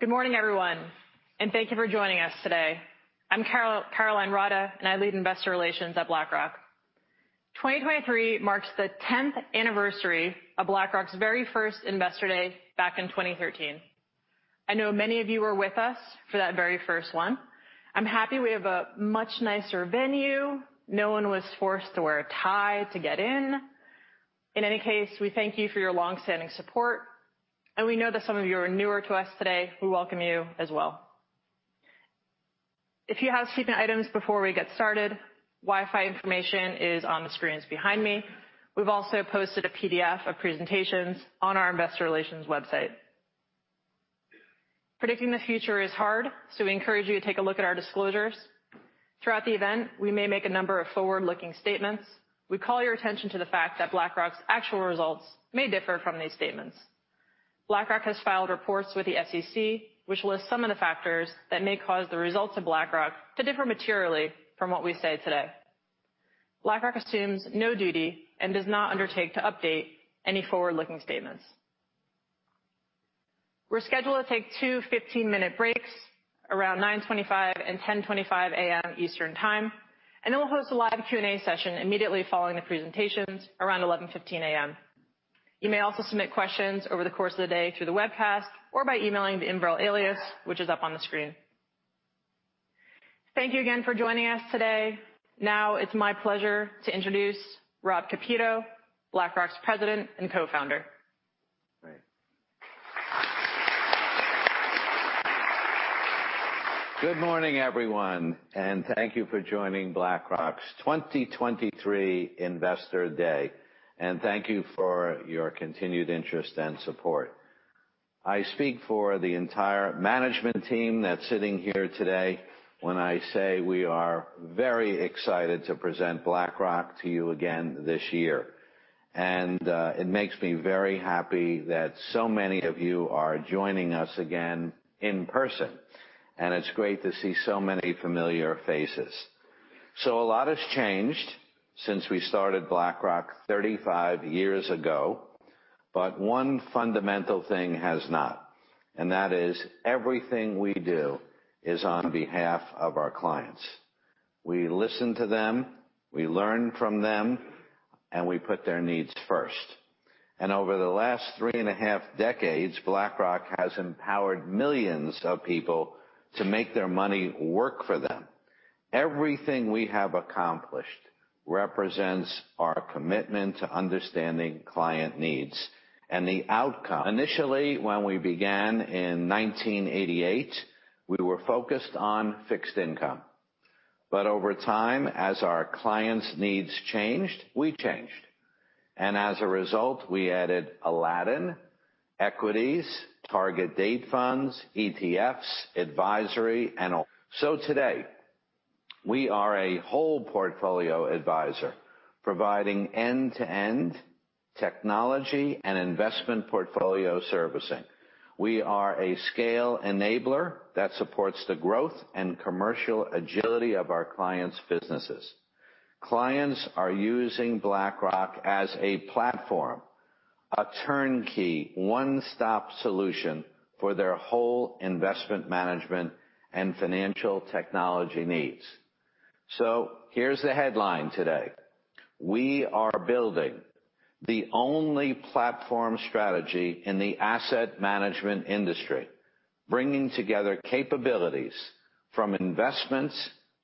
Good morning, everyone. Thank you for joining us today. I'm Caroline Rodda, and I lead investor relations at BlackRock. 2023 marks the 10th anniversary of BlackRock's very first Investor Day back in 2013. I know many of you were with us for that very first one. I'm happy we have a much nicer venue. No one was forced to wear a tie to get in. In any case, we thank you for your long-standing support, and we know that some of you are newer to us today. We welcome you as well. A few housekeeping items before we get started, Wi-Fi information is on the screens behind me. We've also posted a PDF of presentations on our investor relations website. Predicting the future is hard. We encourage you to take a look at our disclosures. Throughout the event, we may make a number of forward-looking statements. We call your attention to the fact that BlackRock's actual results may differ from these statements. BlackRock has filed reports with the SEC, which lists some of the factors that may cause the results of BlackRock to differ materially from what we say today. BlackRock assumes no duty and does not undertake to update any forward-looking statements. We're scheduled to take two 15-minute breaks around 9:25 A.M. and 10:25 A.M. Eastern Time, and then we'll host a live Q&A session immediately following the presentations around 11:15 A.M. You may also submit questions over the course of the day through the webcast or by emailing the invrel alias, which is up on the screen. Thank you again for joining us today. Now it's my pleasure to introduce Rob Kapito, BlackRock's President and Co-founder. Great. Good morning, everyone, thank you for joining BlackRock's 2023 Investor Day. Thank you for your continued interest and support. I speak for the entire management team that's sitting here today when I say we are very excited to present BlackRock to you again this year. It makes me very happy that so many of you are joining us again in person, and it's great to see so many familiar faces. A lot has changed since we started BlackRock 35 years ago, but one fundamental thing has not, and that is everything we do is on behalf of our clients. We listen to them, we learn from them, and we put their needs first. Over the last 3.5 decades, BlackRock has empowered millions of people to make their money work for them. Everything we have accomplished represents our commitment to understanding client needs and the outcome. Initially, when we began in 1988, we were focused on fixed income, but over time, as our clients' needs changed, we changed, and as a result, we added Aladdin, equities, target date funds, ETFs, advisory. Today, we are a whole portfolio advisor, providing end-to-end technology and investment portfolio servicing. We are a scale enabler that supports the growth and commercial agility of our clients' businesses. Clients are using BlackRock as a platform, a turnkey, one-stop solution for their whole investment management and financial technology needs. Here's the headline today. We are building the only platform strategy in the asset management industry, bringing together capabilities from investments,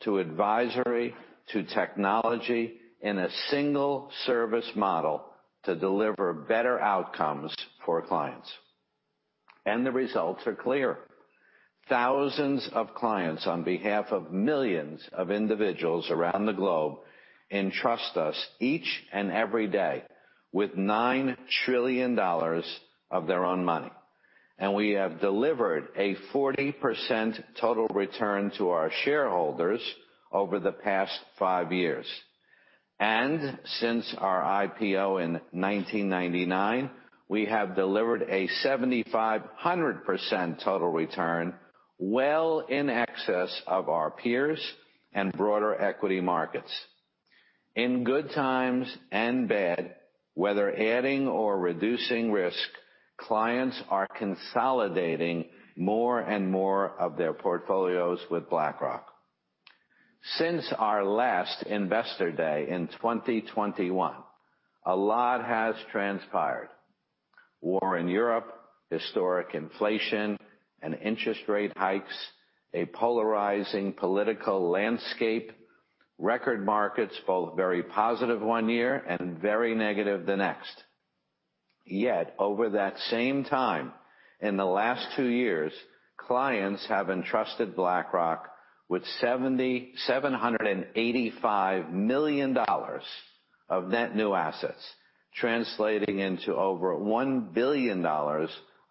to advisory, to technology in a single service model to deliver better outcomes for clients. The results are clear. Thousands of clients, on behalf of millions of individuals around the globe, entrust us each and every day with $9 trillion of their own money, we have delivered a 40% total return to our shareholders over the past five years. Since our IPO in 1999, we have delivered a 7,500% total return, well in excess of our peers and broader equity markets. In good times and bad, whether adding or reducing risk, clients are consolidating more and more of their portfolios with BlackRock. Since our last Investor Day in 2021, a lot has transpired. War in Europe, historic inflation and interest rate hikes, a polarizing political landscape, record markets, both very positive one year and very negative the next. Yet, over that same time, in the last two years, clients have entrusted BlackRock with $785 million of net new assets, translating into over $1 billion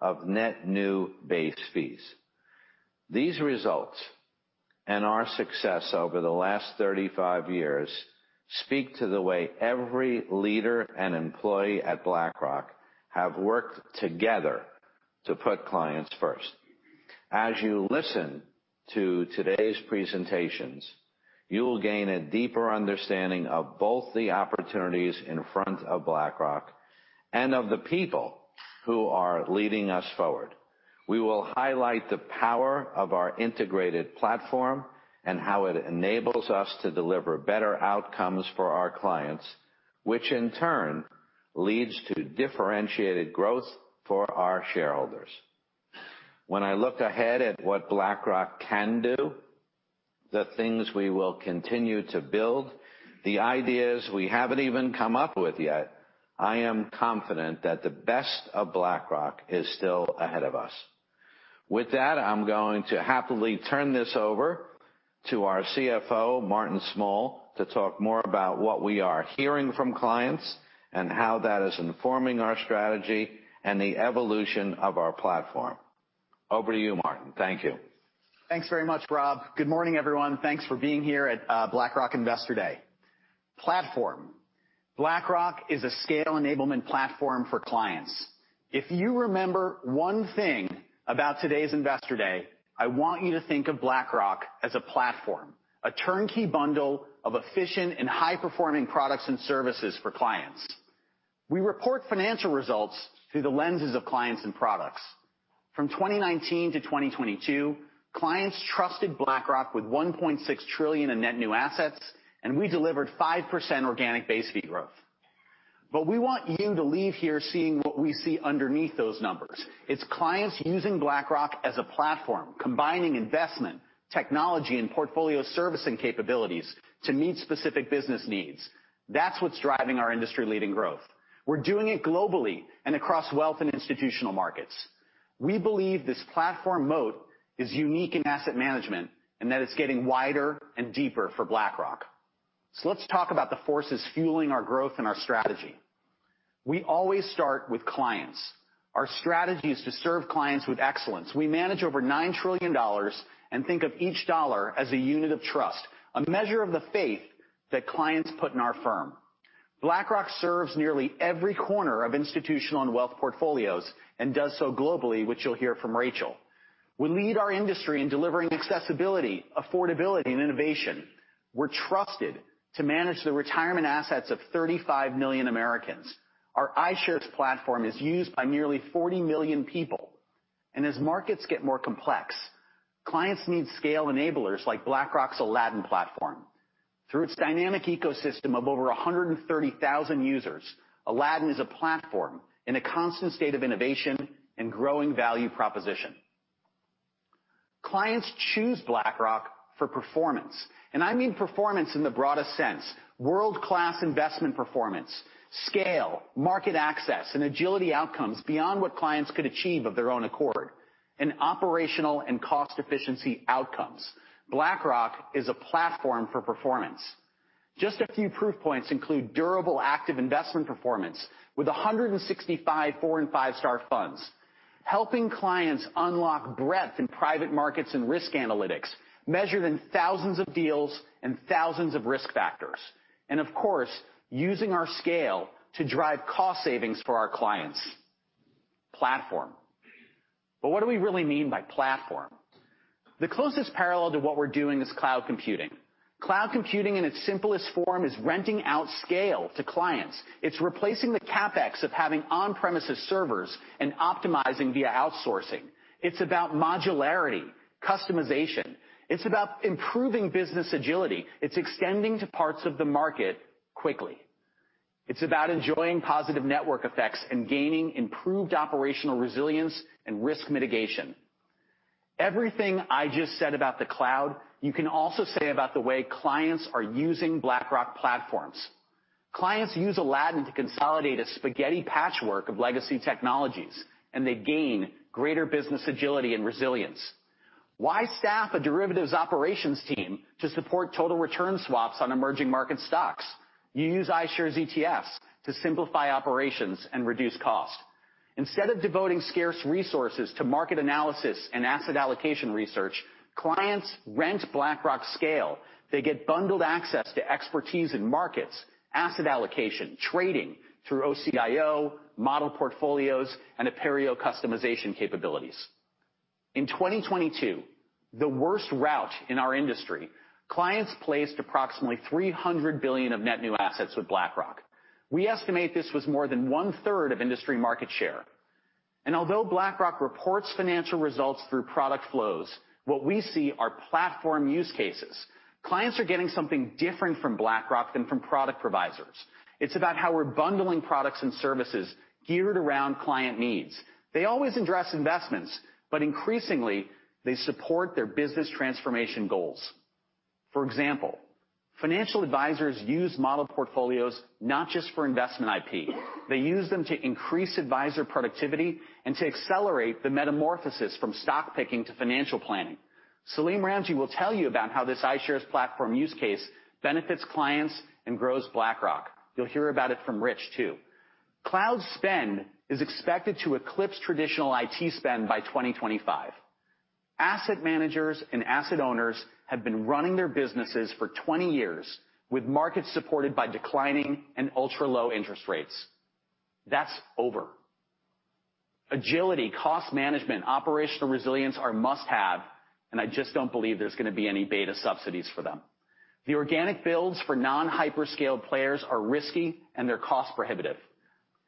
of net new base fees. These results and our success over the last 35 years speak to the way every leader and employee at BlackRock have worked together to put clients first. As you listen to today's presentations, you will gain a deeper understanding of both the opportunities in front of BlackRock and of the people who are leading us forward. We will highlight the power of our integrated platform and how it enables us to deliver better outcomes for our clients, which in turn leads to differentiated growth for our shareholders. When I look ahead at what BlackRock can do, the things we will continue to build, the ideas we haven't even come up with yet, I am confident that the best of BlackRock is still ahead of us. With that, I'm going to happily turn this over to our CFO, Martin Small, to talk more about what we are hearing from clients and how that is informing our strategy and the evolution of our platform. Over to you, Martin. Thank you. Thanks very much, Rob. Good morning, everyone. Thanks for being here at BlackRock Investor Day. Platform. BlackRock is a scale enablement platform for clients. If you remember one thing about today's Investor Day, I want you to think of BlackRock as a platform, a turnkey bundle of efficient and high-performing products and services for clients. We report financial results through the lenses of clients and products. From 2019 to 2022, clients trusted BlackRock with $1.6 trillion in net new assets, we delivered 5% organic base fee growth. We want you to leave here seeing what we see underneath those numbers. It's clients using BlackRock as a platform, combining investment, technology, and portfolio servicing capabilities to meet specific business needs. That's what's driving our industry-leading growth. We're doing it globally and across wealth and institutional markets. We believe this platform moat is unique in asset management, that it's getting wider and deeper for BlackRock. Let's talk about the forces fueling our growth and our strategy. We always start with clients. Our strategy is to serve clients with excellence. We manage over $9 trillion and think of each dollar as a unit of trust, a measure of the faith that clients put in our firm. BlackRock serves nearly every corner of institutional and wealth portfolios and does so globally, which you'll hear from Rachel. We lead our industry in delivering accessibility, affordability, and innovation. We're trusted to manage the retirement assets of 35 million Americans. Our iShares platform is used by nearly 40 million people, as markets get more complex, clients need scale enablers like BlackRock's Aladdin platform. Through its dynamic ecosystem of over 130,000 users, Aladdin is a platform in a constant state of innovation and growing value proposition. Clients choose BlackRock for performance, I mean performance in the broadest sense. World-class investment performance, scale, market access, and agility outcomes beyond what clients could achieve of their own accord, and operational and cost efficiency outcomes. BlackRock is a platform for performance. Just a few proof points include durable active investment performance with 165 4-star and 5-star funds, helping clients unlock breadth in private markets and risk analytics, measured in thousands of deals and thousands of risk factors, of course, using our scale to drive cost savings for our clients. Platform. What do we really mean by platform? The closest parallel to what we're doing is cloud computing. Cloud computing, in its simplest form, is renting out scale to clients. It's replacing the CapEx of having on-premises servers and optimizing via outsourcing. It's about modularity, customization. It's about improving business agility. It's extending to parts of the market quickly. It's about enjoying positive network effects and gaining improved operational resilience and risk mitigation. Everything I just said about the cloud, you can also say about the way clients are using BlackRock platforms. Clients use Aladdin to consolidate a spaghetti patchwork of legacy technologies, and they gain greater business agility and resilience. Why staff a derivatives operations team to support total return swaps on emerging market stocks? You use iShares ETFs to simplify operations and reduce cost. Instead of devoting scarce resources to market analysis and asset allocation research, clients rent BlackRock's scale. They get bundled access to expertise in markets, asset allocation, trading through OCIO, model portfolios, and Aperio customization capabilities. In 2022, the worst route in our industry, clients placed approximately $300 billion of net new assets with BlackRock. We estimate this was more than 1/3 of industry market share. Although BlackRock reports financial results through product flows, what we see are platform use cases. Clients are getting something different from BlackRock than from product providers. It's about how we're bundling products and services geared around client needs. They always address investments, but increasingly, they support their business transformation goals. For example, financial advisors use model portfolios not just for investment IP. They use them to increase advisor productivity and to accelerate the metamorphosis from stock picking to financial planning. Salim Ramji will tell you about how this iShares platform use case benefits clients and grows BlackRock. You'll hear about it from Rich, too. Cloud spend is expected to eclipse traditional IT spend by 2025. Asset managers and asset owners have been running their businesses for 20 years, with markets supported by declining and ultra-low interest rates. That's over. Agility, cost management, operational resilience are must-have, and I just don't believe there's gonna be any beta subsidies for them. The organic builds for non-hyperscale players are risky, and they're cost prohibitive.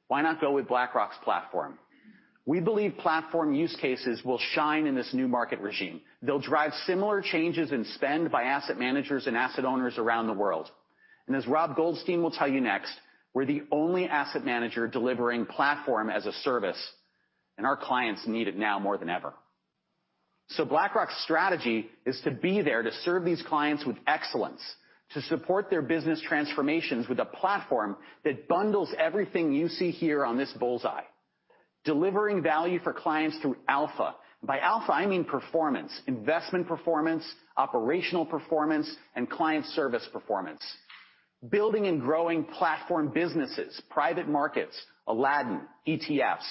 Why not go with BlackRock's platform? We believe platform use cases will shine in this new market regime. They'll drive similar changes in spend by asset managers and asset owners around the world. As Rob Goldstein will tell you next, we're the only asset manager delivering platform as a service, and our clients need it now more than ever. BlackRock's strategy is to be there to serve these clients with excellence, to support their business transformations with a platform that bundles everything you see here on this bullseye. Delivering value for clients through alpha. By alpha, I mean performance, investment performance, operational performance, and client service performance. Building and growing platform businesses, private markets, Aladdin, ETFs,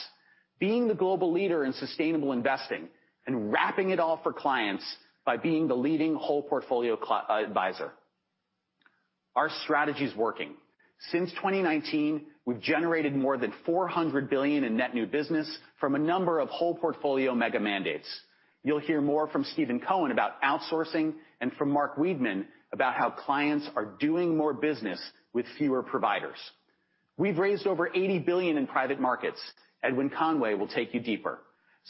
being the global leader in sustainable investing, and wrapping it all for clients by being the leading whole portfolio advisor. Our strategy is working. Since 2019, we've generated more than $400 billion in net new business from a number of whole portfolio mega mandates. You'll hear more from Stephen Cohen about outsourcing and from Mark Wiedman about how clients are doing more business with fewer providers. We've raised over $80 billion in private markets. Edwin Conway will take you deeper.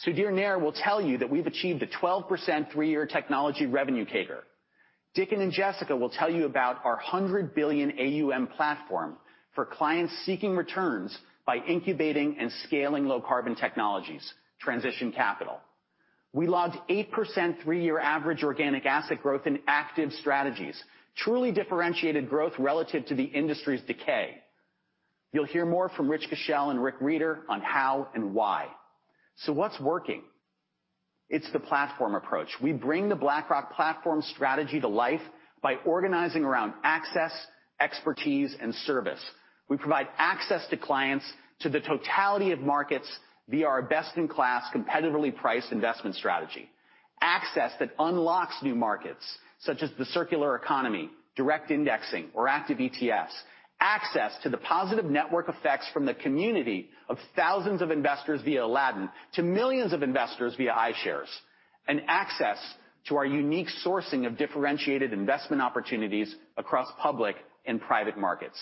Sudhir Nair will tell you that we've achieved a 12% three-year technology revenue CAGR. Dickon Pinner and Jessica will tell you about our $100 billion AUM platform for clients seeking returns by incubating and scaling low-carbon technologies, transition capital. We logged 8% three-year average organic asset growth in active strategies, truly differentiated growth relative to the industry's decay. You'll hear more from Rich Kushel and Rick Rieder on how and why. What's working? It's the platform approach. We bring the BlackRock platform strategy to life by organizing around access, expertise, and service. We provide access to clients to the totality of markets via our best-in-class, competitively priced investment strategy. Access that unlocks new markets, such as the circular economy, direct indexing or active ETFs. Access to the positive network effects from the community of thousands of investors via Aladdin to millions of investors via iShares, and access to our unique sourcing of differentiated investment opportunities across public and private markets.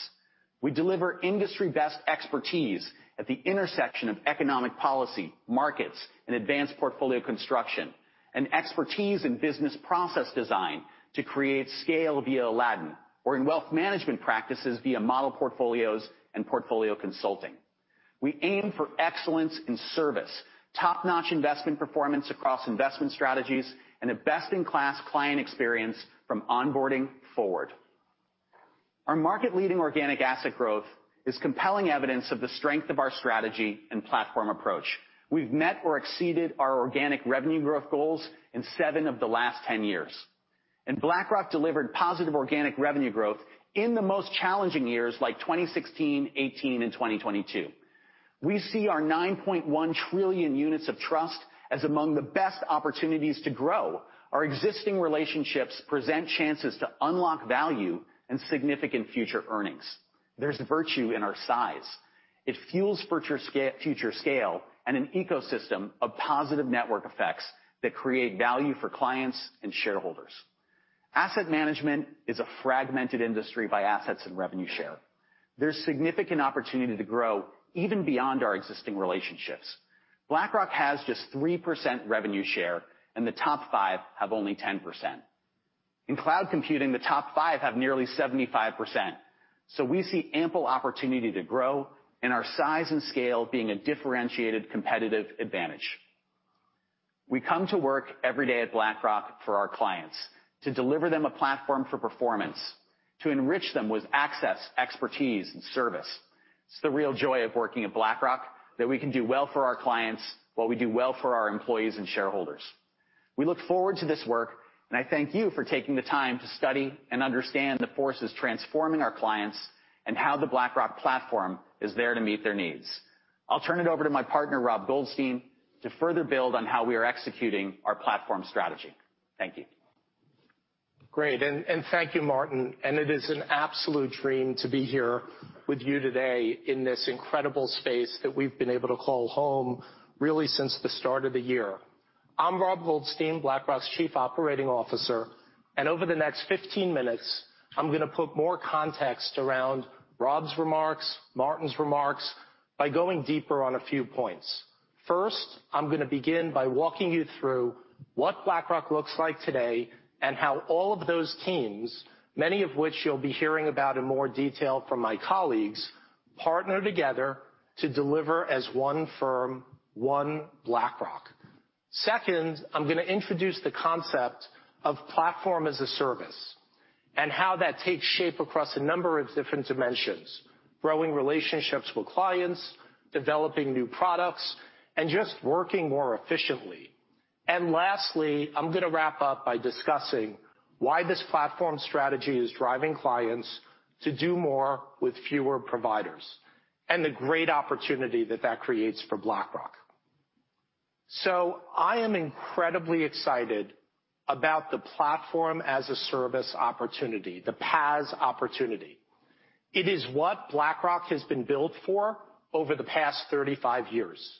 We deliver industry-best expertise at the intersection of economic policy, markets, and advanced portfolio construction, and expertise in business process design to create scale via Aladdin, or in wealth management practices via model portfolios and portfolio consulting. We aim for excellence in service, top-notch investment performance across investment strategies, and a best-in-class client experience from onboarding forward. Our market-leading organic asset growth is compelling evidence of the strength of our strategy and platform approach. BlackRock delivered positive organic revenue growth in the most challenging years, like 2016, 2018, and 2022. We see our 9.1 trillion units of trust as among the best opportunities to grow. Our existing relationships present chances to unlock value and significant future earnings. There's virtue in our size. It fuels future scale and an ecosystem of positive network effects that create value for clients and shareholders. Asset management is a fragmented industry by assets and revenue share. There's significant opportunity to grow even beyond our existing relationships. BlackRock has just 3% revenue share, and the top five have only 10%. In cloud computing, the top five have nearly 75%, we see ample opportunity to grow and our size and scale being a differentiated competitive advantage. We come to work every day at BlackRock for our clients, to deliver them a platform for performance, to enrich them with access, expertise, and service. It's the real joy of working at BlackRock, that we can do well for our clients, while we do well for our employees and shareholders. We look forward to this work, and I thank you for taking the time to study and understand the forces transforming our clients and how the BlackRock platform is there to meet their needs. I'll turn it over to my partner, Rob Goldstein, to further build on how we are executing our platform strategy. Thank you. Great, thank you, Martin Small, it is an absolute dream to be here with you today in this incredible space that we've been able to call home, really, since the start of the year. I'm Rob Goldstein, BlackRock's Chief Operating Officer, over the next 15 minutes, I'm gonna put more context around Rob Kapito's remarks, Martin Small's remarks, by going deeper on a few points. First, I'm gonna begin by walking you through what BlackRock looks like today and how all of those teams, many of which you'll be hearing about in more detail from my colleagues, partner together to deliver as one firm, one BlackRock. Second, I'm gonna introduce the concept of Platform-as-a-Service and how that takes shape across a number of different dimensions, growing relationships with clients, developing new products, and just working more efficiently. Lastly, I'm gonna wrap up by discussing why this platform strategy is driving clients to do more with fewer providers, and the great opportunity that creates for BlackRock. I am incredibly excited about the Platform-as-a-Service opportunity, the PaaS opportunity. It is what BlackRock has been built for over the past 35 years.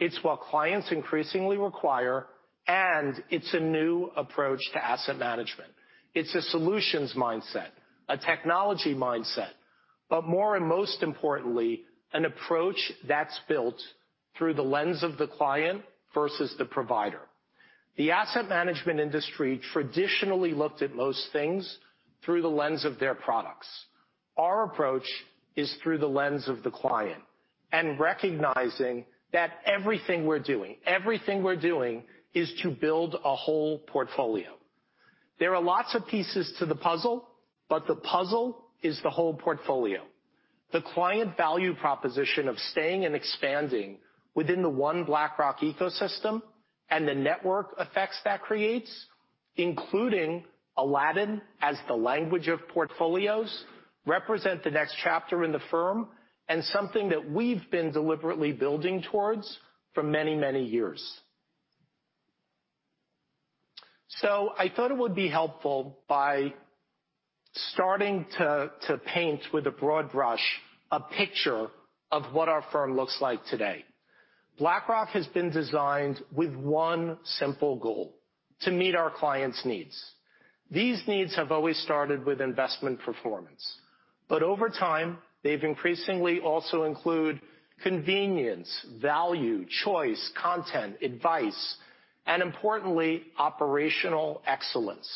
It's what clients increasingly require, and it's a new approach to asset management. It's a solutions mindset, a technology mindset, but more and most importantly, an approach that's built through the lens of the client versus the provider. The asset management industry traditionally looked at most things through the lens of their products. Our approach is through the lens of the client and recognizing that everything we're doing, is to build a whole portfolio. There are lots of pieces to the puzzle, but the puzzle is the whole portfolio. The client value proposition of staying and expanding within the one BlackRock ecosystem and the network effects that creates, including Aladdin as the language of portfolios, represent the next chapter in the firm and something that we've been deliberately building towards for many, many years. I thought it would be helpful by starting to paint with a broad brush, a picture of what our firm looks like today. BlackRock has been designed with one simple goal, to meet our clients' needs. These needs have always started with investment performance, but over time, they've increasingly also include convenience, value, choice, content, advice, and importantly, operational excellence.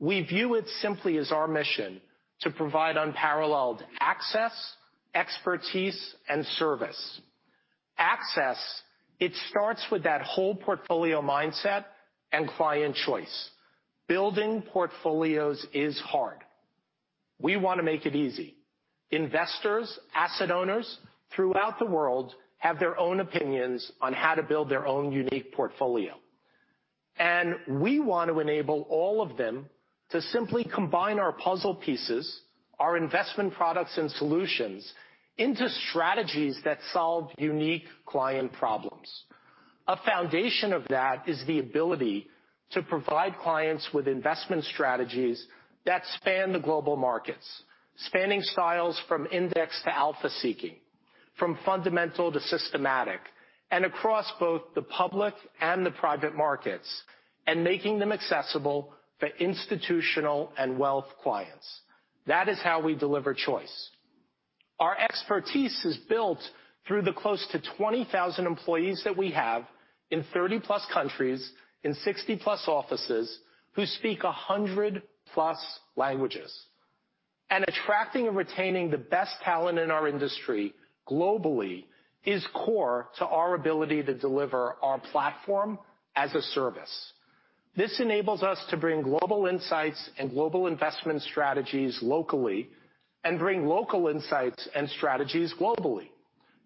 We view it simply as our mission to provide unparalleled access, expertise, and service. Access, it starts with that whole portfolio mindset and client choice. Building portfolios is hard. We want to make it easy. Investors, asset owners throughout the world have their own opinions on how to build their own unique portfolio. We want to enable all of them to simply combine our puzzle pieces, our investment products and solutions, into strategies that solve unique client problems. A foundation of that is the ability to provide clients with investment strategies that span the global markets, spanning styles from index to alpha seeking, from fundamental to systematic, and across both the public and the private markets, and making them accessible for institutional and wealth clients. That is how we deliver choice. Our expertise is built through the close to 20,000 employees that we have in 30+ countries, in 60+ offices, who speak 100+ languages. Attracting and retaining the best talent in our industry globally is core to our ability to deliver our Platform-as-a-Service. This enables us to bring global insights and global investment strategies locally, and bring local insights and strategies globally.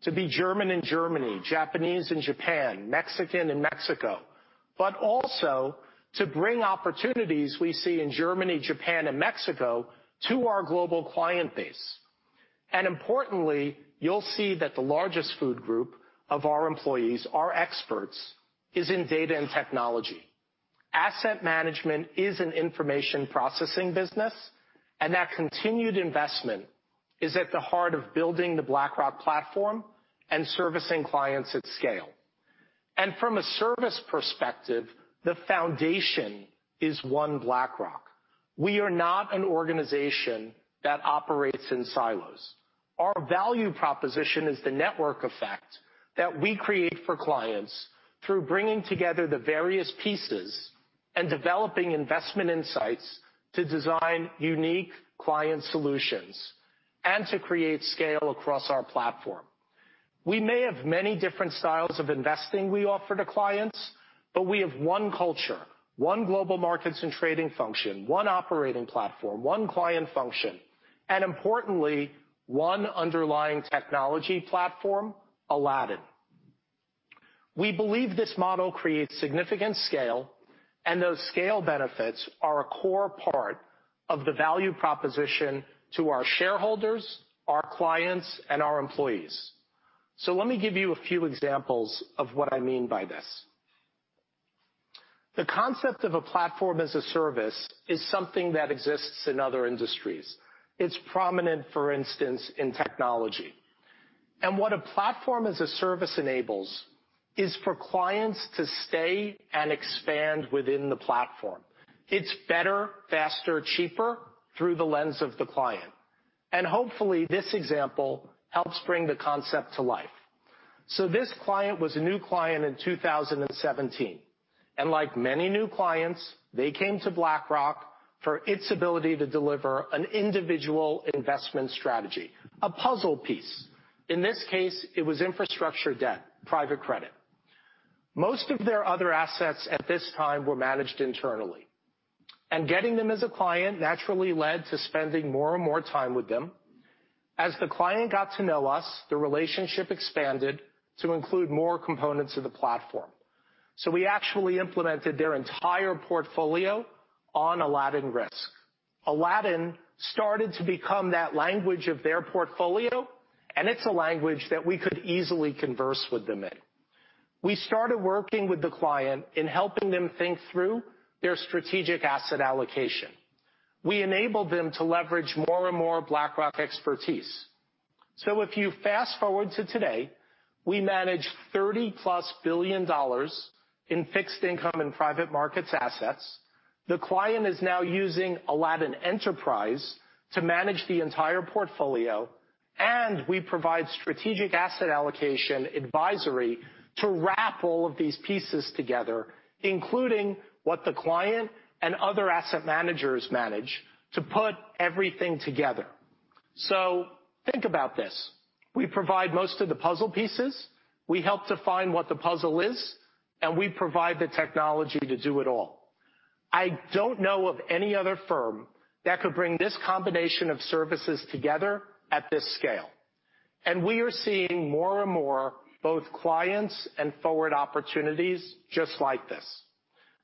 To be German in Germany, Japanese in Japan, Mexican in Mexico, but also to bring opportunities we see in Germany, Japan, and Mexico to our global client base. Importantly, you'll see that the largest food group of our employees, our experts, is in data and technology. Asset management is an information processing business, and that continued investment is at the heart of building the BlackRock platform and servicing clients at scale. From a service perspective, the foundation is one BlackRock. We are not an organization that operates in silos. Our value proposition is the network effect that we create for clients through bringing together the various pieces and developing investment insights to design unique client solutions and to create scale across our platform. We may have many different styles of investing we offer to clients, but we have one culture, one global markets and trading function, one operating platform, one client function, and importantly, one underlying technology platform, Aladdin. We believe this model creates significant scale, and those scale benefits are a core part of the value proposition to our shareholders, our clients, and our employees. Let me give you a few examples of what I mean by this. The concept of a Platform-as-a-Service is something that exists in other industries. It's prominent, for instance, in technology. What a Platform-as-a-Service enables is for clients to stay and expand within the platform. It's better, faster, cheaper through the lens of the client, and hopefully, this example helps bring the concept to life. This client was a new client in 2017. Like many new clients, they came to BlackRock for its ability to deliver an individual investment strategy, a puzzle piece. In this case, it was infrastructure debt, private credit. Most of their other assets at this time were managed internally. Getting them as a client naturally led to spending more and more time with them. As the client got to know us, the relationship expanded to include more components of the platform. We actually implemented their entire portfolio on Aladdin Risk. Aladdin started to become that language of their portfolio, and it's a language that we could easily converse with them in. We started working with the client in helping them think through their strategic asset allocation. We enabled them to leverage more and more BlackRock expertise. If you fast-forward to today, we manage $30+ billion in fixed income and private markets assets. The client is now using Aladdin Enterprise to manage the entire portfolio, and we provide strategic asset allocation advisory to wrap all of these pieces together, including what the client and other asset managers manage, to put everything together. Think about this. We provide most of the puzzle pieces, we help define what the puzzle is, and we provide the technology to do it all. I don't know of any other firm that could bring this combination of services together at this scale, and we are seeing more and more, both clients and forward opportunities just like this.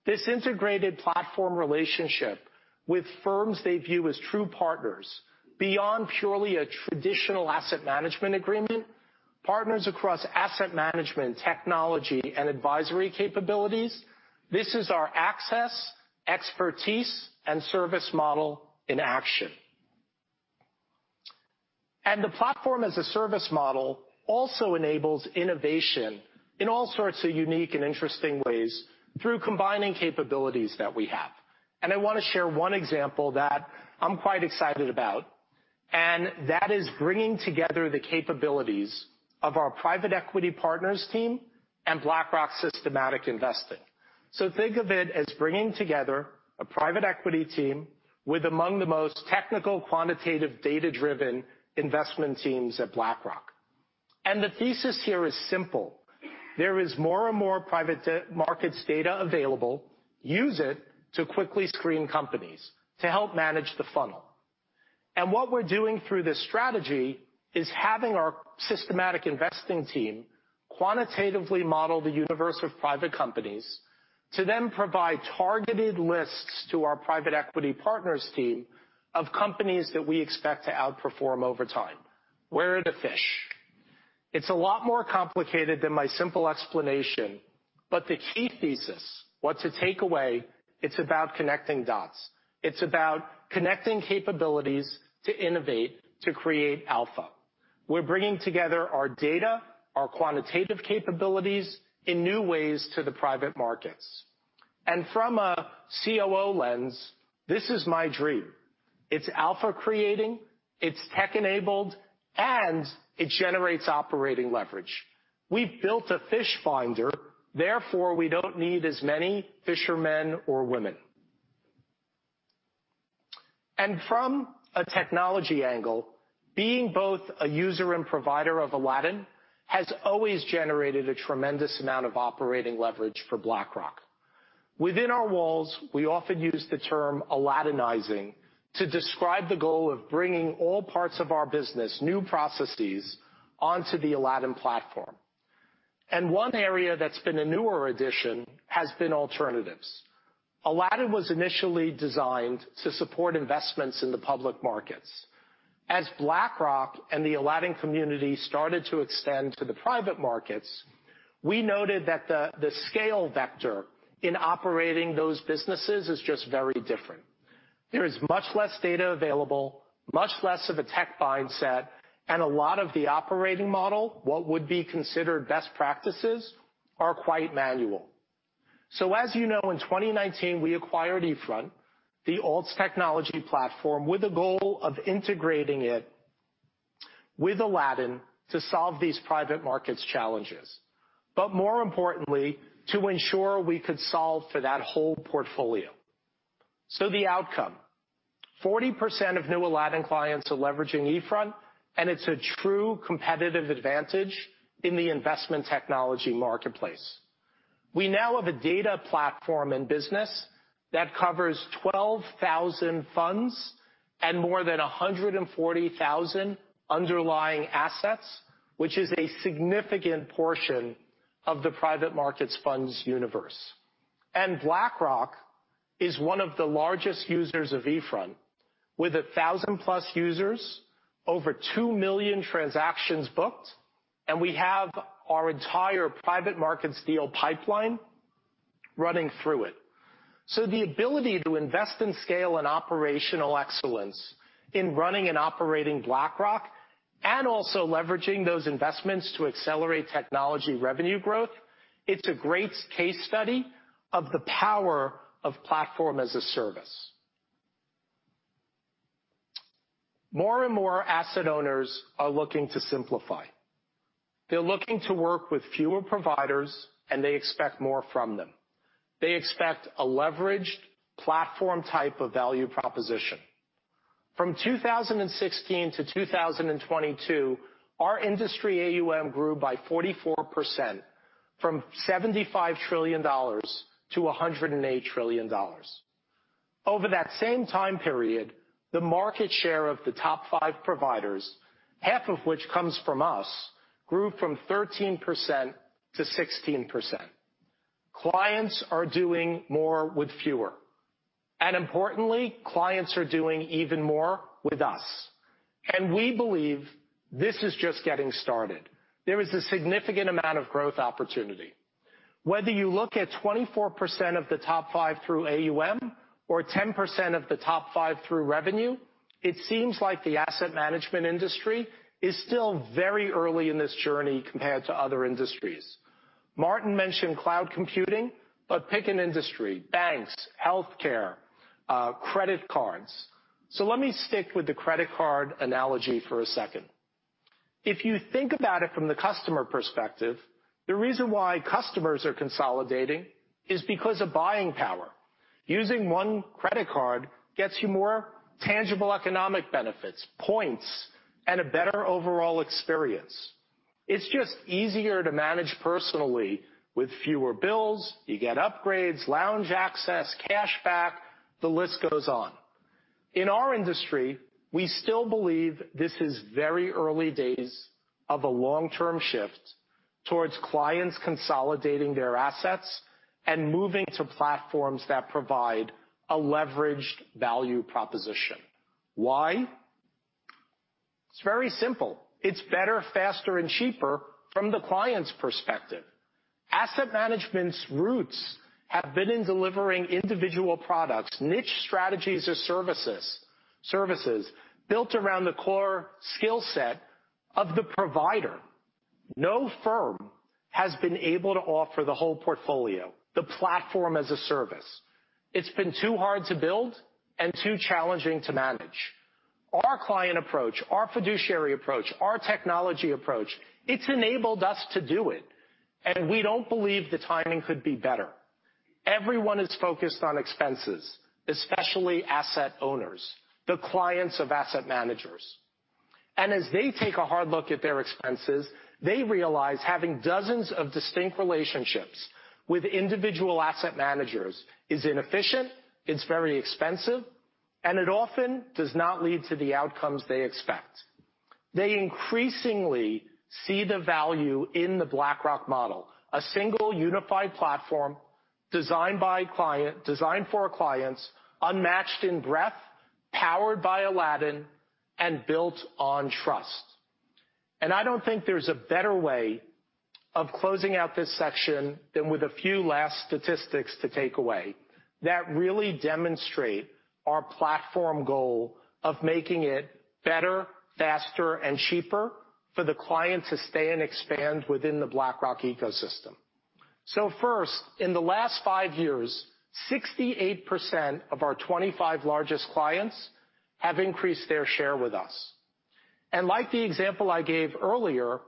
This integrated platform relationship with firms they view as true partners, beyond purely a traditional asset management agreement, partners across asset management, technology, and advisory capabilities, this is our access, expertise, and service model in action. The Platform-as-a-Service model also enables innovation in all sorts of unique and interesting ways through combining capabilities that we have. I wanna share one example that I'm quite excited about, and that is bringing together the capabilities of our Private Equity Partners team and BlackRock Systematic Investing. Think of it as bringing together a Private Equity team with among the most technical, quantitative, data-driven investment teams at BlackRock. The thesis here is simple. There is more and more private markets data available, use it to quickly screen companies to help manage the funnel. What we're doing through this strategy is having our Systematic Investing team quantitatively model the universe of private companies, to then provide targeted lists to our Private Equity Partners team of companies that we expect to outperform over time. Where are the fish? It's a lot more complicated than my simple explanation, but the key thesis, what to take away, it's about connecting dots. It's about connecting capabilities to innovate to create alpha. We're bringing together our data, our quantitative capabilities in new ways to the private markets. From a COO lens, this is my dream. It's alpha creating, it's tech-enabled, and it generates operating leverage. We've built a fish finder, therefore, we don't need as many fishermen or women. From a technology angle, being both a user and provider of Aladdin has always generated a tremendous amount of operating leverage for BlackRock. Within our walls, we often use the term Aladdinizing to describe the goal of bringing all parts of our business, new processes, onto the Aladdin platform. One area that's been a newer addition has been alternatives. Aladdin was initially designed to support investments in the public markets. As BlackRock and the Aladdin community started to extend to the private markets, we noted that the scale vector in operating those businesses is just very different. There is much less data available, much less of a tech mindset, and a lot of the operating model, what would be considered best practices, are quite manual. As you know, in 2019, we acquired eFront, the Alts Technology platform, with the goal of integrating it with Aladdin to solve these private markets challenges, but more importantly, to ensure we could solve for that whole portfolio. The outcome, 40% of new Aladdin clients are leveraging eFront, and it's a true competitive advantage in the investment technology marketplace. We now have a data platform and business that covers 12,000 funds and more than 140,000 underlying assets, which is a significant portion of the private markets funds universe. BlackRock is one of the largest users of eFront, with 1,000+ users, over 2 million transactions booked, and we have our entire private markets deal pipeline running through it. The ability to invest in scale and operational excellence in running and operating BlackRock, and also leveraging those investments to accelerate technology revenue growth, it's a great case study of the power of Platform-as-a-Service. More and more asset owners are looking to simplify. They're looking to work with fewer providers, and they expect more from them. They expect a leveraged platform type of value proposition. From 2016 to 2022, our industry AUM grew by 44%, from $75 trillion to $108 trillion. Over that same time period, the market share of the top 5 providers, 1/2 of which comes from us, grew from 13% to 16%. Clients are doing more with fewer, and importantly, clients are doing even more with us, and we believe this is just getting started. There is a significant amount of growth opportunity. Whether you look at 24% of the top 5 through AUM or 10% of the top 5 through revenue, it seems like the asset management industry is still very early in this journey compared to other industries. Martin mentioned cloud computing, but pick an industry, banks, healthcare, credit cards. Let me stick with the credit card analogy for a second. If you think about it from the customer perspective, the reason why customers are consolidating is because of buying power. Using one credit card gets you more tangible economic benefits, points, and a better overall experience. It's just easier to manage personally with fewer bills, you get upgrades, lounge access, cashback, the list goes on. In our industry, we still believe this is very early days of a long-term shift towards clients consolidating their assets and moving to platforms that provide a leveraged value proposition. Why? It's very simple. It's better, faster, and cheaper from the client's perspective. Asset management's roots have been in delivering individual products, niche strategies or services built around the core skill set of the provider. No firm has been able to offer the whole portfolio, the Platform-as-a-Service. It's been too hard to build and too challenging to manage. Our client approach, our fiduciary approach, our technology approach, it's enabled us to do it. We don't believe the timing could be better. Everyone is focused on expenses, especially asset owners, the clients of asset managers. As they take a hard look at their expenses, they realize having dozens of distinct relationships with individual asset managers is inefficient, it's very expensive, and it often does not lead to the outcomes they expect. They increasingly see the value in the BlackRock model, a single, unified platform designed by client, designed for our clients, unmatched in breadth, powered by Aladdin, and built on trust. I don't think there's a better way of closing out this section than with a few last statistics to take away that really demonstrate our platform goal of making it better, faster, and cheaper for the client to stay and expand within the BlackRock ecosystem. First, in the last five years, 68% of our 25 largest clients have increased their share with us. Like the example I gave earlier,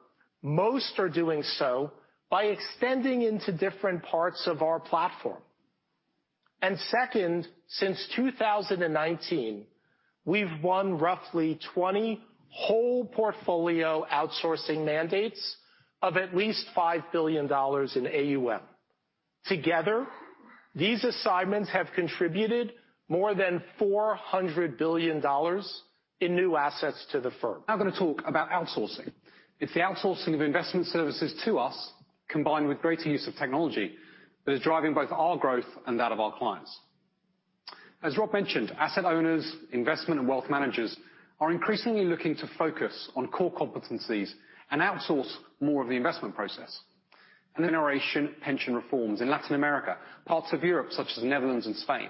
most are doing so by extending into different parts of our platform. Second, since 2019, we've won roughly 20 whole portfolio outsourcing mandates of at least $5 billion in AUM. Together, these assignments have contributed more than $400 billion in new assets to the firm. Now I'm gonna talk about outsourcing. It's the outsourcing of investment services to us, combined with greater use of technology, that is driving both our growth and that of our clients. As Rob mentioned, asset owners, investment, and wealth managers are increasingly looking to focus on core competencies and outsource more of the investment process. Generation pension reforms in Latin America, parts of Europe, such as Netherlands and Spain,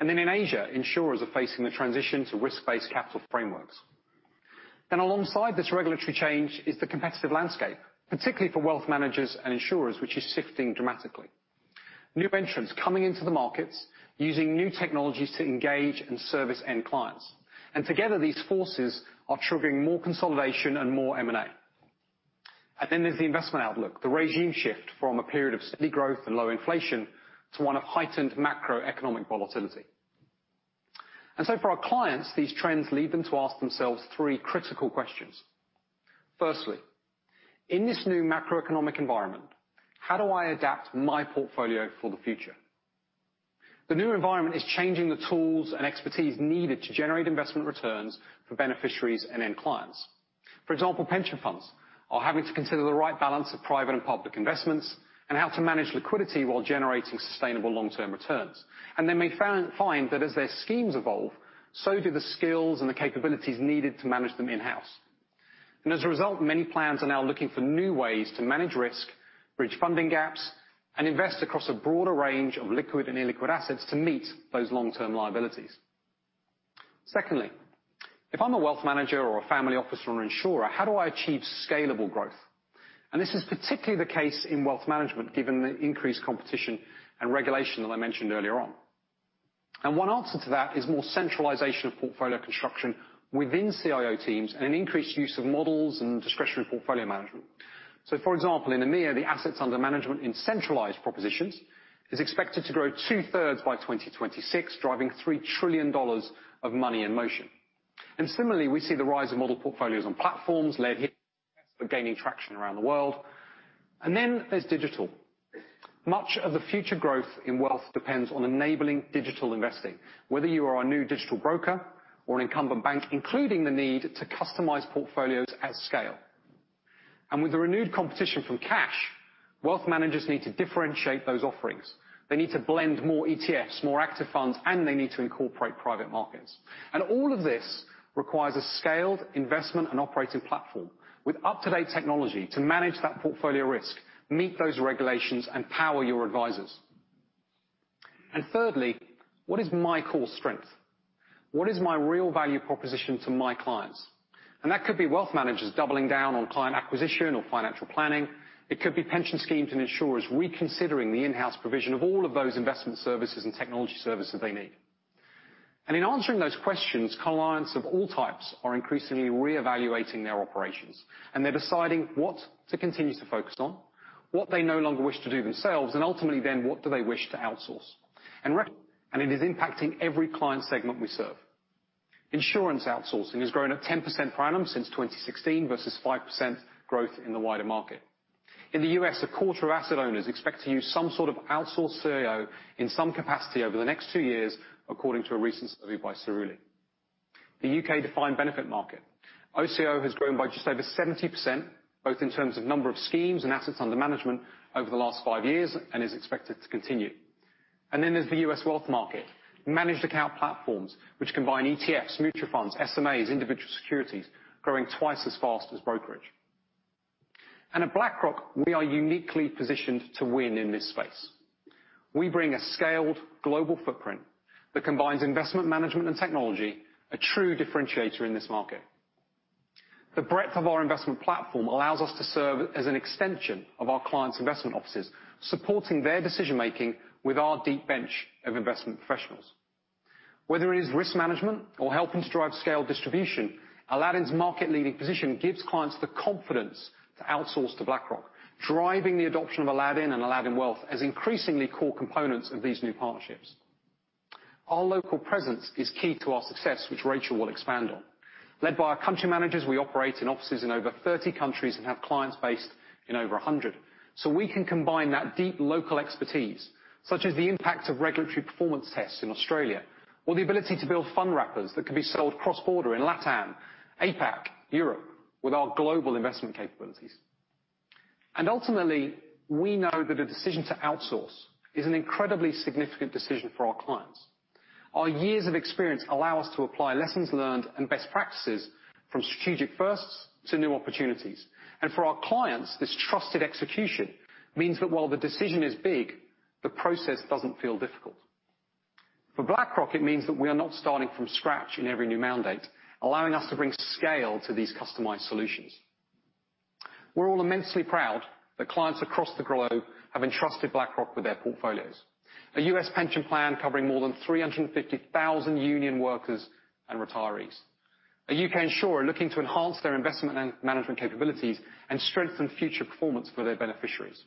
and then in Asia, insurers are facing the transition to risk-based capital frameworks. Alongside this regulatory change is the competitive landscape, particularly for wealth managers and insurers, which is shifting dramatically. New entrants coming into the markets, using new technologies to engage and service end clients. Together, these forces are triggering more consolidation and more M&A. There's the investment outlook, the regime shift from a period of steady growth and low inflation to one of heightened macroeconomic volatility. For our clients, these trends lead them to ask themselves three critical questions. Firstly, in this new macroeconomic environment, how do I adapt my portfolio for the future? The new environment is changing the tools and expertise needed to generate investment returns for beneficiaries and end clients. For example, pension funds are having to consider the right balance of private and public investments and how to manage liquidity while generating sustainable long-term returns. They may find that as their schemes evolve, so do the skills and the capabilities needed to manage them in-house. As a result, many plans are now looking for new ways to manage risk, bridge funding gaps, and invest across a broader range of liquid and illiquid assets to meet those long-term liabilities. Secondly, if I'm a wealth manager or a family officer or an insurer, how do I achieve scalable growth? This is particularly the case in wealth management, given the increased competition and regulation that I mentioned earlier on. One answer to that is more centralization of portfolio construction within CIO teams and an increased use of models and discretionary portfolio management. For example, in EMEA, the assets under management in centralized propositions is expected to grow 2/3 by 2026, driving $3 trillion of money in motion. Similarly, we see the rise of model portfolios on platforms led here, but gaining traction around the world. Then there's digital. Much of the future growth in wealth depends on enabling digital investing, whether you are a new digital broker or an incumbent bank, including the need to customize portfolios at scale. With the renewed competition from cash, wealth managers need to differentiate those offerings. They need to blend more ETFs, more active funds, and they need to incorporate private markets. All of this requires a scaled investment and operating platform with up-to-date technology to manage that portfolio risk, meet those regulations, and power your advisors. Thirdly, what is my core strength? What is my real value proposition to my clients? That could be wealth managers doubling down on client acquisition or financial planning. It could be pension schemes and insurers reconsidering the in-house provision of all of those investment services and technology services they need. In answering those questions, clients of all types are increasingly reevaluating their operations, and they're deciding what to continue to focus on, what they no longer wish to do themselves, and ultimately then, what do they wish to outsource? It is impacting every client segment we serve. Insurance outsourcing has grown at 10% per annum since 2016, versus 5% growth in the wider market. In the U.S., a quarter of asset owners expect to use some sort of Outsourced CIO in some capacity over the next two years, according to a recent study by Cerulli. The U.K. defined benefit market. OCIO has grown by just over 70%, both in terms of number of schemes and assets under management over the last five years, and is expected to continue. There's the U.S. wealth market. Managed account platforms, which combine ETFs, mutual funds, SMAs, individual securities, growing twice as fast as brokerage. At BlackRock, we are uniquely positioned to win in this space. We bring a scaled global footprint that combines investment management and technology, a true differentiator in this market. The breadth of our investment platform allows us to serve as an extension of our clients' investment offices, supporting their decision-making with our deep bench of investment professionals. Whether it is risk management or helping to drive scale distribution, Aladdin's market-leading position gives clients the confidence to outsource to BlackRock, driving the adoption of Aladdin and Aladdin Wealth as increasingly core components of these new partnerships. Our local presence is key to our success, which Rachel will expand on. Led by our country managers, we operate in offices in over 30 countries and have clients based in over 100. We can combine that deep local expertise, such as the impact of regulatory performance tests in Australia, or the ability to build fund wrappers that can be sold cross-border in LATAM, APAC, Europe, with our global investment capabilities. Ultimately, we know that a decision to outsource is an incredibly significant decision for our clients. Our years of experience allow us to apply lessons learned and best practices from strategic firsts to new opportunities. For our clients, this trusted execution means that while the decision is big, the process doesn't feel difficult. For BlackRock, it means that we are not starting from scratch in every new mandate, allowing us to bring scale to these customized solutions. We're all immensely proud that clients across the globe have entrusted BlackRock with their portfolios. A U.S. pension plan covering more than 350,000 union workers and retirees. A U.K. insurer looking to enhance their investment and management capabilities and strengthen future performance for their beneficiaries.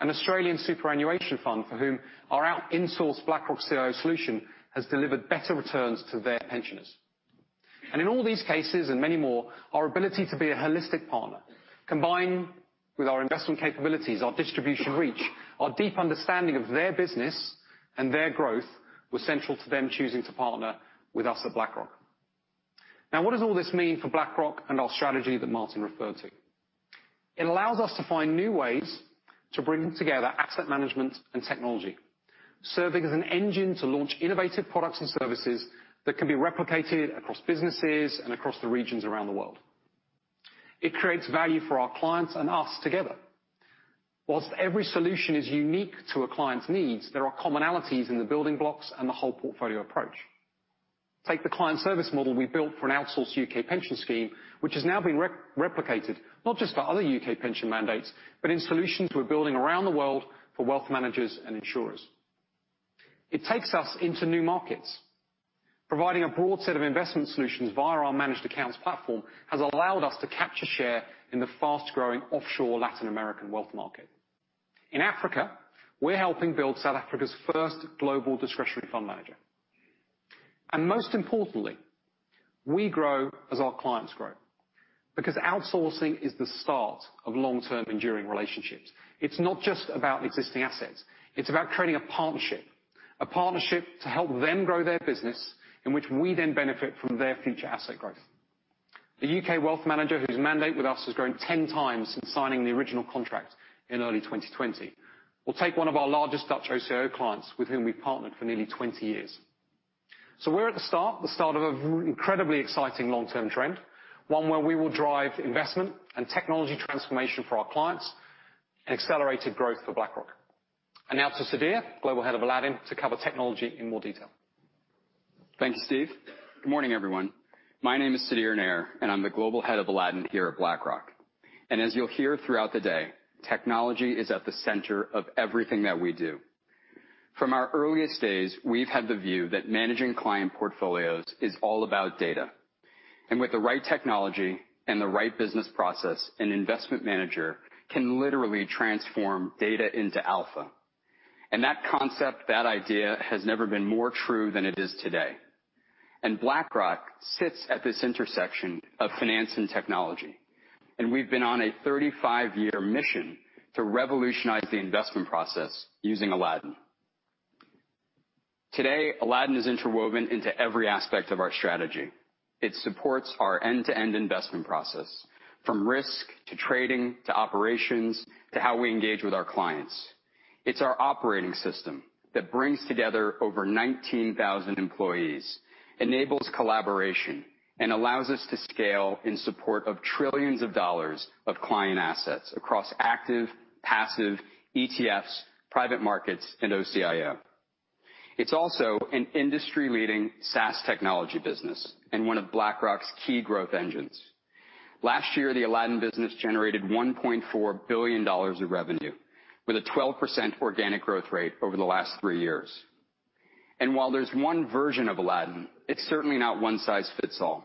An Australian superannuation fund, for whom our out-in-source BlackRock CIO solution has delivered better returns to their pensioners. In all these cases, and many more, our ability to be a holistic partner, combined with our investment capabilities, our distribution reach, our deep understanding of their business and their growth, was central to them choosing to partner with us at BlackRock. Now, what does all this mean for BlackRock and our strategy that Martin referred to? It allows us to find new ways to bring together asset management and technology, serving as an engine to launch innovative products and services that can be replicated across businesses and across the regions around the world. It creates value for our clients and us together. Whilst every solution is unique to a client's needs, there are commonalities in the building blocks and the whole portfolio approach. Take the client service model we built for an outsourced U.K. pension scheme, which has now been replicated, not just for other U.K. pension mandates, but in solutions we're building around the world for wealth managers and insurers. It takes us into new markets. Providing a broad set of investment solutions via our managed accounts platform, has allowed us to capture share in the fast-growing offshore Latin American wealth market. In Africa, we're helping build South Africa's first global discretionary fund manager. Most importantly, we grow as our clients grow, because outsourcing is the start of long-term, enduring relationships. It's not just about existing assets; it's about creating a partnership to help them grow their business, in which we then benefit from their future asset growth. The U.K. wealth manager, whose mandate with us has grown 10x since signing the original contract in early 2020. We'll take one of our largest Dutch OCIO clients, with whom we've partnered for nearly 20 years. We're at the start, the start of an incredibly exciting long-term trend, one where we will drive investment and technology transformation for our clients and accelerated growth for BlackRock. Now to Sudhir, Global Head of Aladdin, to cover technology in more detail. Thank you, Steve. Good morning, everyone. My name is Sudhir Nair, I'm the Global Head of Aladdin here at BlackRock. As you'll hear throughout the day, technology is at the center of everything that we do. From our earliest days, we've had the view that managing client portfolios is all about data. With the right technology and the right business process, an investment manager can literally transform data into alpha. That concept, that idea, has never been more true than it is today. BlackRock sits at this intersection of finance and technology, and we've been on a 35-year mission to revolutionize the investment process using Aladdin. Today, Aladdin is interwoven into every aspect of our strategy. It supports our end-to-end investment process, from risk, to trading, to operations, to how we engage with our clients. It's our operating system that brings together over 19,000 employees, enables collaboration, and allows us to scale in support of trillions of dollars of client assets across active, passive, ETFs, private markets, and OCIO. It's also an industry-leading SaaS technology business and one of BlackRock's key growth engines. Last year, the Aladdin business generated $1.4 billion of revenue, with a 12% organic growth rate over the last three years. While there's one version of Aladdin, it's certainly not one size fits all.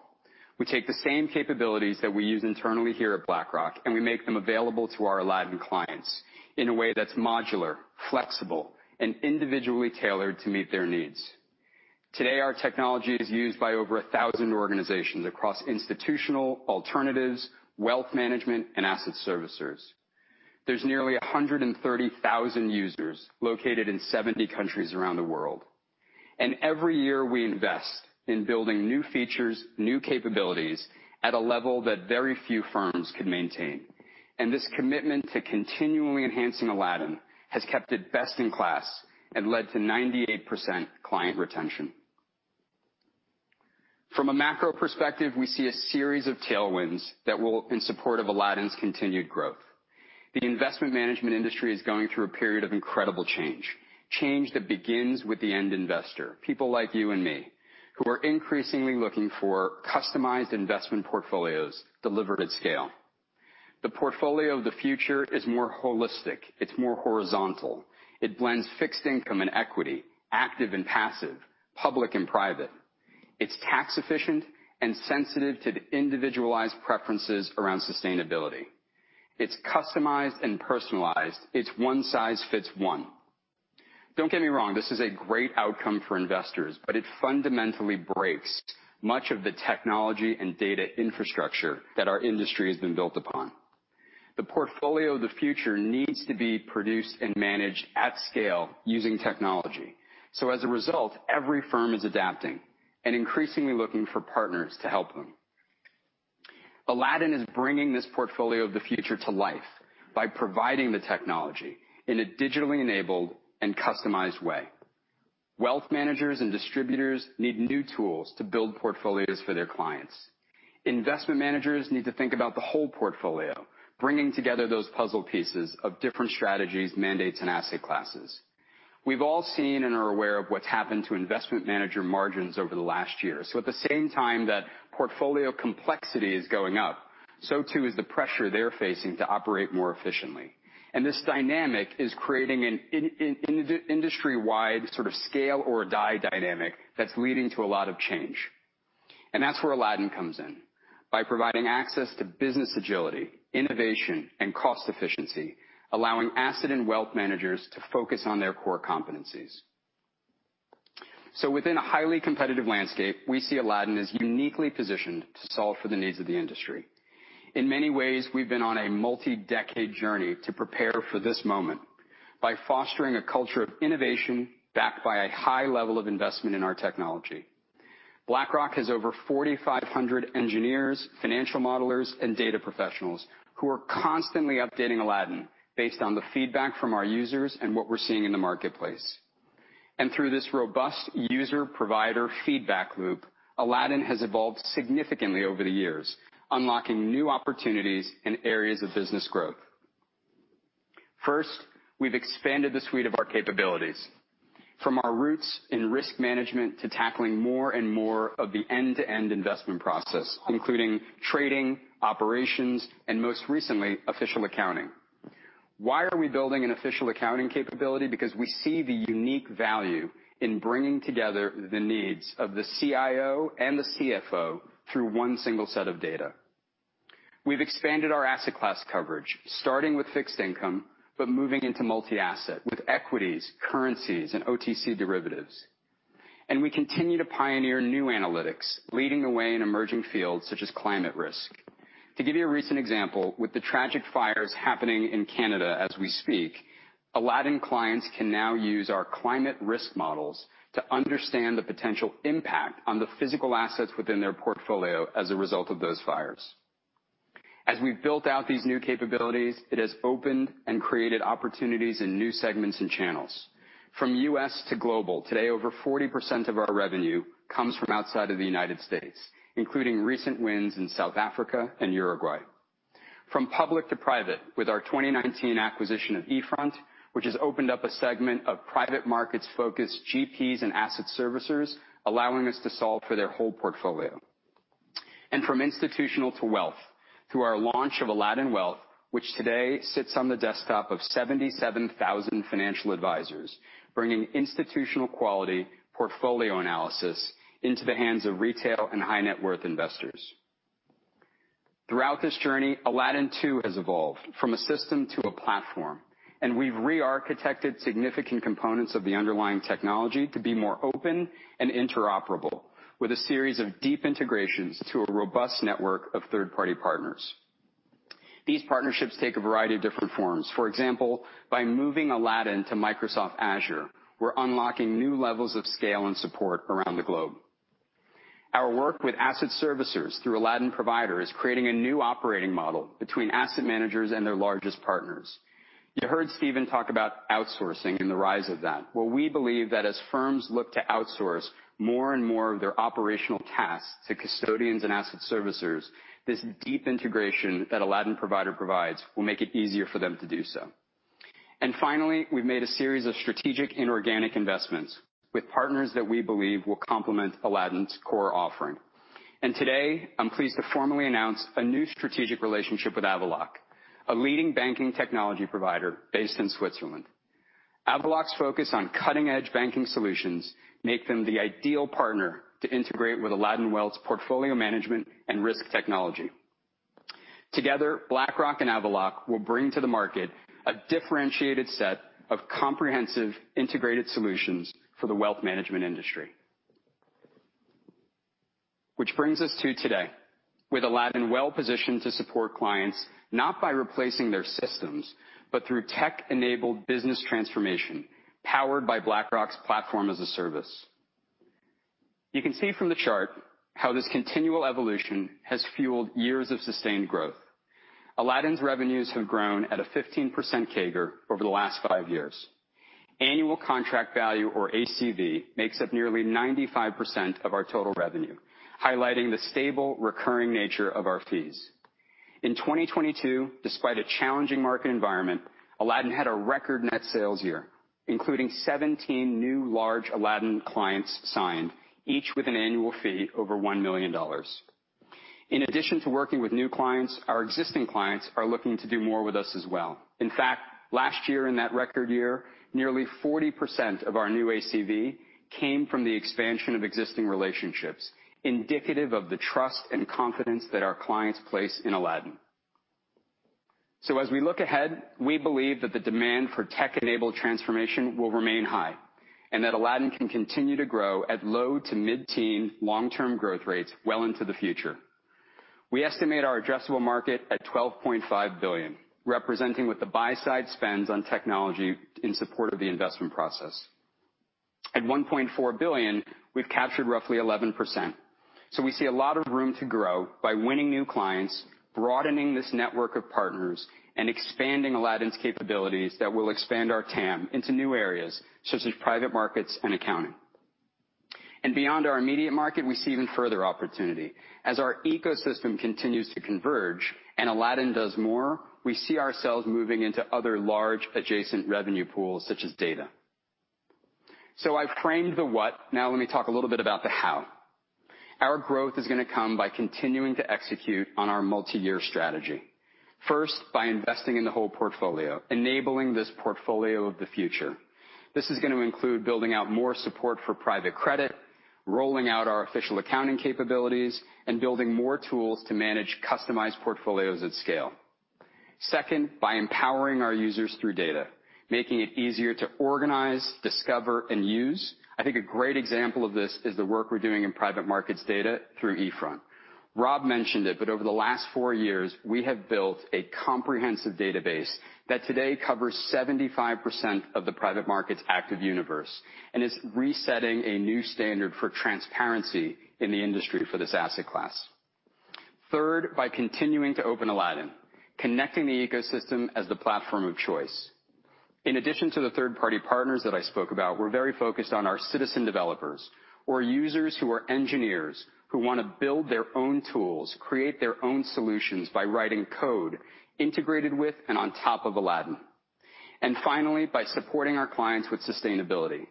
We take the same capabilities that we use internally here at BlackRock, and we make them available to our Aladdin clients in a way that's modular, flexible, and individually tailored to meet their needs. Today, our technology is used by over 1,000 organizations across institutional, alternatives, wealth management, and asset servicers. There's nearly 130,000 users located in 70 countries around the world. Every year, we invest in building new features, new capabilities at a level that very few firms could maintain. This commitment to continually enhancing Aladdin has kept it best in class and led to 98% client retention. From a macro perspective, we see a series of tailwinds that in support of Aladdin's continued growth. The investment management industry is going through a period of incredible change that begins with the end investor, people like you and me, who are increasingly looking for customized investment portfolios delivered at scale. The portfolio of the future is more holistic, it's more horizontal. It blends fixed income and equity, active and passive, public and private. It's tax efficient and sensitive to the individualized preferences around sustainability. It's customized and personalized. It's one size fits one. Don't get me wrong, this is a great outcome for investors, but it fundamentally breaks much of the technology and data infrastructure that our industry has been built upon. The portfolio of the future needs to be produced and managed at scale using technology. As a result, every firm is adapting and increasingly looking for partners to help them. Aladdin is bringing this portfolio of the future to life by providing the technology in a digitally enabled and customized way. Wealth managers and distributors need new tools to build portfolios for their clients. Investment managers need to think about the whole portfolio, bringing together those puzzle pieces of different strategies, mandates, and asset classes. We've all seen and are aware of what's happened to investment manager margins over the last year. At the same time that portfolio complexity is going up, so too is the pressure they're facing to operate more efficiently. This dynamic is creating an industry-wide sort of scale or die dynamic that's leading to a lot of change. That's where Aladdin comes in, by providing access to business agility, innovation, and cost efficiency, allowing asset and wealth managers to focus on their core competencies. Within a highly competitive landscape, we see Aladdin as uniquely positioned to solve for the needs of the industry. In many ways, we've been on a multi-decade journey to prepare for this moment by fostering a culture of innovation, backed by a high level of investment in our technology. BlackRock has over 4,500 engineers, financial modelers, and data professionals who are constantly updating Aladdin based on the feedback from our users and what we're seeing in the marketplace. Through this robust user-provider feedback loop, Aladdin has evolved significantly over the years, unlocking new opportunities and areas of business growth. First, we've expanded the suite of our capabilities, from our roots in risk management to tackling more and more of the end-to-end investment process, including trading, operations, and most recently, official accounting. Why are we building an official accounting capability? Because we see the unique value in bringing together the needs of the CIO and the CFO through one single set of data. We've expanded our asset class coverage, starting with fixed income, but moving into multi-asset with equities, currencies, and OTC derivatives. We continue to pioneer new analytics, leading the way in emerging fields such as climate risk. To give you a recent example, with the tragic fires happening in Canada as we speak, Aladdin clients can now use our climate risk models to understand the potential impact on the physical assets within their portfolio as a result of those fires. As we've built out these new capabilities, it has opened and created opportunities in new segments and channels. From U.S. to global, today, over 40% of our revenue comes from outside of the United States, including recent wins in South Africa and Uruguay. From public to private, with our 2019 acquisition of eFront, which has opened up a segment of private markets focused GPs and asset servicers, allowing us to solve for their whole portfolio. From institutional to wealth, through our launch of Aladdin Wealth, which today sits on the desktop of 77,000 financial advisors, bringing institutional quality portfolio analysis into the hands of retail and high net worth investors. Throughout this journey, Aladdin, too, has evolved from a system to a platform, and we've rearchitected significant components of the underlying technology to be more open and interoperable, with a series of deep integrations to a robust network of third-party partners. These partnerships take a variety of different forms. For example, by moving Aladdin to Microsoft Azure, we're unlocking new levels of scale and support around the globe. Our work with asset servicers through Aladdin Provider is creating a new operating model between asset managers and their largest partners. You heard Stephen talk about outsourcing and the rise of that. Well, we believe that as firms look to outsource more and more of their operational tasks to custodians and asset servicers, this deep integration that Aladdin Provider provides will make it easier for them to do so. Finally, we've made a series of strategic inorganic investments with partners that we believe will complement Aladdin's core offering. Today, I'm pleased to formally announce a new strategic relationship with Avaloq, a leading banking technology provider based in Switzerland. Avaloq's focus on cutting-edge banking solutions make them the ideal partner to integrate with Aladdin Wealth's portfolio management and risk technology. Together, BlackRock and Avaloq will bring to the market a differentiated set of comprehensive, integrated solutions for the wealth management industry. Which brings us to today, with Aladdin well positioned to support clients, not by replacing their systems, but through tech-enabled business transformation, powered by BlackRock's platform as a service. You can see from the chart how this continual evolution has fueled years of sustained growth. Aladdin's revenues have grown at a 15% CAGR over the last five years. Annual contract value, or ACV, makes up nearly 95% of our total revenue, highlighting the stable, recurring nature of our fees. In 2022, despite a challenging market environment, Aladdin had a record net sales year, including 17 new large Aladdin clients signed, each with an annual fee over $1 million. In addition to working with new clients, our existing clients are looking to do more with us as well. In fact, last year, in that record year, nearly 40% of our new ACV came from the expansion of existing relationships, indicative of the trust and confidence that our clients place in Aladdin. As we look ahead, we believe that the demand for tech-enabled transformation will remain high, and that Aladdin can continue to grow at low to mid-teen long-term growth rates well into the future. We estimate our addressable market at $12.5 billion, representing what the buy side spends on technology in support of the investment process. At $1.4 billion, we've captured roughly 11%, so we see a lot of room to grow by winning new clients, broadening this network of partners, and expanding Aladdin's capabilities that will expand our TAM into new areas, such as private markets and accounting. Beyond our immediate market, we see even further opportunity. As our ecosystem continues to converge and Aladdin does more, we see ourselves moving into other large adjacent revenue pools, such as data. I've framed the what. Let me talk a little bit about the how. Our growth is gonna come by continuing to execute on our multiyear strategy. First, by investing in the whole portfolio, enabling this portfolio of the future. This is gonna include building out more support for private credit, rolling out our official accounting capabilities, and building more tools to manage customized portfolios at scale. Second, by empowering our users through data, making it easier to organize, discover, and use. I think a great example of this is the work we're doing in private markets data through eFront. Rob mentioned it, but over the last four years, we have built a comprehensive database that today covers 75% of the private markets' active universe and is resetting a new standard for transparency in the industry for this asset class. Third, by continuing to open Aladdin, connecting the ecosystem as the platform of choice. In addition to the third-party partners that I spoke about, we're very focused on our citizen developers or users who are engineers, who want to build their own tools, create their own solutions by writing code integrated with and on top of Aladdin. Finally, by supporting our clients with sustainability.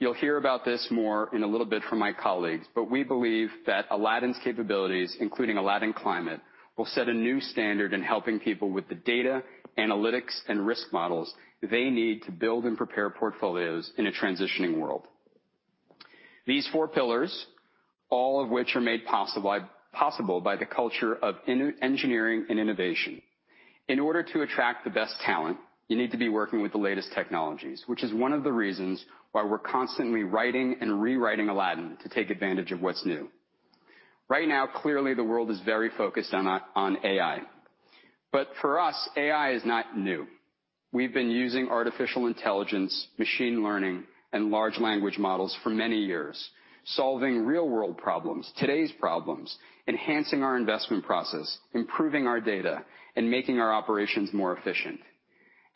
You'll hear about this more in a little bit from my colleagues, but we believe that Aladdin's capabilities, including Aladdin Climate, will set a new standard in helping people with the data, analytics, and risk models they need to build and prepare portfolios in a transitioning world. These four pillars, all of which are made possible by the culture of engineering and innovation. In order to attract the best talent, you need to be working with the latest technologies, which is one of the reasons why we're constantly writing and rewriting Aladdin to take advantage of what's new. Right now, clearly, the world is very focused on AI. For us, AI is not new. We've been using Artificial Intelligence, Machine Learning, and Large Language Models for many years, solving real-world problems, today's problems, enhancing our investment process, improving our data, and making our operations more efficient.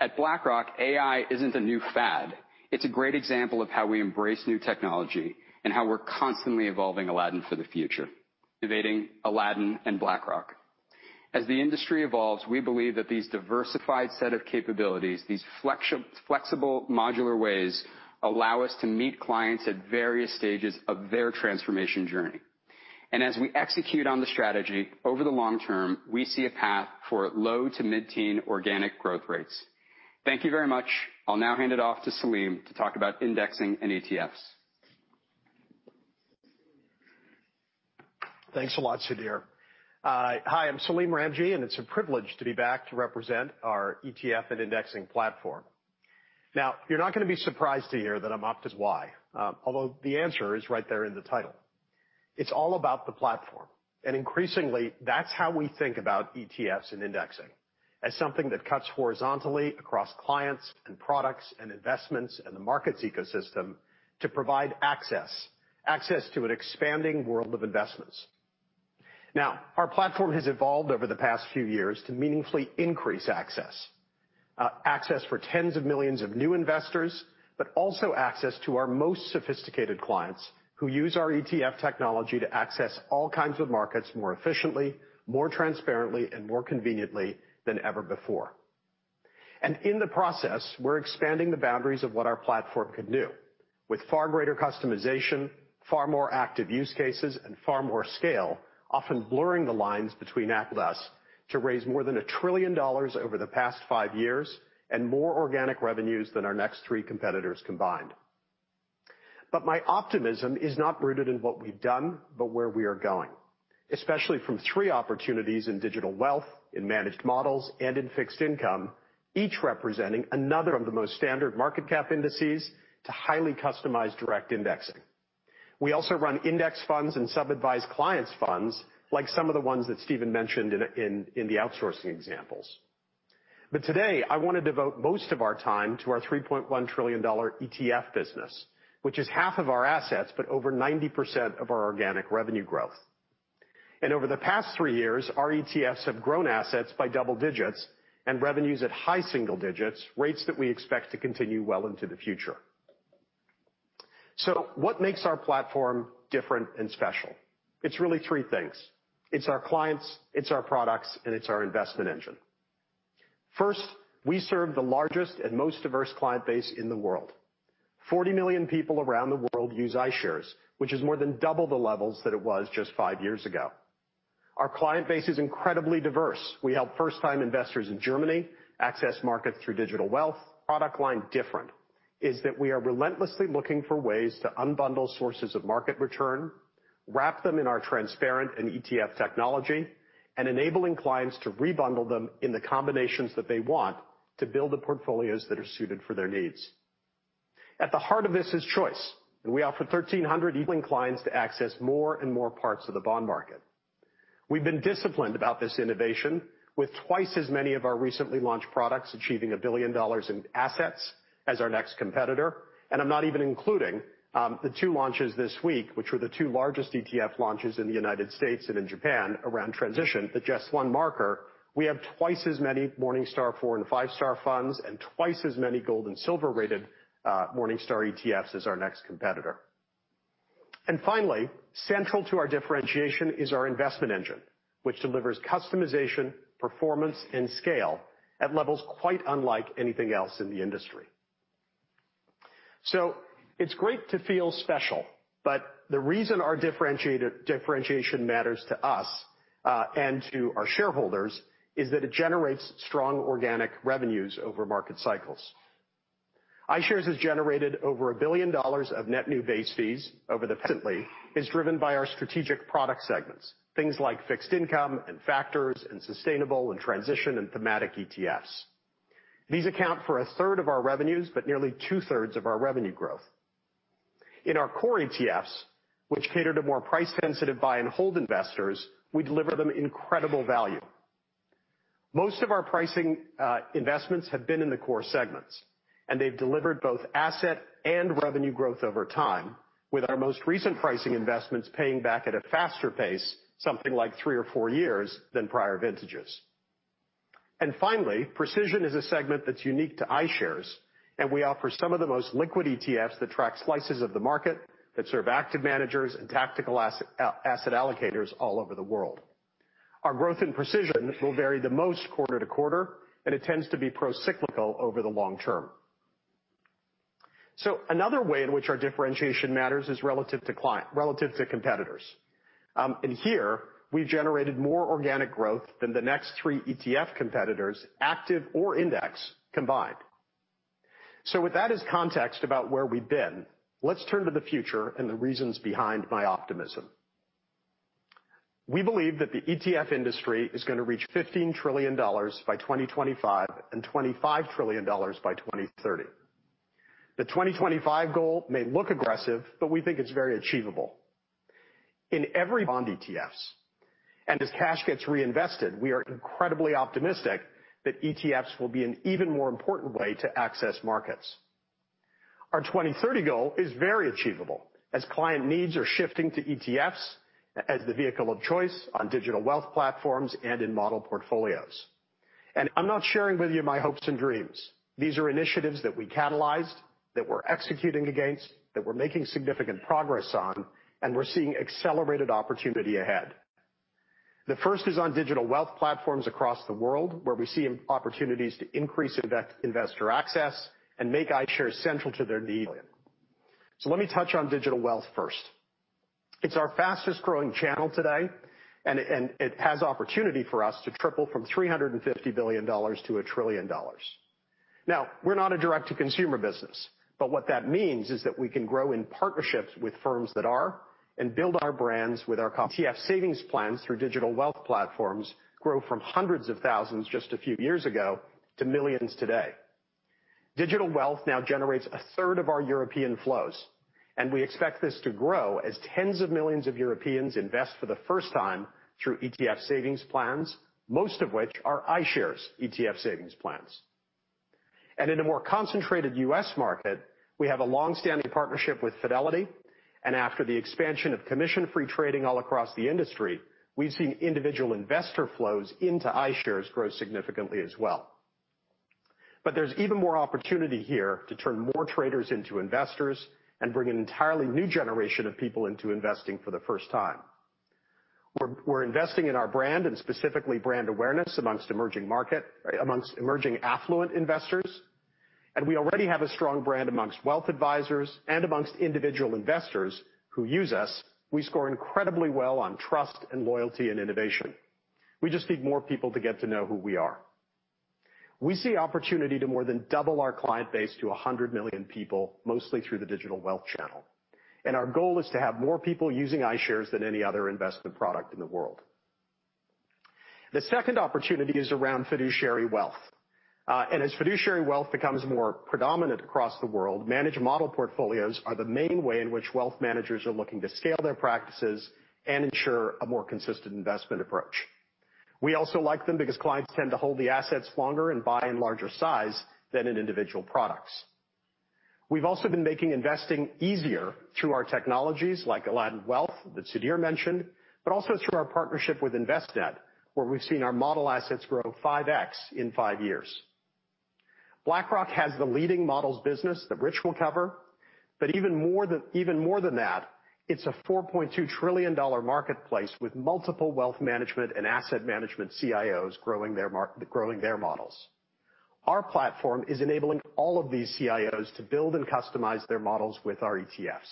At BlackRock, AI isn't a new fad. It's a great example of how we embrace new technology and how we're constantly evolving Aladdin for the future, innovating Aladdin and BlackRock. The industry evolves, we believe that these diversified set of capabilities, these flexible modular ways, allow us to meet clients at various stages of their transformation journey. As we execute on the strategy over the long term, we see a path for low to mid-teen organic growth rates. Thank you very much. I'll now hand it off to Salim to talk about indexing and ETFs. Thanks a lot, Sudhir. Hi, I'm Salim Ramji, it's a privilege to be back to represent our ETF and indexing platform. Now, you're not gonna be surprised to hear that I'm optimistic, although the answer is right there in the title. It's all about the platform. Increasingly, that's how we think about ETFs and indexing, as something that cuts horizontally across clients, and products, and investments, and the markets ecosystem to provide access to an expanding world of investments. Now, our platform has evolved over the past few years to meaningfully increase access. Access for tens of millions of new investors, but also access to our most sophisticated clients, who use our ETF technology to access all kinds of markets more efficiently, more transparently, and more conveniently than ever before. In the process, we're expanding the boundaries of what our platform can do, with far greater customization, far more active use cases, and far more scale, often blurring the lines between us to raise more than $1 trillion over the past five years, and more organic revenues than our next three competitors combined. My optimism is not rooted in what we've done, but where we are going, especially from three opportunities in digital wealth, in managed models, and in fixed income, each representing another of the most standard market cap indices to highly customized direct indexing. We also run index funds and sub-advised clients' funds, like some of the ones that Stephen mentioned in the outsourcing examples. Today, I want to devote most of our time to our $3.1 trillion ETF business, which is half of our assets, but over 90% of our organic revenue growth. Over the past three years, our ETFs have grown assets by double digits and revenues at high single digits, rates that we expect to continue well into the future. What makes our platform different and special? It's really three things. It's our clients, it's our products, and it's our investment engine. First, we serve the largest and most diverse client base in the world. 40 million people around the world use iShares, which is more than double the levels that it was just five years ago. Our client base is incredibly diverse. We help first-time investors in Germany access markets through digital wealth. Product line different is that we are relentlessly looking for ways to unbundle sources of market return, wrap them in our transparent and ETF technology, and enabling clients to rebundle them in the combinations that they want to build the portfolios that are suited for their needs. At the heart of this is choice. We offer 1,300, enabling clients to access more and more parts of the bond market. We've been disciplined about this innovation, with twice as many of our recently launched products achieving $1 billion in assets as our next competitor. I'm not even including the two launches this week, which were the two largest ETF launches in the United States and in Japan around transition. Just one marker, we have twice as many Morningstar four and 5-Star funds, and twice as many gold and silver-rated Morningstar ETFs as our next competitor. Finally, central to our differentiation is our investment engine, which delivers customization, performance, and scale at levels quite unlike anything else in the industry. It's great to feel special, but the reason our differentiation matters to us and to our shareholders, is that it generates strong organic revenues over market cycles. iShares has generated over $1 billion of net new base fees. Recently, is driven by our strategic product segments, things like fixed income, and factors, and sustainable, and transition, and thematic ETFs. These account for 1/3 of our revenues, but nearly 2/3 of our revenue growth. In our core ETFs, which cater to more price-sensitive buy and hold investors, we deliver them incredible value. Most of our pricing investments have been in the core segments, and they've delivered both asset and revenue growth over time, with our most recent pricing investments paying back at a faster pace, something like three years or four years, than prior vintages. Finally, Precision is a segment that's unique to iShares, and we offer some of the most liquid ETFs that track slices of the market, that serve active managers and tactical asset allocators all over the world. Our growth in Precision will vary the most quarter to quarter, and it tends to be procyclical over the long term. Another way in which our differentiation matters is relative to competitors. Here, we've generated more organic growth than the next three ETF competitors, active or index, combined. With that as context about where we've been, let's turn to the future and the reasons behind my optimism. We believe that the ETF industry is gonna reach $15 trillion by 2025, and $25 trillion by 2030. The 2025 goal may look aggressive, we think it's very achievable. In every Bonds, ETFs, and as cash gets reinvested, we are incredibly optimistic that ETFs will be an even more important way to access markets. Our 2030 goal is very achievable, as client needs are shifting to ETFs as the vehicle of choice on digital wealth platforms and in model portfolios. I'm not sharing with you my hopes and dreams. These are initiatives that we catalyzed, that we're executing against, that we're making significant progress on, and we're seeing accelerated opportunity ahead. The first is on digital wealth platforms across the world, where we see opportunities to increase investor access and make iShares central to their needs. Let me touch on digital wealth first. It's our fastest-growing channel today, and it has opportunity for us to triple from $350 billion to $1 trillion. We're not a direct-to-consumer business, but what that means is that we can grow in partnerships with firms that are, and build our brands with ETF savings plans through digital wealth platforms grow from hundreds of thousands just a few years ago, to millions today. Digital wealth now generates a third of our European flows, we expect this to grow as tens of millions of Europeans invest for the first time through ETF savings plans, most of which are iShares ETF savings plans. In a more concentrated U.S. market, we have a long-standing partnership with Fidelity, and after the expansion of commission-free trading all across the industry, we've seen individual investor flows into iShares grow significantly as well. There's even more opportunity here to turn more traders into investors and bring an entirely new generation of people into investing for the first time. We're investing in our brand and specifically brand awareness amongst emerging affluent investors. We already have a strong brand amongst wealth advisors and amongst individual investors who use us. We score incredibly well on trust and loyalty and innovation. We just need more people to get to know who we are. We see opportunity to more than double our client base to 100 million people, mostly through the digital wealth channel. Our goal is to have more people using iShares than any other investment product in the world. The second opportunity is around fiduciary wealth. As fiduciary wealth becomes more predominant across the world, managed model portfolios are the main way in which wealth managers are looking to scale their practices and ensure a more consistent investment approach. We also like them because clients tend to hold the assets longer and buy in larger size than in individual products. We've also been making investing easier through our technologies, like Aladdin Wealth, that Sudhir mentioned, but also through our partnership with Envestnet, where we've seen our model assets grow 5x in five years. BlackRock has the leading models business that Rich will cover, but even more than that, it's a $4.2 trillion marketplace with multiple wealth management and asset management CIOs growing their models. Our platform is enabling all of these CIOs to build and customize their models with our ETFs.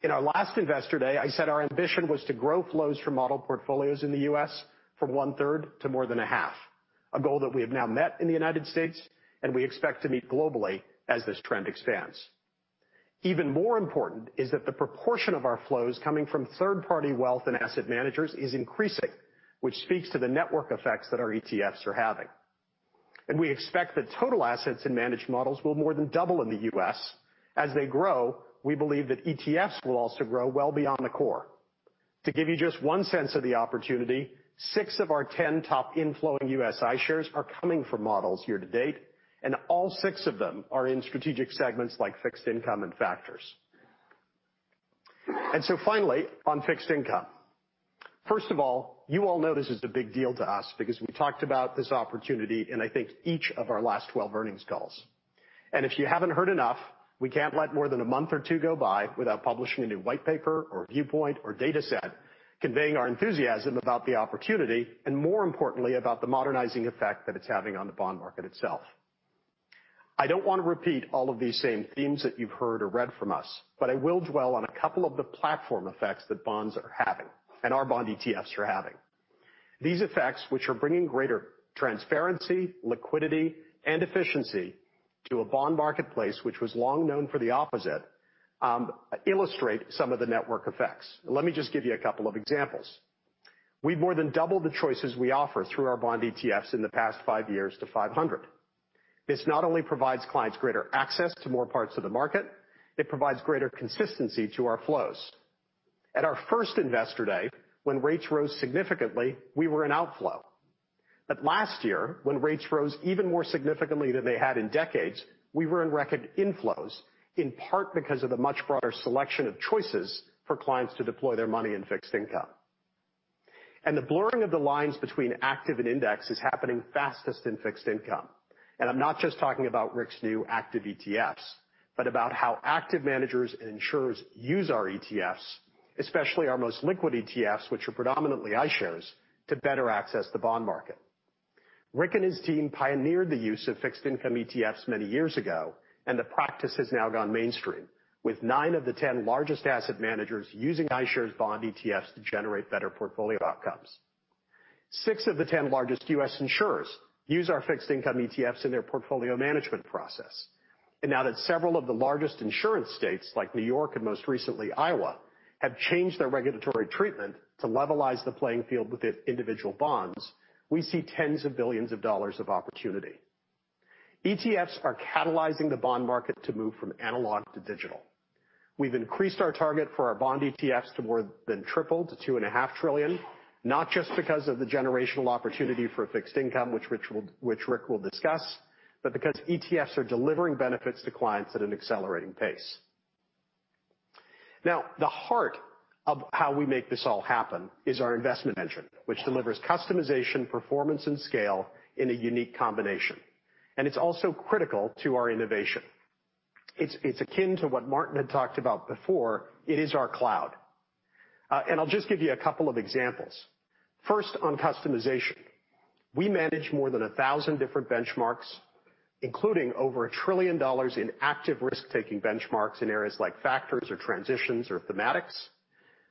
In our last Investor Day, I said our ambition was to grow flows from model portfolios in the U.S. from 1/3 to more than 1/2, a goal that we have now met in the United States, and we expect to meet globally as this trend expands. Even more important is that the proportion of our flows coming from third-party wealth and asset managers is increasing, which speaks to the network effects that our ETFs are having. We expect that total assets in managed models will more than double in the U.S. As they grow, we believe that ETFs will also grow well beyond the core. To give you just one sense of the opportunity, 6 of our 10 top inflowing U.S. iShares are coming from models year to date, all six of them are in strategic segments like fixed income and factors. Finally, on fixed income. First of all, you all know this is a big deal to us because we talked about this opportunity in I think each of our last 12 earnings calls. If you haven't heard enough, we can't let more than a month or two go by without publishing a new white paper or viewpoint or dataset, conveying our enthusiasm about the opportunity, and more importantly, about the modernizing effect that it's having on the bond market itself. I don't want to repeat all of these same themes that you've heard or read from us, I will dwell on a couple of the platform effects that bonds are having and our bond ETFs are having. These effects, which are bringing greater transparency, liquidity, and efficiency to a bond marketplace, which was long known for the opposite, illustrate some of the network effects. Let me just give you a couple of examples. We've more than doubled the choices we offer through our bond ETFs in the past five years to 500. This not only provides clients greater access to more parts of the market, it provides greater consistency to our flows. At our first Investor Day, when rates rose significantly, we were in outflow. Last year, when rates rose even more significantly than they had in decades, we were in record inflows, in part because of the much broader selection of choices for clients to deploy their money in fixed income. The blurring of the lines between active and index is happening fastest in fixed income. I'm not just talking about Rick's new active ETFs, but about how active managers and insurers use our ETFs, especially our most liquid ETFs, which are predominantly iShares, to better access the bond market. Rick and his team pioneered the use of fixed income ETFs many years ago, and the practice has now gone mainstream, with 9 of the 10 largest asset managers using iShares bond ETFs to generate better portfolio outcomes. 6 of the 10 largest U.S. insurers use our fixed income ETFs in their portfolio management process. Now that several of the largest insurance states, like New York and most recently, Iowa, have changed their regulatory treatment to levelize the playing field with individual bonds, we see tens of billions of dollars of opportunity. ETFs are catalyzing the bond market to move from analog to digital. We've increased our target for our bond ETFs to more than triple, to $2.5 trillion, not just because of the generational opportunity for fixed income, which Rick will discuss, but because ETFs are delivering benefits to clients at an accelerating pace. The heart of how we make this all happen is our investment engine, which delivers customization, performance, and scale in a unique combination. It's also critical to our innovation. It's akin to what Martin had talked about before. It is our cloud. I'll just give you a couple of examples. First, on customization. We manage more than 1,000 different benchmarks, including over $1 trillion in active risk-taking benchmarks in areas like factors or transitions or thematics.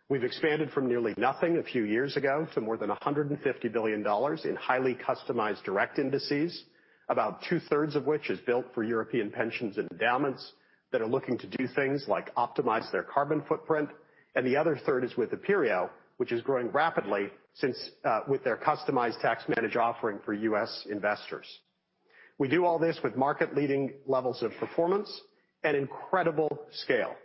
We've expanded from nearly nothing a few years ago to more than $150 billion in highly customized direct indices, about 2/3 of which is built for European pensions and endowments that are looking to do things like optimize their carbon footprint, and the other third is with Aperio, which is growing rapidly since with their customized tax manage offering for U.S. investors. We do all this with market-leading levels of performance and incredible scale.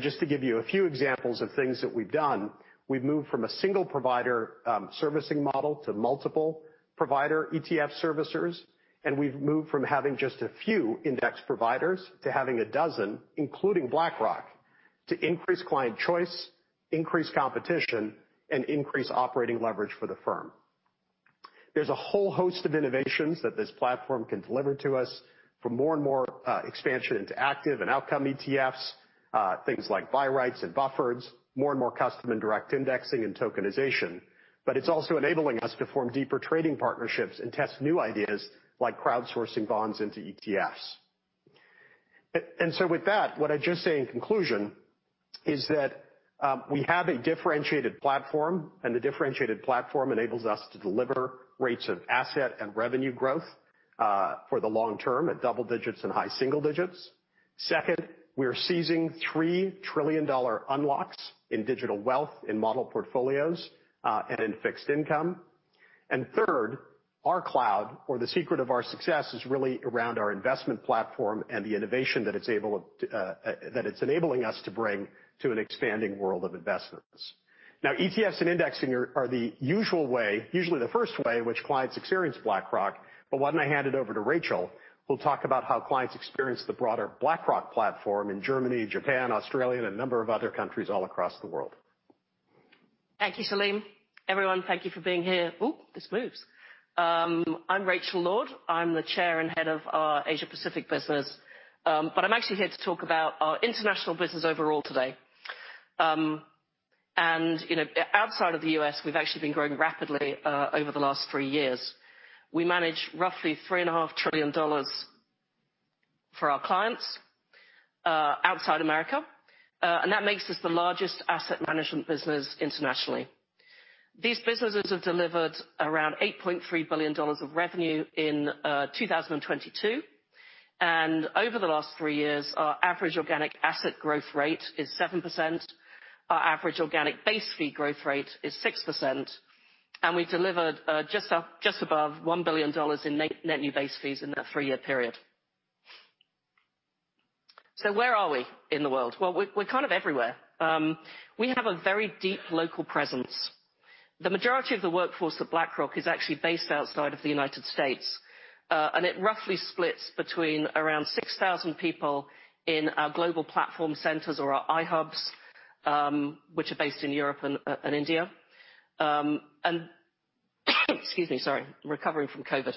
Just to give you a few examples of things that we've done, we've moved from a single provider servicing model to multiple provider ETF servicers, and we've moved from having just a few index providers to having a dozen, including BlackRock, to increase client choice, increase competition, and increase operating leverage for the firm. There's a whole host of innovations that this platform can deliver to us, from more and more expansion into active and outcome ETFs, things like buy-writes and buffers, more and more custom and direct indexing and tokenization. It's also enabling us to form deeper trading partnerships and test new ideas like crowdsourcing bonds into ETFs. With that, what I'd just say in conclusion is that we have a differentiated platform, and the differentiated platform enables us to deliver rates of asset and revenue growth for the long term at double digits and high single digits. Second, we are seizing $3 trillion unlocks in digital wealth, in model portfolios, and in fixed income. Third, our cloud or the secret of our success is really around our investment platform and the innovation that it's enabling us to bring to an expanding world of investments. ETFs and indexing are the usual way, usually the first way in which clients experience BlackRock, why don't I hand it over to Rachel, who'll talk about how clients experience the broader BlackRock platform in Germany, Japan, Australia, and a number of other countries all across the world. Thank you, Salim. Everyone, thank you for being here. Oh, this moves. I'm Rachel Lord, the Chair and Head of our Asia Pacific business. I'm actually here to talk about our international business overall today. You know, outside of the U.S., we've actually been growing rapidly over the last three years. We manage roughly $3.5 trillion for our clients outside America, and that makes us the largest asset management business internationally. These businesses have delivered around $8.3 billion of revenue in 2022, and over the last three years, our average organic asset growth rate is 7%, our average organic base fee growth rate is 6%, and we delivered just above $1 billion in net new base fees in that three-year period. Where are we in the world? Well, we're kind of everywhere. We have a very deep local presence. The majority of the workforce at BlackRock is actually based outside of the United States, and it roughly splits between around 6,000 people in our global platform centers or our iHubs, which are based in Europe and India. Excuse me, sorry, recovering from COVID.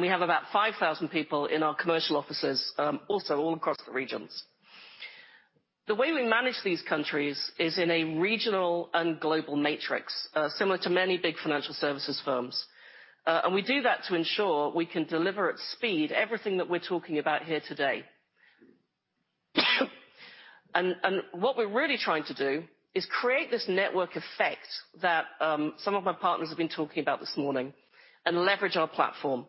We have about 5,000 people in our commercial offices, also all across the regions. The way we manage these countries is in a regional and global matrix, similar to many big financial services firms. We do that to ensure we can deliver at speed everything that we're talking about here today. What we're really trying to do is create this network effect that some of my partners have been talking about this morning and leverage our platform.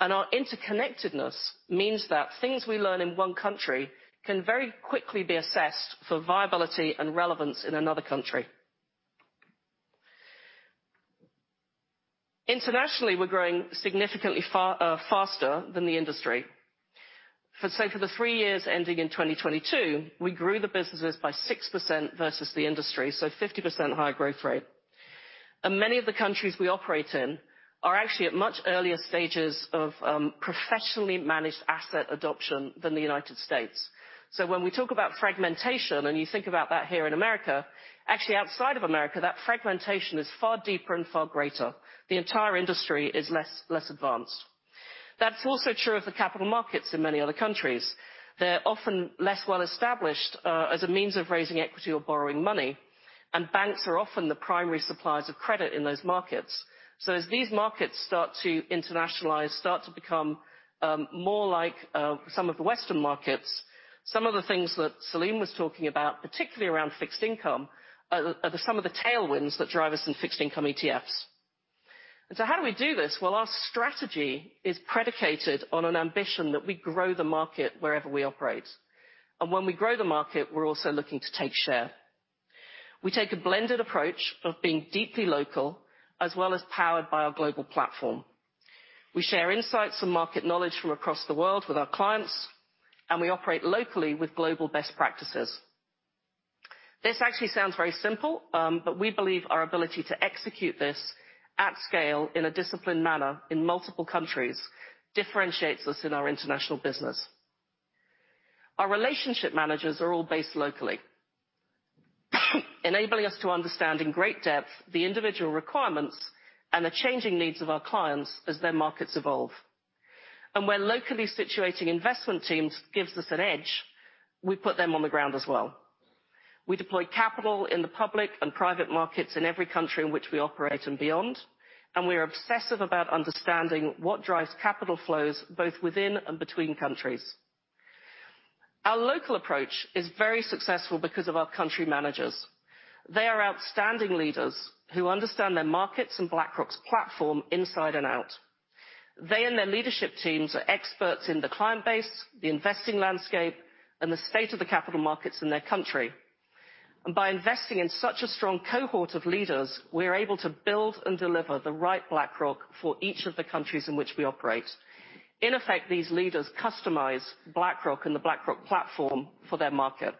Our interconnectedness means that things we learn in one country can very quickly be assessed for viability and relevance in another country. Internationally, we're growing significantly far faster than the industry. For the three years ending in 2022, we grew the businesses by 6% versus the industry, so 50% higher growth rate. Many of the countries we operate in are actually at much earlier stages of professionally managed asset adoption than the United States. When we talk about fragmentation, and you think about that here in America, actually outside of America, that fragmentation is far deeper and far greater. The entire industry is less advanced. That's also true of the capital markets in many other countries. They're often less well established, as a means of raising equity or borrowing money, and banks are often the primary suppliers of credit in those markets. As these markets start to internationalize, start to become more like some of the Western markets, some of the things that Salim was talking about, particularly around fixed income, are some of the tailwinds that drive us in fixed income ETFs. How do we do this? Well, our strategy is predicated on an ambition that we grow the market wherever we operate. When we grow the market, we're also looking to take share. We take a blended approach of being deeply local, as well as powered by our global platform. We share insights and market knowledge from across the world with our clients, and we operate locally with global best practices. This actually sounds very simple, but we believe our ability to execute this at scale, in a disciplined manner, in multiple countries, differentiates us in our international business. Our relationship managers are all based locally, enabling us to understand in great depth the individual requirements and the changing needs of our clients as their markets evolve. Where locally situating investment teams gives us an edge, we put them on the ground as well. We deploy capital in the public and private markets in every country in which we operate and beyond, and we are obsessive about understanding what drives capital flows both within and between countries. Our local approach is very successful because of our country managers. They are outstanding leaders who understand their markets and BlackRock's platform inside and out. They and their leadership teams are experts in the client base, the investing landscape, and the state of the capital markets in their country. By investing in such a strong cohort of leaders, we're able to build and deliver the right BlackRock for each of the countries in which we operate. In effect, these leaders customize BlackRock and the BlackRock platform for their market.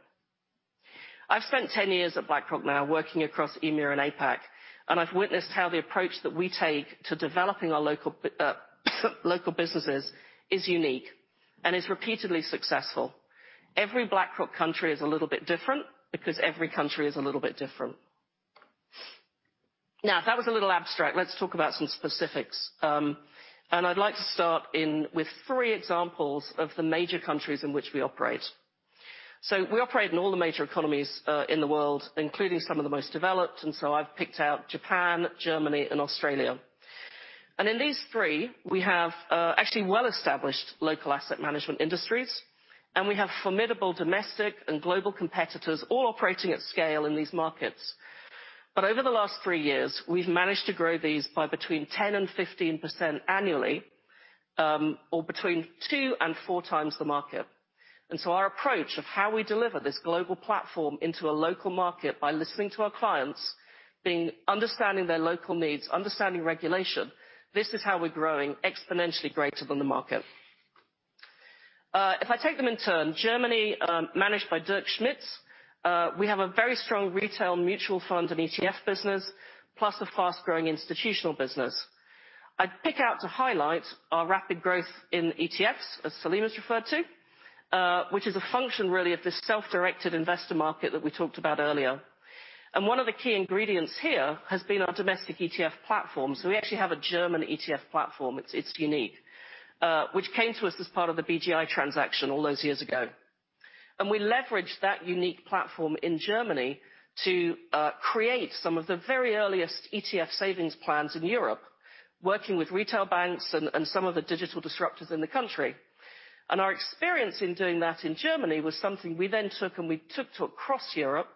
I've spent 10 years at BlackRock now, working across EMEA and APAC, and I've witnessed how the approach that we take to developing our local businesses is unique and is repeatedly successful. Every BlackRock country is a little bit different, because every country is a little bit different. That was a little abstract. Let's talk about some specifics. I'd like to start in, with three examples of the major countries in which we operate. We operate in all the major economies in the world, including some of the most developed, I've picked out Japan, Germany and Australia. In these three, we have actually well-established local asset management industries, and we have formidable domestic and global competitors, all operating at scale in these markets. Over the last three years, we've managed to grow these by between 10% and 15% annually, or between 2x and 4x the market. Our approach of how we deliver this global platform into a local market by listening to our clients, understanding their local needs, understanding regulation, this is how we're growing exponentially greater than the market. If I take them in turn, Germany, managed by Dirk Schmitz, we have a very strong retail mutual fund and ETF business, plus a fast-growing institutional business. I'd pick out to highlight our rapid growth in ETFs, as Salim has referred to, which is a function really of this self-directed investor market that we talked about earlier. One of the key ingredients here has been our domestic ETF platform. We actually have a German ETF platform, it's unique, which came to us as part of the BGI transaction all those years ago. We leveraged that unique platform in Germany to create some of the very earliest ETF savings plans in Europe, working with retail banks and some of the digital disruptors in the country. Our experience in doing that in Germany was something we then took, we took to across Europe,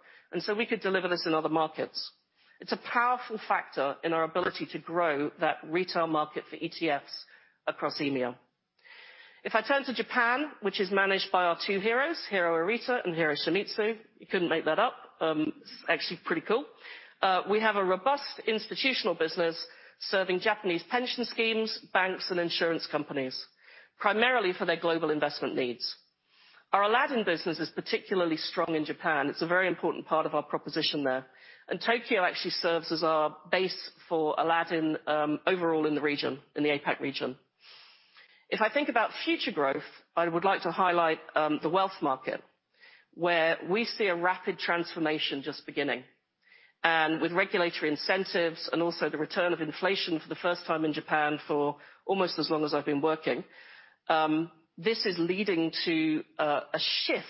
we could deliver this in other markets. It's a powerful factor in our ability to grow that retail market for ETFs across EMEA. If I turn to Japan, which is managed by our two heroes, Hiro Arita and Hiro Shimizu, you couldn't make that up, it's actually pretty cool. We have a robust institutional business serving Japanese pension schemes, banks and insurance companies, primarily for their global investment needs. Our Aladdin business is particularly strong in Japan. It's a very important part of our proposition there, and Tokyo actually serves as our base for Aladdin overall in the region, in the APAC region. If I think about future growth, I would like to highlight the wealth market, where we see a rapid transformation just beginning. With regulatory incentives and also the return of inflation for the first time in Japan for almost as long as I've been working, this is leading to a shift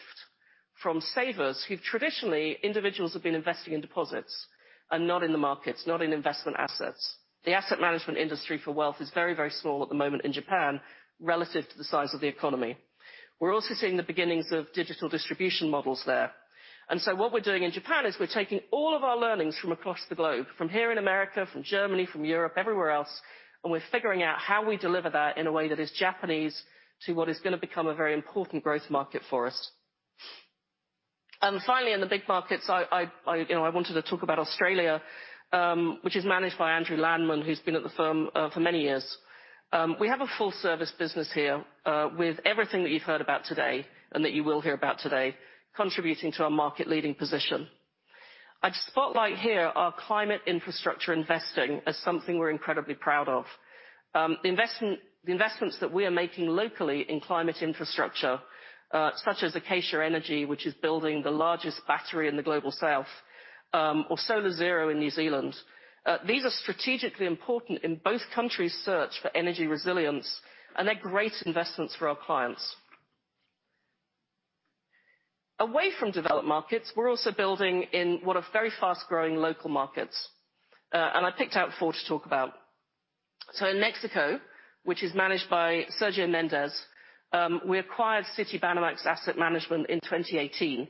from savers traditionally, individuals have been investing in deposits and not in the markets, not in investment assets. The asset management industry for wealth is very, very small at the moment in Japan, relative to the size of the economy. We're also seeing the beginnings of digital distribution models there. What we're doing in Japan is we're taking all of our learnings from across the globe, from here in America, from Germany, from Europe, everywhere else, and we're figuring out how we deliver that in a way that is Japanese to what is going to become a very important growth market for us. Finally, in the big markets, I, you know, I wanted to talk about Australia, which is managed by Andrew Landman, who's been at the firm for many years. We have a full service business here with everything that you've heard about today and that you will hear about today, contributing to our market-leading position. I'd spotlight here our climate infrastructure investing as something we're incredibly proud of. The investments that we are making locally in climate infrastructure, such as Akaysha Energy, which is building the largest battery in the global south, or SolarZero in New Zealand, these are strategically important in both countries' search for energy resilience, and they're great investments for our clients. Away from developed markets, we're also building in what are very fast-growing local markets, I picked out four to talk about. In Mexico, which is managed by Sergio Mendez, we acquired Citibanamex Asset Management in 2018,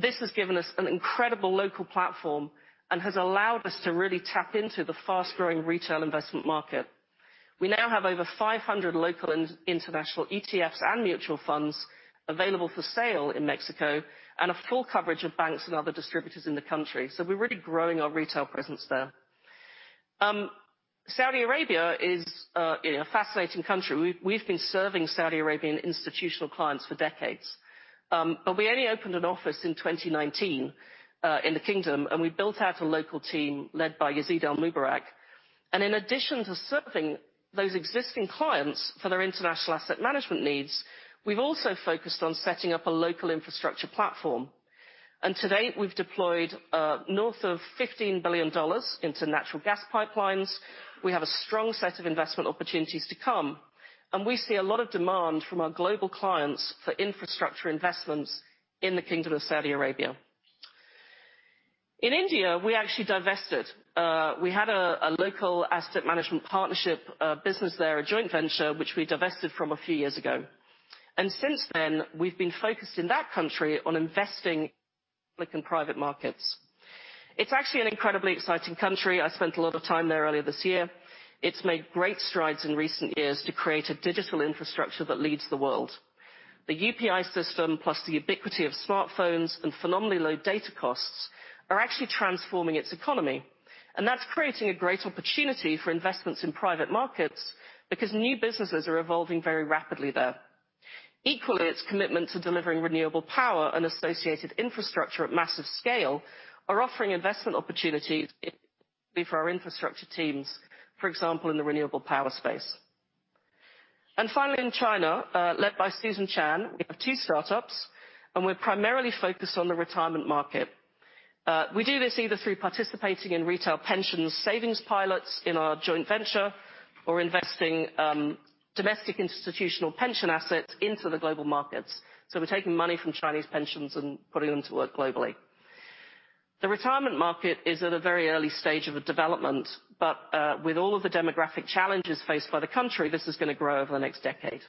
this has given us an incredible local platform and has allowed us to really tap into the fast-growing retail investment market. We now have over 500 local and international ETFs and mutual funds available for sale in Mexico, a full coverage of banks and other distributors in the country, we're really growing our retail presence there. Saudi Arabia is a fascinating country. We've been serving Saudi Arabian institutional clients for decades. We only opened an office in 2019 in the Kingdom, we built out a local team led by Yazid Al Mubarak. In addition to serving those existing clients for their international asset management needs, we've also focused on setting up a local infrastructure platform. To date, we've deployed north of $15 billion into natural gas pipelines. We have a strong set of investment opportunities to come, and we see a lot of demand from our global clients for infrastructure investments in the Kingdom of Saudi Arabia. In India, we actually divested. We had a local asset management partnership business there, a joint venture, which we divested from a few years ago. Since then, we've been focused in that country on investing in public and private markets. It's actually an incredibly exciting country. I spent a lot of time there earlier this year. It's made great strides in recent years to create a digital infrastructure that leads the world. The UPI system, plus the ubiquity of smartphones and phenomenally low data costs, are actually transforming its economy. That's creating a great opportunity for investments in private markets because new businesses are evolving very rapidly there. Equally, its commitment to delivering renewable power and associated infrastructure at massive scale are offering investment opportunities for our infrastructure teams, for example, in the renewable power space. Finally, in China, led by Susan Chan, we have two startups, and we're primarily focused on the retirement market. We do this either through participating in retail pensions, savings pilots in our joint venture, or investing domestic institutional pension assets into the global markets. We're taking money from Chinese pensions and putting them to work globally. The retirement market is at a very early stage of a development, but, with all of the demographic challenges faced by the country, this is gonna grow over the next decade.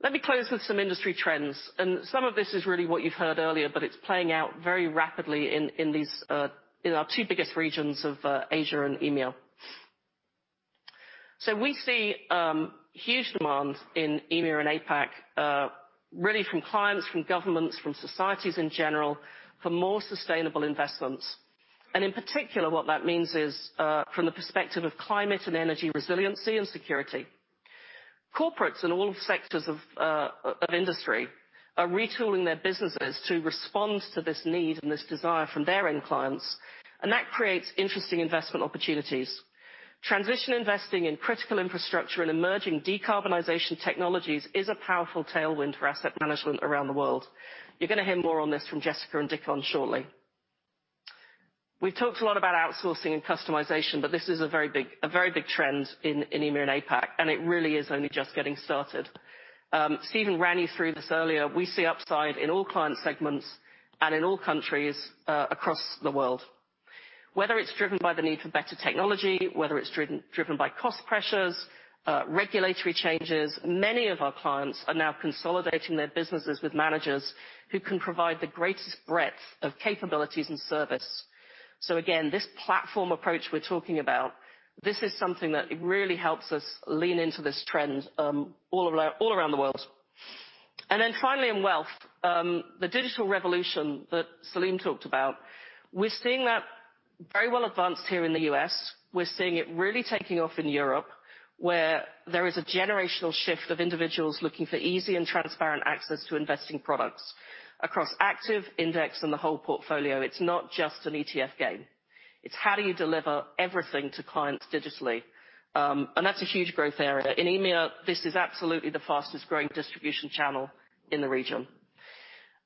Let me close with some industry trends, and some of this is really what you've heard earlier, but it's playing out very rapidly in these, in our two biggest regions of Asia and EMEA. We see huge demand in EMEA and APAC, really from clients, from governments, from societies in general, for more sustainable investments. In particular, what that means is, from the perspective of climate and energy resiliency and security. Corporates in all sectors of industry are retooling their businesses to respond to this need and this desire from their end clients, and that creates interesting investment opportunities. Transition investing in critical infrastructure and emerging decarbonization technologies is a powerful tailwind for asset management around the world. You're gonna hear more on this from Jessica and Dickon shortly. This is a very big trend in EMEA and APAC, it really is only just getting started. Stephen ran you through this earlier. We see upside in all client segments and in all countries across the world. Whether it's driven by the need for better technology, whether it's driven by cost pressures, regulatory changes, many of our clients are now consolidating their businesses with managers who can provide the greatest breadth of capabilities and service. Again, this platform approach we're talking about, this is something that really helps us lean into this trend all around the world. Finally, in wealth, the digital revolution that Salim talked about, we're seeing that very well advanced here in the U.S. We're seeing it really taking off in Europe, where there is a generational shift of individuals looking for easy and transparent access to investing products. Across active, index, and the whole portfolio, it's not just an ETF game. It's how do you deliver everything to clients digitally? That's a huge growth area. In EMEA, this is absolutely the fastest growing distribution channel in the region.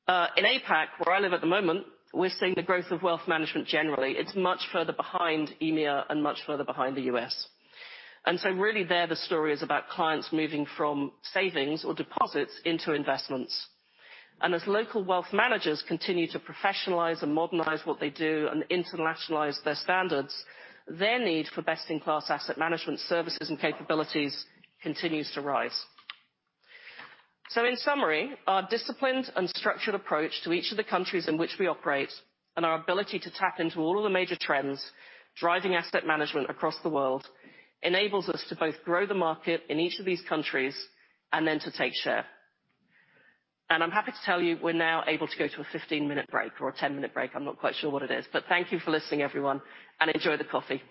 In APAC, where I live at the moment, we're seeing the growth of wealth management generally. It's much further behind EMEA and much further behind the U.S. Really there, the story is about clients moving from savings or deposits into investments. As local wealth managers continue to professionalize and modernize what they do and internationalize their standards, their need for best-in-class asset management services and capabilities continues to rise. In summary, our disciplined and structured approach to each of the countries in which we operate and our ability to tap into all of the major trends driving asset management across the world, enables us to both grow the market in each of these countries and then to take share. I'm happy to tell you, we're now able to go to a 15-minute break or a 10-minute break. I'm not quite sure what it is. Thank you for listening, everyone, and enjoy the coffee.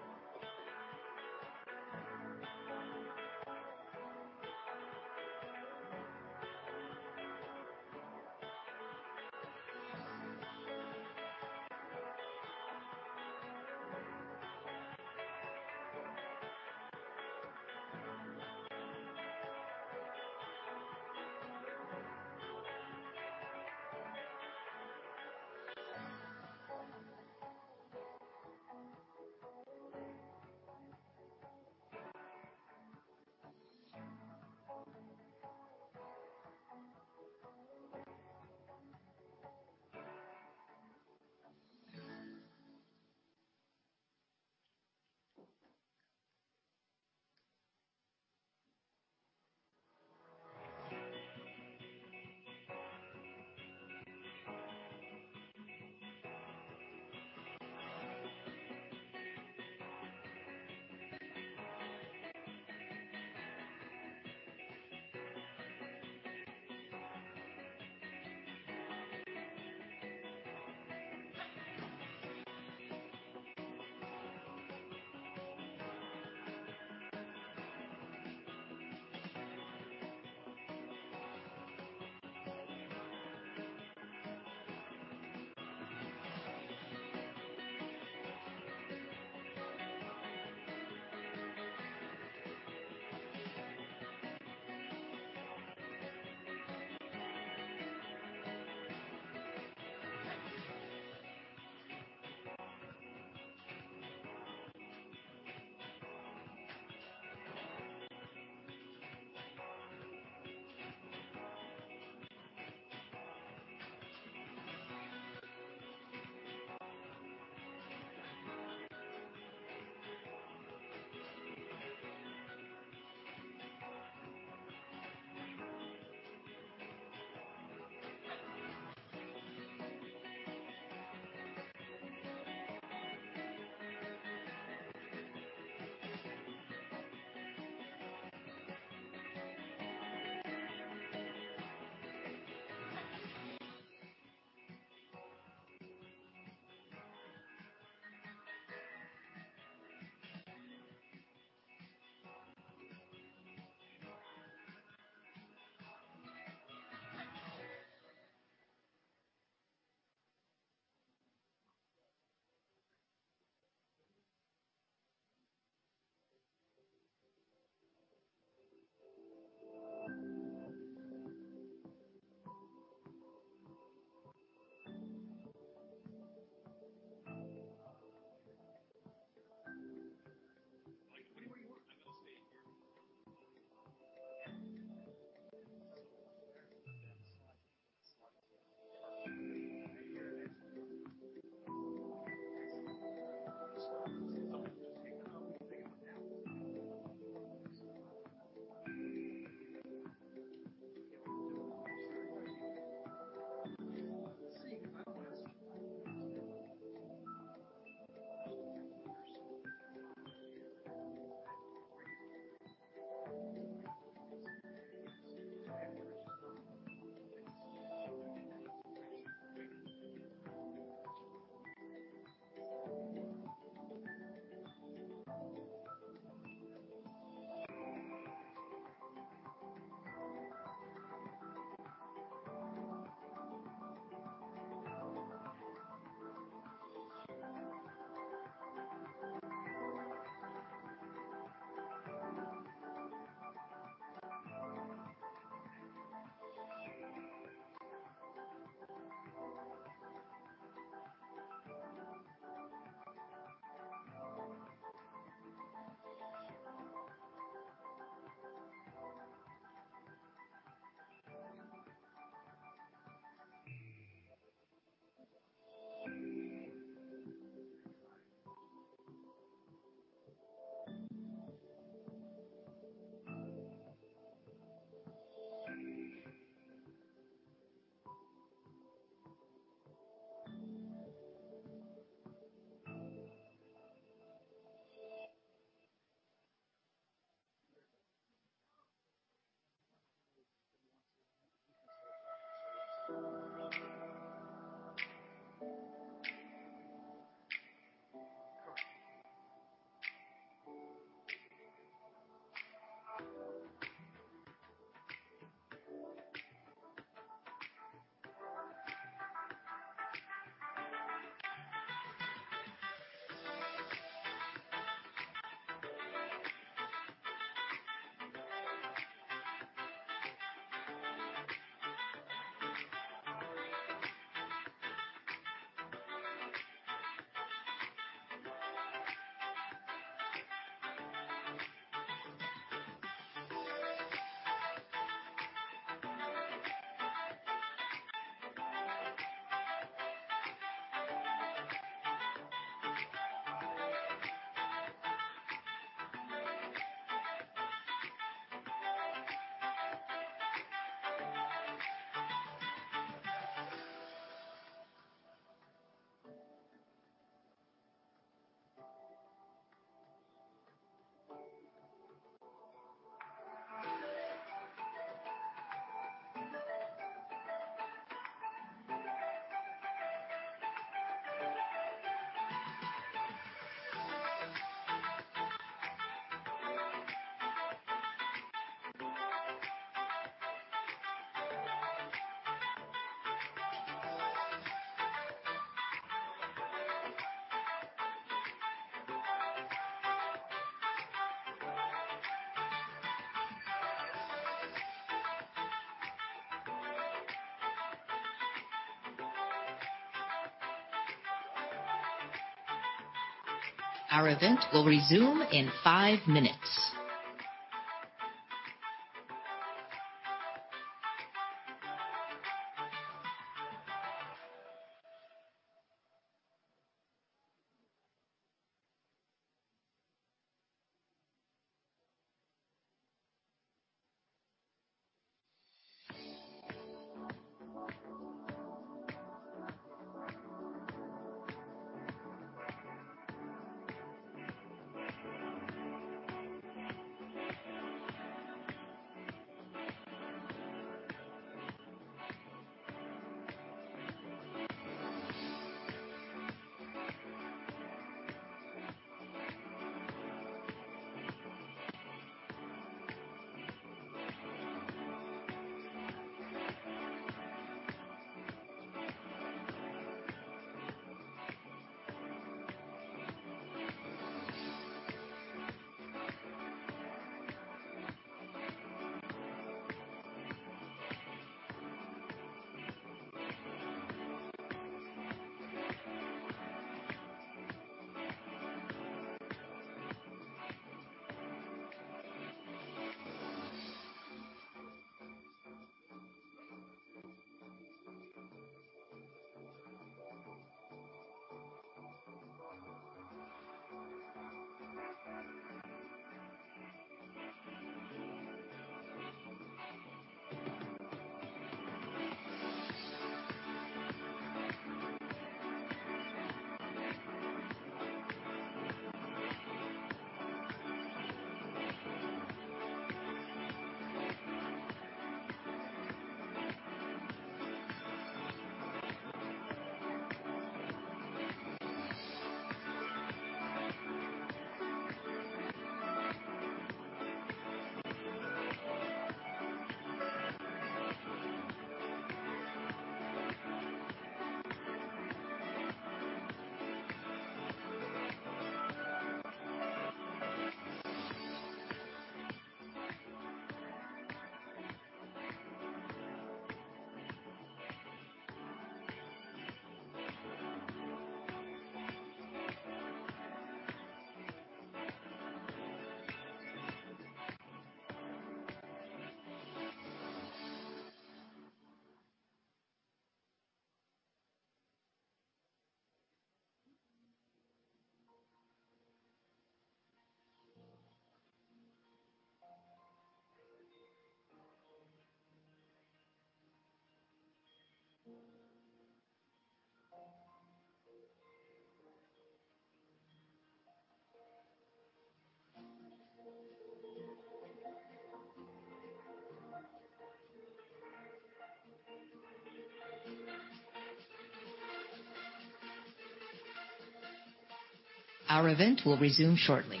Our event will resume shortly.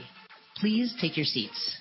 Please take your seats.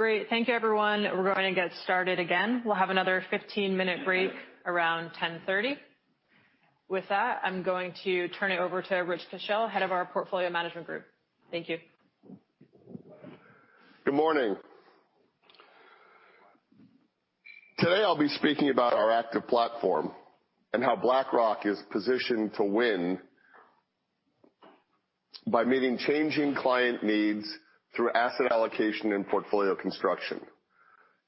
Great. Thank you, everyone. We're going to get started again. We'll have another 15-minute break around 10:30. With that, I'm going to turn it over to Rich Kushel, Head of our Portfolio Management Group. Thank you. Good morning. Today, I'll be speaking about our active platform and how BlackRock is positioned to win by meeting changing client needs through asset allocation and portfolio construction.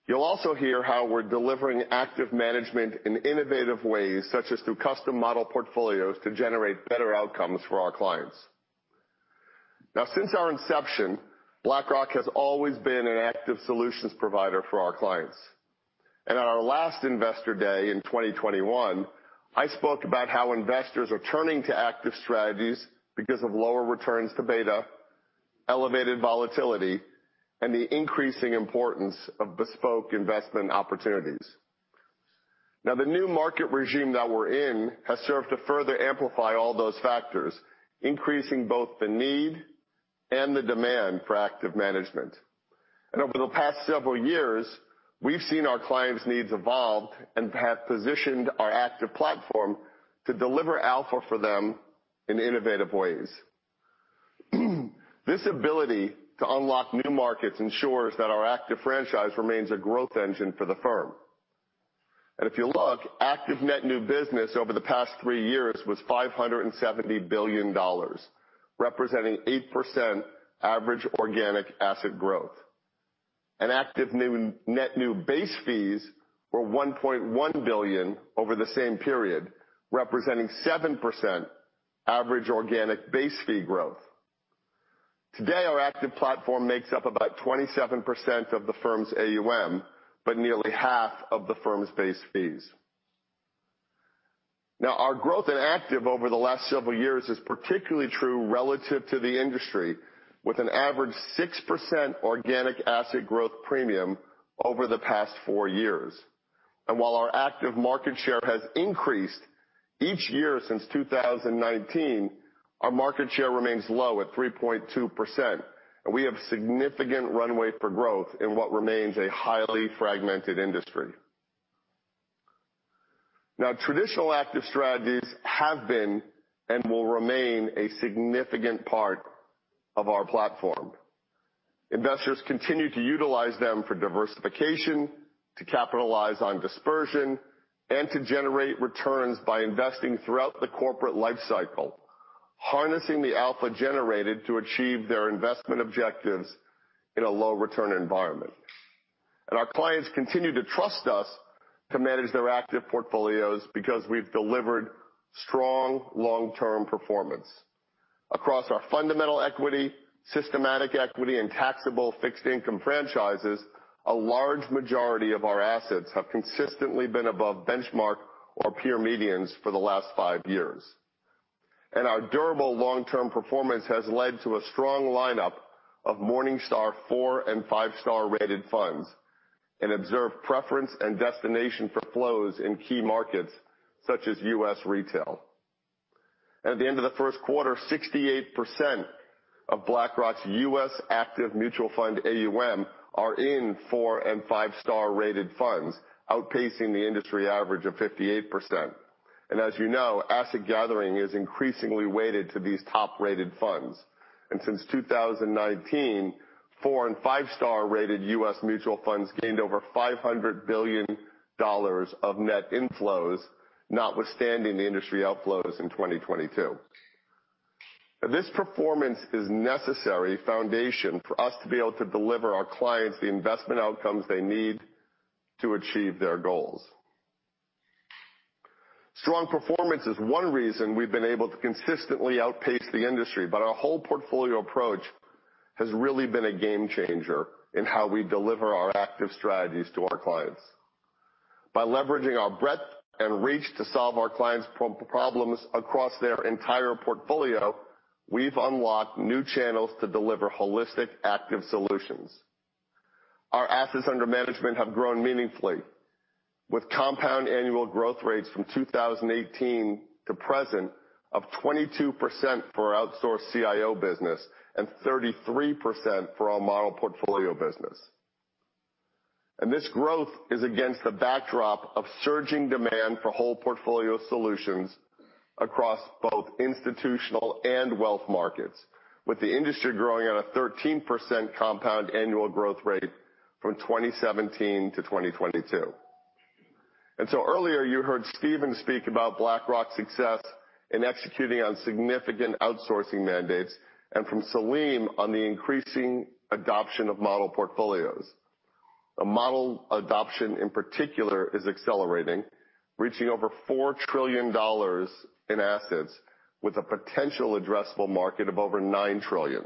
You'll also hear how we're delivering active management in innovative ways, such as through custom model portfolios, to generate better outcomes for our clients. Since our inception, BlackRock has always been an active solutions provider for our clients. On our last Investor Day in 2021, I spoke about how investors are turning to active strategies because of lower returns to beta, elevated volatility, and the increasing importance of bespoke investment opportunities. The new market regime that we're in has served to further amplify all those factors, increasing both the need and the demand for active management. Over the past several years, we've seen our clients' needs evolve and have positioned our active platform to deliver alpha for them in innovative ways. This ability to unlock new markets ensures that our active franchise remains a growth engine for the firm. If you look, active net new business over the past three years was $570 billion, representing 8% average organic asset growth. Net new base fees were $1.1 billion over the same period, representing 7% average organic base fee growth. Today, our active platform makes up about 27% of the firm's AUM, but nearly half of the firm's base fees. Our growth in active over the last several years is particularly true relative to the industry, with an average 6% organic asset growth premium over the past four years. While our active market share has increased each year since 2019, our market share remains low at 3.2%, and we have significant runway for growth in what remains a highly fragmented industry. Traditional active strategies have been, and will remain, a significant part of our platform. Investors continue to utilize them for diversification, to capitalize on dispersion, and to generate returns by investing throughout the corporate life cycle, harnessing the alpha generated to achieve their investment objectives in a low return environment. Our clients continue to trust us to manage their active portfolios because we've delivered strong, long-term performance. Across our fundamental equity, systematic equity, and taxable fixed income franchises, a large majority of our assets have consistently been above benchmark or peer medians for the last five years. Our durable long-term performance has led to a strong lineup of Morningstar four and five-star rated funds, and observed preference and destination for flows in key markets, such as U.S. retail. At the end of the first quarter, 68% of BlackRock's U.S. Active Mutual Fund AUM are in four and five-star rated funds, outpacing the industry average of 58%. As you know, asset gathering is increasingly weighted to these top-rated funds, and since 2019, four and five-star rated U.S. mutual funds gained over $500 billion of net inflows, notwithstanding the industry outflows in 2022. This performance is necessary foundation for us to be able to deliver our clients the investment outcomes they need to achieve their goals. Strong performance is one reason we've been able to consistently outpace the industry, our whole portfolio approach has really been a game changer in how we deliver our active strategies to our clients. By leveraging our breadth and reach to solve our clients' problems across their entire portfolio, we've unlocked new channels to deliver holistic, active solutions. Our assets under management have grown meaningfully, with compound annual growth rates from 2018 to present of 22% for our Outsourced CIO business and 33% for our model portfolio business. This growth is against the backdrop of surging demand for whole portfolio solutions across both institutional and wealth markets, with the industry growing at a 13% compound annual growth rate from 2017 to 2022. Earlier, you heard Stephen speak about BlackRock's success in executing on significant outsourcing mandates, and from Salim, on the increasing adoption of model portfolios. A model adoption, in particular, is accelerating, reaching over $4 trillion in assets with a potential addressable market of over $9 trillion.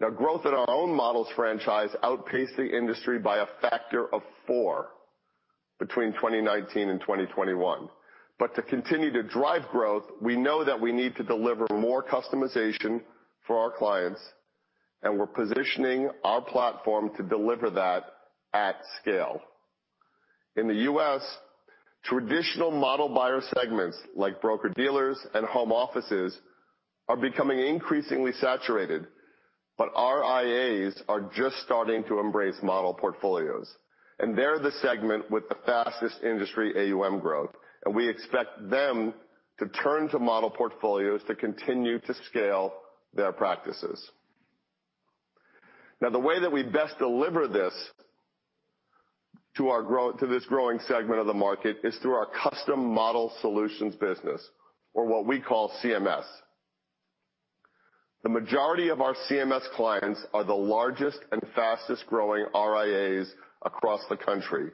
Now, growth in our own models franchise outpaced the industry by a factor of 4 between 2019 and 2021. To continue to drive growth, we know that we need to deliver more customization for our clients, and we're positioning our platform to deliver that at scale. In the U.S., traditional model buyer segments, like broker-dealers and home offices, are becoming increasingly saturated, but RIAs are just starting to embrace model portfolios. They're the segment with the fastest industry AUM growth, and we expect them to turn to model portfolios to continue to scale their practices. The way that we best deliver this to this growing segment of the market, is through our custom model solutions business, or what we call CMS. The majority of our CMS clients are the largest and fastest growing RIAs across the country,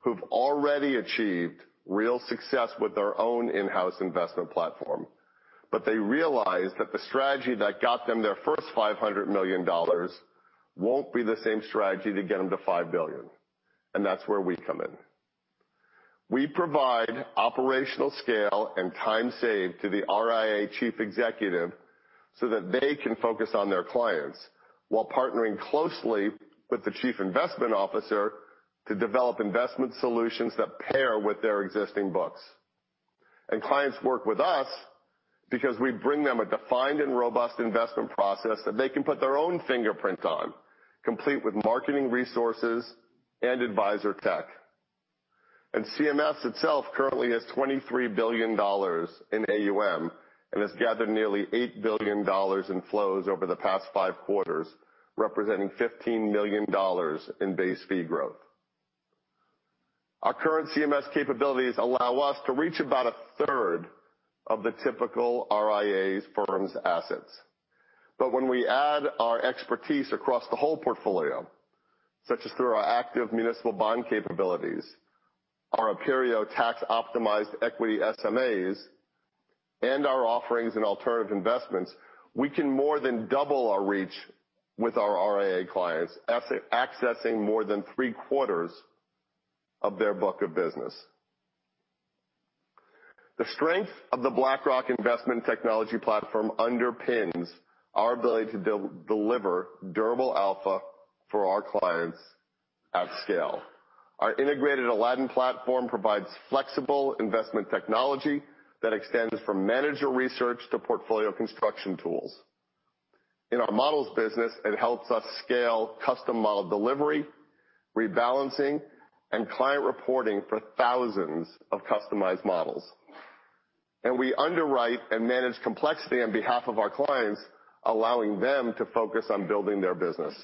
who've already achieved real success with their own in-house investment platform. They realize that the strategy that got them their first $500 million won't be the same strategy to get them to $5 billion. That's where we come in. We provide operational scale and time save to the RIA chief executive so that they can focus on their clients while partnering closely with the chief investment officer to develop investment solutions that pair with their existing books. Clients work with us because we bring them a defined and robust investment process that they can put their own fingerprint on, complete with marketing resources and advisor tech. CMS itself currently has $23 billion in AUM and has gathered nearly $8 billion in flows over the past five quarters, representing $15 million in base fee growth. Our current CMS capabilities allow us to reach about 1/3 of the typical RIA's firm's assets. When we add our expertise across the whole portfolio, such as through our active municipal bond capabilities, our Aperio tax-optimized equity SMAs, and our offerings in alternative investments, we can more than double our reach with our RIA clients, accessing more than 3/4 of their book of business. The strength of the BlackRock investment technology platform underpins our ability to deliver durable alpha for our clients at scale. Our integrated Aladdin platform provides flexible investment technology that extends from manager research to portfolio construction tools. In our models business, it helps us scale custom model delivery, rebalancing, and client reporting for thousands of customized models. We underwrite and manage complexity on behalf of our clients, allowing them to focus on building their business.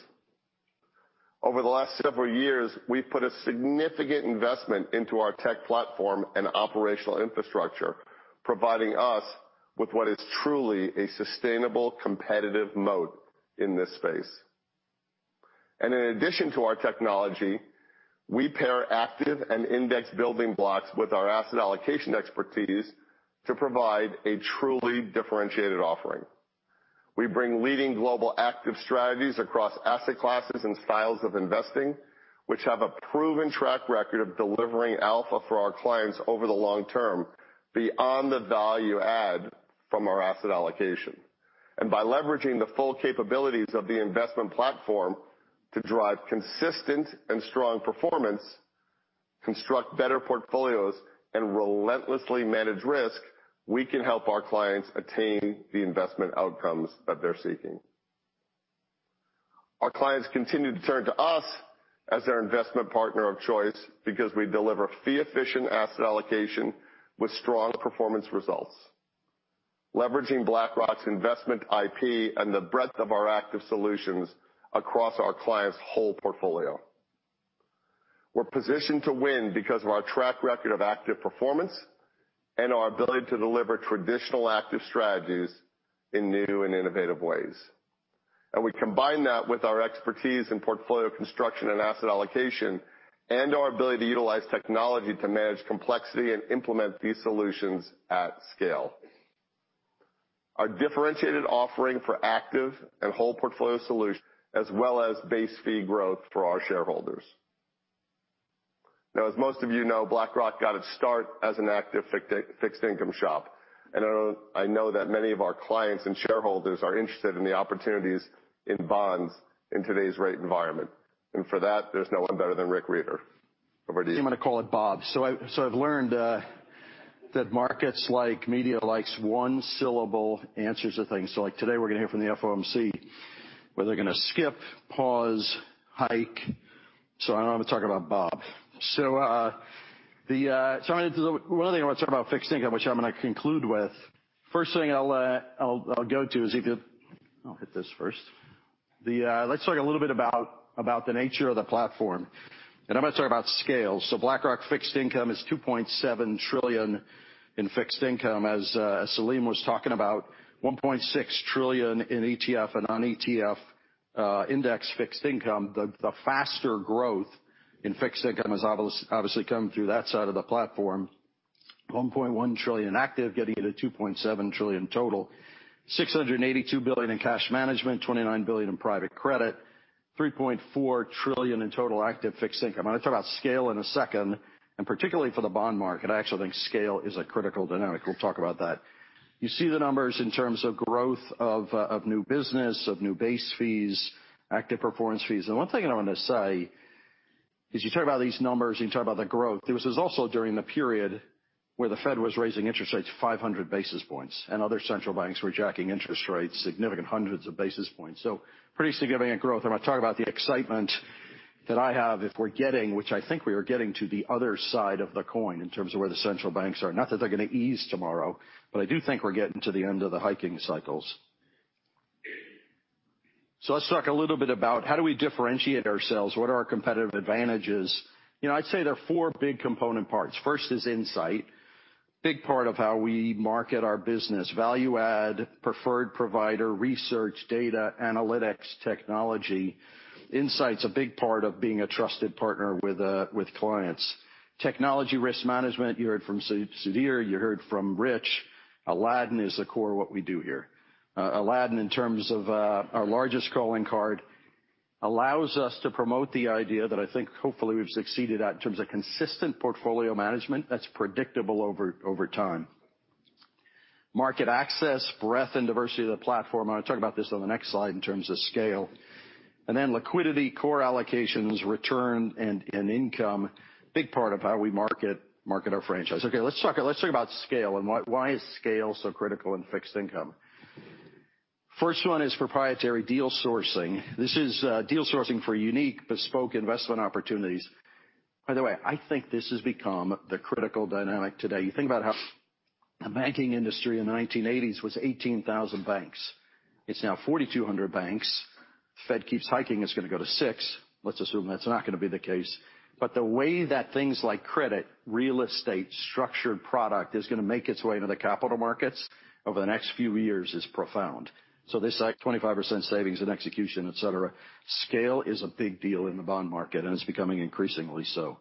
Over the last several years, we've put a significant investment into our tech platform and operational infrastructure, providing us with what is truly a sustainable, competitive moat in this space. In addition to our technology, we pair active and index building blocks with our asset allocation expertise to provide a truly differentiated offering. We bring leading global active strategies across asset classes and styles of investing, which have a proven track record of delivering alpha for our clients over the long term, beyond the value add from our asset allocation. By leveraging the full capabilities of the investment platform to drive consistent and strong performance, construct better portfolios, and relentlessly manage risk, we can help our clients attain the investment outcomes that they're seeking. Our clients continue to turn to us as their investment partner of choice because we deliver fee-efficient asset allocation with strong performance results, leveraging BlackRock's investment IP and the breadth of our active solutions across our clients' whole portfolio. We're positioned to win because of our track record of active performance and our ability to deliver traditional active strategies in new and innovative ways. We combine that with our expertise in portfolio construction and asset allocation, and our ability to utilize technology to manage complexity and implement these solutions at scale. Our differentiated offering for active and whole portfolio solutions, as well as base fee growth for our shareholders. As most of you know, BlackRock got its start as an active fixed income shop. I know that many of our clients and shareholders are interested in the opportunities in bonds in today's rate environment. For that, there's no one better than Rick Rieder. Over to you. You want to call it Bob. I've learned that markets like, media likes one-syllable answers to things. Like, today, we're gonna hear from the FOMC, where they're gonna skip, pause, hike. I'm gonna talk about Bob. One thing I want to talk about fixed income, which I'm gonna conclude with. First thing I'll go to is I'll hit this first. Let's talk a little bit about the nature of the platform, and I'm gonna talk about scale. BlackRock Fixed Income is $2.7 trillion in fixed income. As Salim was talking about, $1.6 trillion in ETF and non-ETF index fixed income. The faster growth in fixed income is obviously coming through that side of the platform. $1.1 trillion active, getting it to $2.7 trillion total. $682 billion in cash management, $29 billion in private credit, $3.4 trillion in total active fixed income. I'm gonna talk about scale in a second, and particularly for the bond market, I actually think scale is a critical dynamic. We'll talk about that. You see the numbers in terms of growth of new business, of new base fees, active performance fees. One thing I want to say is, you talk about these numbers, and you talk about the growth. This was also during the period where the Fed was raising interest rates 500 basis points, and other central banks were jacking interest rates significant hundreds of basis points. Pretty significant growth. I'm gonna talk about the excitement that I have if we're getting, which I think we are getting to the other side of the coin in terms of where the central banks are. Not that they're gonna ease tomorrow, but I do think we're getting to the end of the hiking cycles. Let's talk a little bit about how do we differentiate ourselves, what are our competitive advantages? You know, I'd say there are four big component parts. First is insight. Big part of how we market our business, value add, preferred provider, research, data, analytics, technology. Insight's a big part of being a trusted partner with clients. Technology risk management, you heard from Sudhir, you heard from Rich. Aladdin is the core of what we do here. Aladdin, in terms of our largest calling card, allows us to promote the idea that I think hopefully we've succeeded at, in terms of consistent portfolio management that's predictable over time. Market access, breadth, and diversity of the platform. I'll talk about this on the next slide in terms of scale. Liquidity, core allocations, return, and income, big part of how we market our franchise. Let's talk about scale and why is scale so critical in fixed income? First one is proprietary deal sourcing. This is deal sourcing for unique, bespoke investment opportunities. I think this has become the critical dynamic today. You think about how the banking industry in the 1980s was 18,000 banks. It's now 4,200 banks. Fed keeps hiking, it's gonna go to 6 banks. Let's assume that's not gonna be the case, but the way that things like credit, real estate, structured product is gonna make its way into the capital markets over the next few years is profound. This, like 25% savings and execution, et cetera, scale is a big deal in the bond market, and it's becoming increasingly so.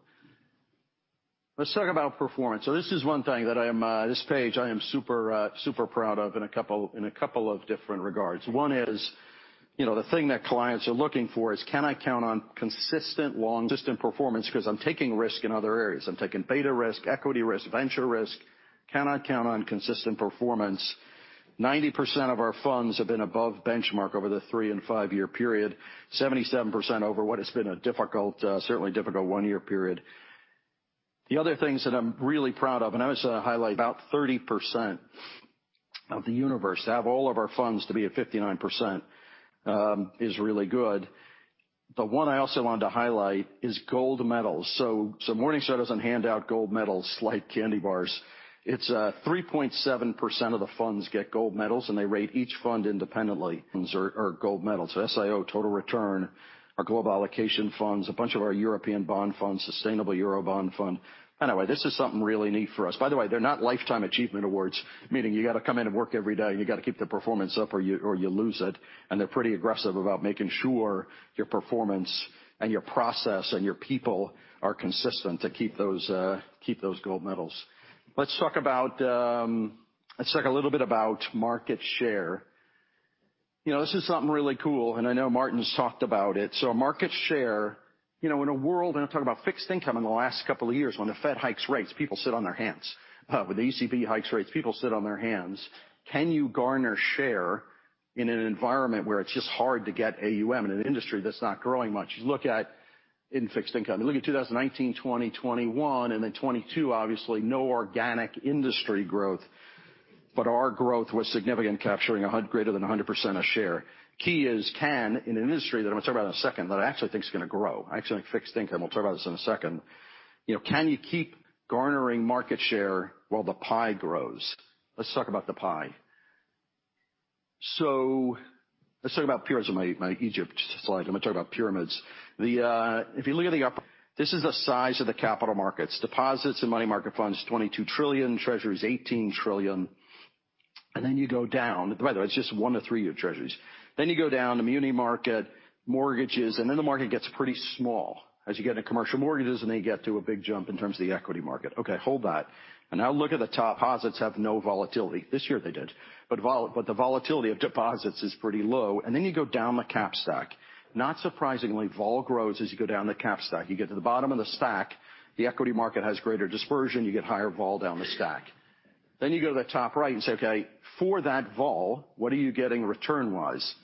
Let's talk about performance. This is one thing that I am super proud of in a couple of different regards. One is, you know, the thing that clients are looking for is: Can I count on consistent, long, consistent performance? I'm taking risk in other areas. I'm taking beta risk, equity risk, venture risk. Can I count on consistent performance? 90% of our funds have been above benchmark over the 3- year and 5-year period, 77% over what has been a difficult, certainly difficult 1-year period. The other things that I'm really proud of, and I want to highlight about 30% of the universe, to have all of our funds to be at 59%, is really good. The one I also wanted to highlight is gold medals. So Morningstar doesn't hand out gold medals like candy bars. It's 3.7% of the funds get gold medals, and they rate each fund independently. Are gold medals. So SIO Total Return, our global allocation funds, a bunch of our European Bond Funds, Sustainable Euro Bond Fund. Anyway, this is something really neat for us. By the way, they're not lifetime achievement awards, meaning you got to come in and work every day, and you got to keep the performance up, or you lose it. They're pretty aggressive about making sure your performance and your process and your people are consistent to keep those gold medals. Let's talk about, let's talk a little bit about market share. You know, this is something really cool, and I know Martin's talked about it. Market share, you know, in a world, and I'm talking about fixed income in the last couple of years, when the Fed hikes rates, people sit on their hands. When the ECB hikes rates, people sit on their hands. Can you garner share in an environment where it's just hard to get AUM in an industry that's not growing much? Look at in fixed income. If you look at 2019, 2020, 2021, and then 2022, obviously, no organic industry growth, but our growth was significant, capturing greater than 100% of share. Key is, can, in an industry that I'm going to talk about in a second, that I actually think is going to grow. I actually think fixed income, we'll talk about this in a second. You know, can you keep garnering market share while the pie grows? Let's talk about the pie. Let's talk about pyramids in my Egypt slide. I'm going to talk about pyramids. The, if you look at the upper, this is the size of the capital markets. Deposits and money market funds, $22 trillion, Treasuries, $18 trillion. Then you go down. By the way, it's just 1-3-year Treasuries. You go down the muni market, mortgages, and then the market gets pretty small as you get into commercial mortgages, and then you get to a big jump in terms of the equity market. Okay, hold that. Now look at the top, deposits have no volatility. This year, they did, but the volatility of deposits is pretty low. And then you go down the cap stack. Not surprisingly, vol grows as you go down the cap stack. You get to the bottom of the stack, the equity market has greater dispersion, you get higher vol down the stack. You go to the top right and say, Okay, for that vol, what are you getting return-wise?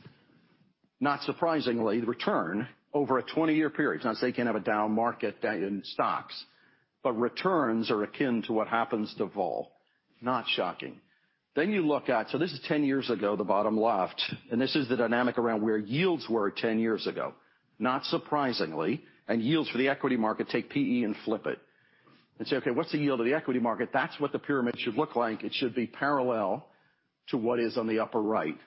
Not surprisingly, the return over a 20-year period. Not saying you can't have a down market, down in stocks, but returns are akin to what happens to vol. Not shocking. You look at this is 10 years ago, the bottom left, and this is the dynamic around where yields were 10 years ago. Not surprisingly, yields for the equity market, take PE and flip it and say, Okay, what's the yield of the equity market? That's what the pyramid should look like. It should be parallel to what is on the upper right.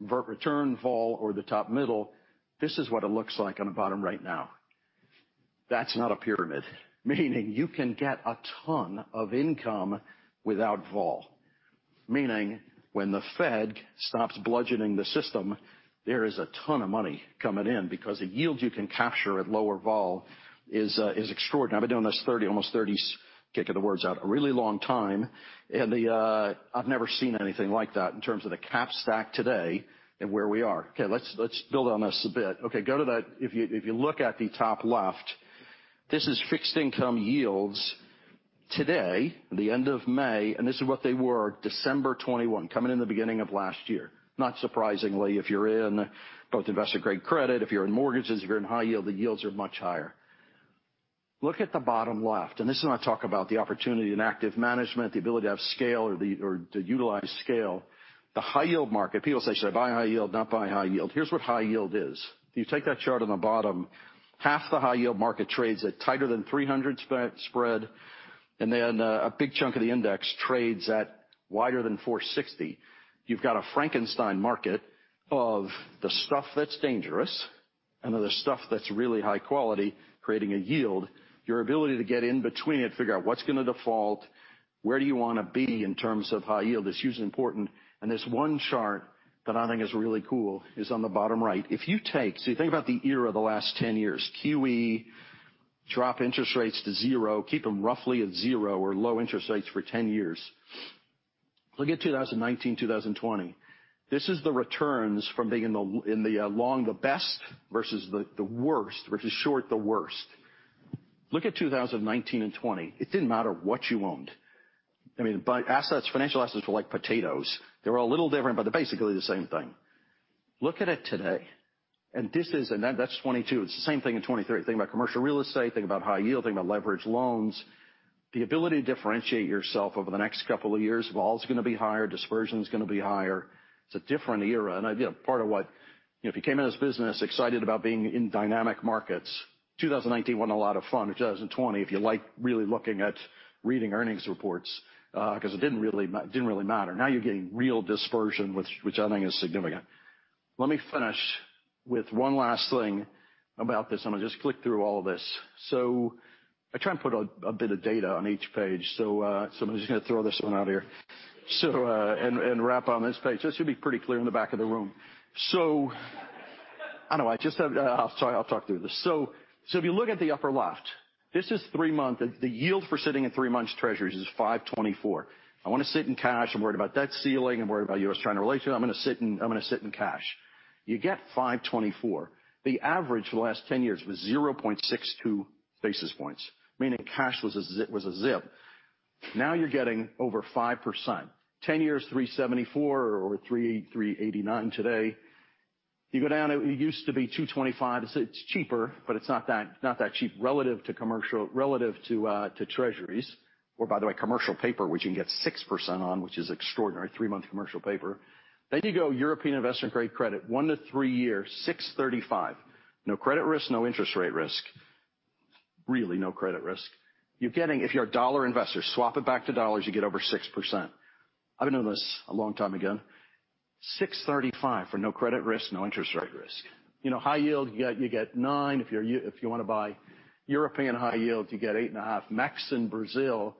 Return, vol, or the top middle, this is what it looks like on the bottom right now. That's not a pyramid, meaning you can get a ton of income without vol. Meaning, when the Fed stops bludgeoning the system, there is a ton of money coming in, because the yield you can capture at lower vol is extraordinary. I've been doing this 30, almost 30- Can't get the words out, a really long time, and the, I've never seen anything like that in terms of the cap stack today and where we are. Okay, let's build on this a bit. Okay, if you, if you look at the top left, this is fixed income yields today, the end of May, and this is what they were December 2021, coming in the beginning of last year. Not surprisingly, if you're in both investor-grade credit, if you're in mortgages, if you're in high yield, the yields are much higher. Look at the bottom left, this is when I talk about the opportunity in active management, the ability to have scale or the, or to utilize scale. The high yield market, people say, Should I buy high yield? Not buy high yield. Here's what high yield is. If you take that chart on the bottom, half the high yield market trades at tighter than 300 spread, and then, a big chunk of the index trades at wider than 460. You've got a Frankenstein market of the stuff that's dangerous and of the stuff that's really high quality, creating a yield. Your ability to get in between it, figure out what's going to default, where do you want to be in terms of high yield, is hugely important. This one chart that I think is really cool is on the bottom right. You think about the era of the last 10 years, QE, drop interest rates to zero, keep them roughly at zero or low interest rates for 10 years. Look at 2019, 2020. This is the returns from being in the, in the long, the best, versus the worst, which is short, the worst. Look at 2019 and 2020. It didn't matter what you owned. I mean, by assets, financial assets were like potatoes. They were a little different, but they're basically the same thing. Look at it today, and this is. That's 2022. It's the same thing in 2023. Think about commercial real estate, think about high yield, think about leverage loans. The ability to differentiate yourself over the next couple of years, vol's going to be higher, dispersion's going to be higher. It's a different era. If you came in this business excited about being in dynamic markets, 2019 wasn't a lot of fun, or 2020, if you like really looking at reading earnings reports, 'cause it didn't really matter. Now you're getting real dispersion, which I think is significant. Let me finish with one last thing about this. I'm going to just click through all of this. I try and put a bit of data on each page, I'm just going to throw this one out here. And wrap on this page. This should be pretty clear in the back of the room. I know, I just have, I'll talk through this. If you look at the upper left, this is three-month. The yield for sitting in three-month Treasuries is 5.24%. I want to sit in cash. I'm worried about debt ceiling. I'm worried about U.S. treasury relation. I'm going to sit in cash. You get 5.24%. The average for the last 10 years was 0.62 basis points, meaning cash was a zip. Now you're getting over 5%. 10 years, 3.74% or 3.89% today. You go down, it used to be 2.25%. It's cheaper, but it's not that cheap relative to commercial relative to Treasuries. By the way, commercial paper, which you can get 6% on, which is extraordinary, three-month commercial paper. You go European investment grade credit, 1 years-3 years, 6.35%. No credit risk, no interest rate risk. Really, no credit risk. You're getting, if you're a dollar investor, swap it back to dollars, you get over 6%. I've been doing this a long time ago. 6.35% for no credit risk, no interest rate risk. You know, high yield, you get 9%. If you want to buy European high yield, you get 8.5%. Mex and Brazil,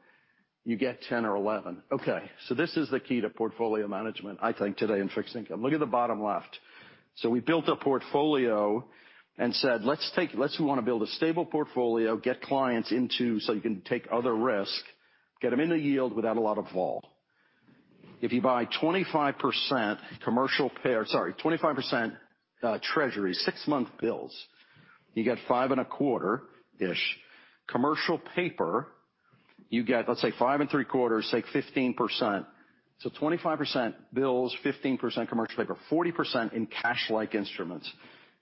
you get 10% or 11%. This is the key to portfolio management, I think, today in fixed income. Look at the bottom left. We built a portfolio and said, We want to build a stable portfolio, get clients into, so you can take other risk, get them in the yield without a lot of vol. If you buy 25% treasury, six-month bills, you get 5.25%-ish. Commercial paper, you get, let's say, 5.75%, say 15%. 25% bills, 15% commercial paper, 40% in cash-like instruments.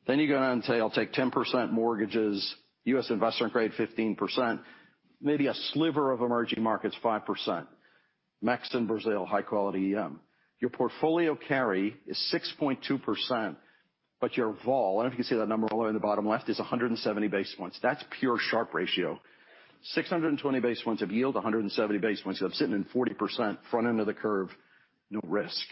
You go on and say, I'll take 10% mortgages, U.S. investment grade, 15%, maybe a sliver of emerging markets, 5%. Mex and Brazil, high quality. Your portfolio carry is 6.2%, but your vol, I don't know if you can see that number all the way in the bottom left, is 170 basis points. That's pure Sharpe ratio. 620 basis points of yield, 170 basis points. You have sitting in 40% front end of the curve, no risk.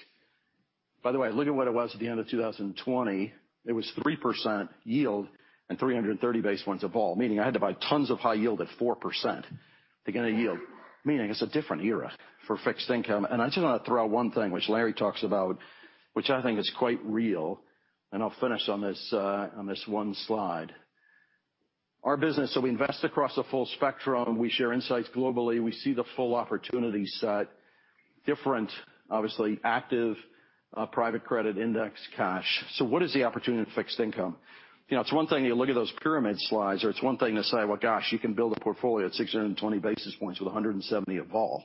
Look at what it was at the end of 2020. It was 3% yield and 330 basis points of vol, meaning I had to buy tons of high yield at 4% to get a yield, meaning it's a different era for fixed income. I just want to throw out one thing, which Larry talks about, which I think is quite real, and I'll finish on this, on this one slide. Our business, we invest across a full spectrum. We share insights globally. We see the full opportunity set, different, obviously, active, private credit, index, cash. What is the opportunity in fixed income? You know, it's one thing to look at those pyramid slides, or it's one thing to say, Well, gosh, you can build a portfolio at 620 basis points with 170 of vol,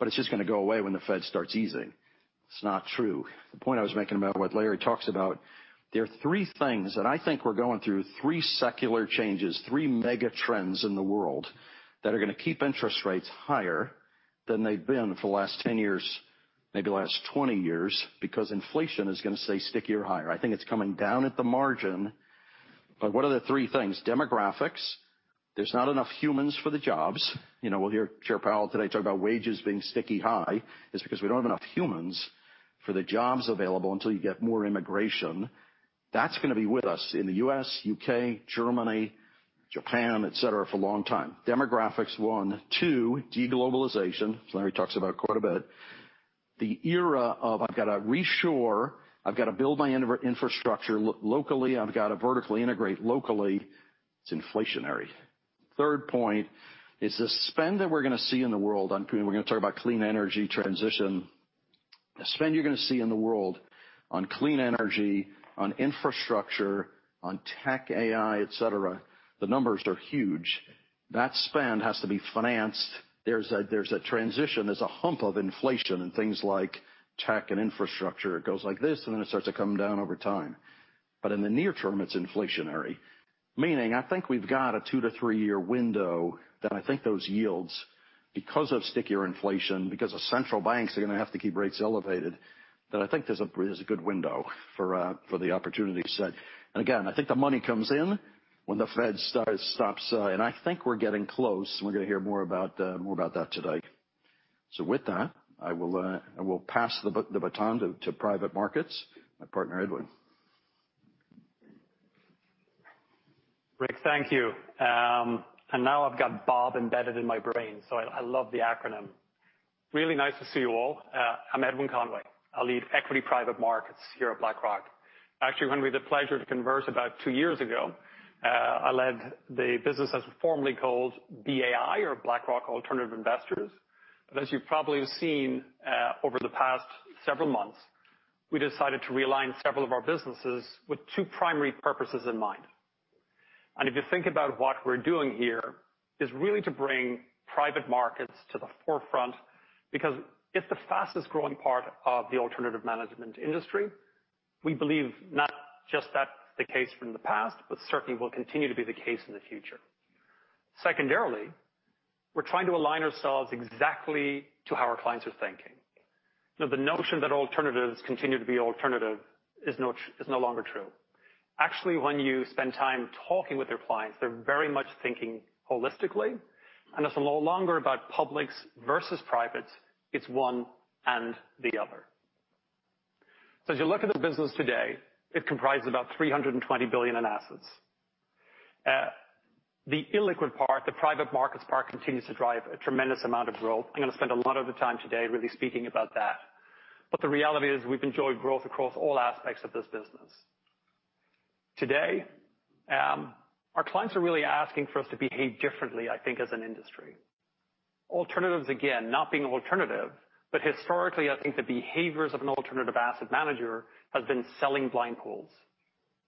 but it's just going to go away when the Fed starts easing. It's not true. The point I was making about what Larry talks about, there are three things, and I think we're going through three secular changes, three mega trends in the world, that are going to keep interest rates higher than they've been for the last 10 years, maybe the last 20 years, because inflation is going to stay stickier higher. I think it's coming down at the margin. What are the three things? Demographics. There's not enough humans for the jobs. You know, we'll hear Chair Powell today talk about wages being sticky high, is because we don't have enough humans for the jobs available until you get more immigration. That's going to be with us in the U.S., U.K., Germany, Japan, et cetera, for a long time. Demographics 1 and 2, de-globalization. Larry talks about it quite a bit. The era of I've got to reshore, I've got to build my infrastructure locally. I've got to vertically integrate locally. It's inflationary. Third point is the spend that we're going to see in the world. We're going to talk about clean energy transition. The spend you're going to see in the world on clean energy, on infrastructure, on TechAI, et cetera, the numbers are huge. That spend has to be financed. There's a transition, there's a hump of inflation and things like tech and infrastructure. It goes like this. Then it starts to come down over time. In the near term, it's inflationary, meaning I think we've got a 2-3 year window, that I think those yields, because of stickier inflation, because the central banks are going to have to keep rates elevated, that I think there's a good window for the opportunity set. Again, I think the money comes in when the Fed starts, stops, I think we're getting close, and we're going to hear more about that today. With that, I will pass the baton to private markets, my partner, Edwin. Rick, thank you. Now I've got Bob embedded in my brain, so I love the acronym. Really nice to see you all. I'm Edwin Conway. I lead Equity Private Markets here at BlackRock. Actually, when we had the pleasure to converse about two years ago, I led the business as formerly called BAI or BlackRock Alternative Investors. As you've probably seen, over the past several months, we decided to realign several of our businesses with two primary purposes in mind. If you think about what we're doing here, is really to bring private markets to the forefront, because it's the fastest growing part of the alternative management industry. We believe not just that's the case from the past, but certainly will continue to be the case in the future. Secondarily, we're trying to align ourselves exactly to how our clients are thinking. The notion that alternatives continue to be alternative is no longer true. Actually, when you spend time talking with your clients, they're very much thinking holistically, and it's no longer about public versus private, it's one and the other. As you look at the business today, it comprises about $320 billion in assets. The illiquid part, the private markets part, continues to drive a tremendous amount of growth. I'm going to spend a lot of the time today really speaking about that. The reality is, we've enjoyed growth across all aspects of this business. Today, our clients are really asking for us to behave differently, I think, as an industry. Alternatives, again, not being alternative, but historically, I think the behaviors of an alternative asset manager has been selling blind pools.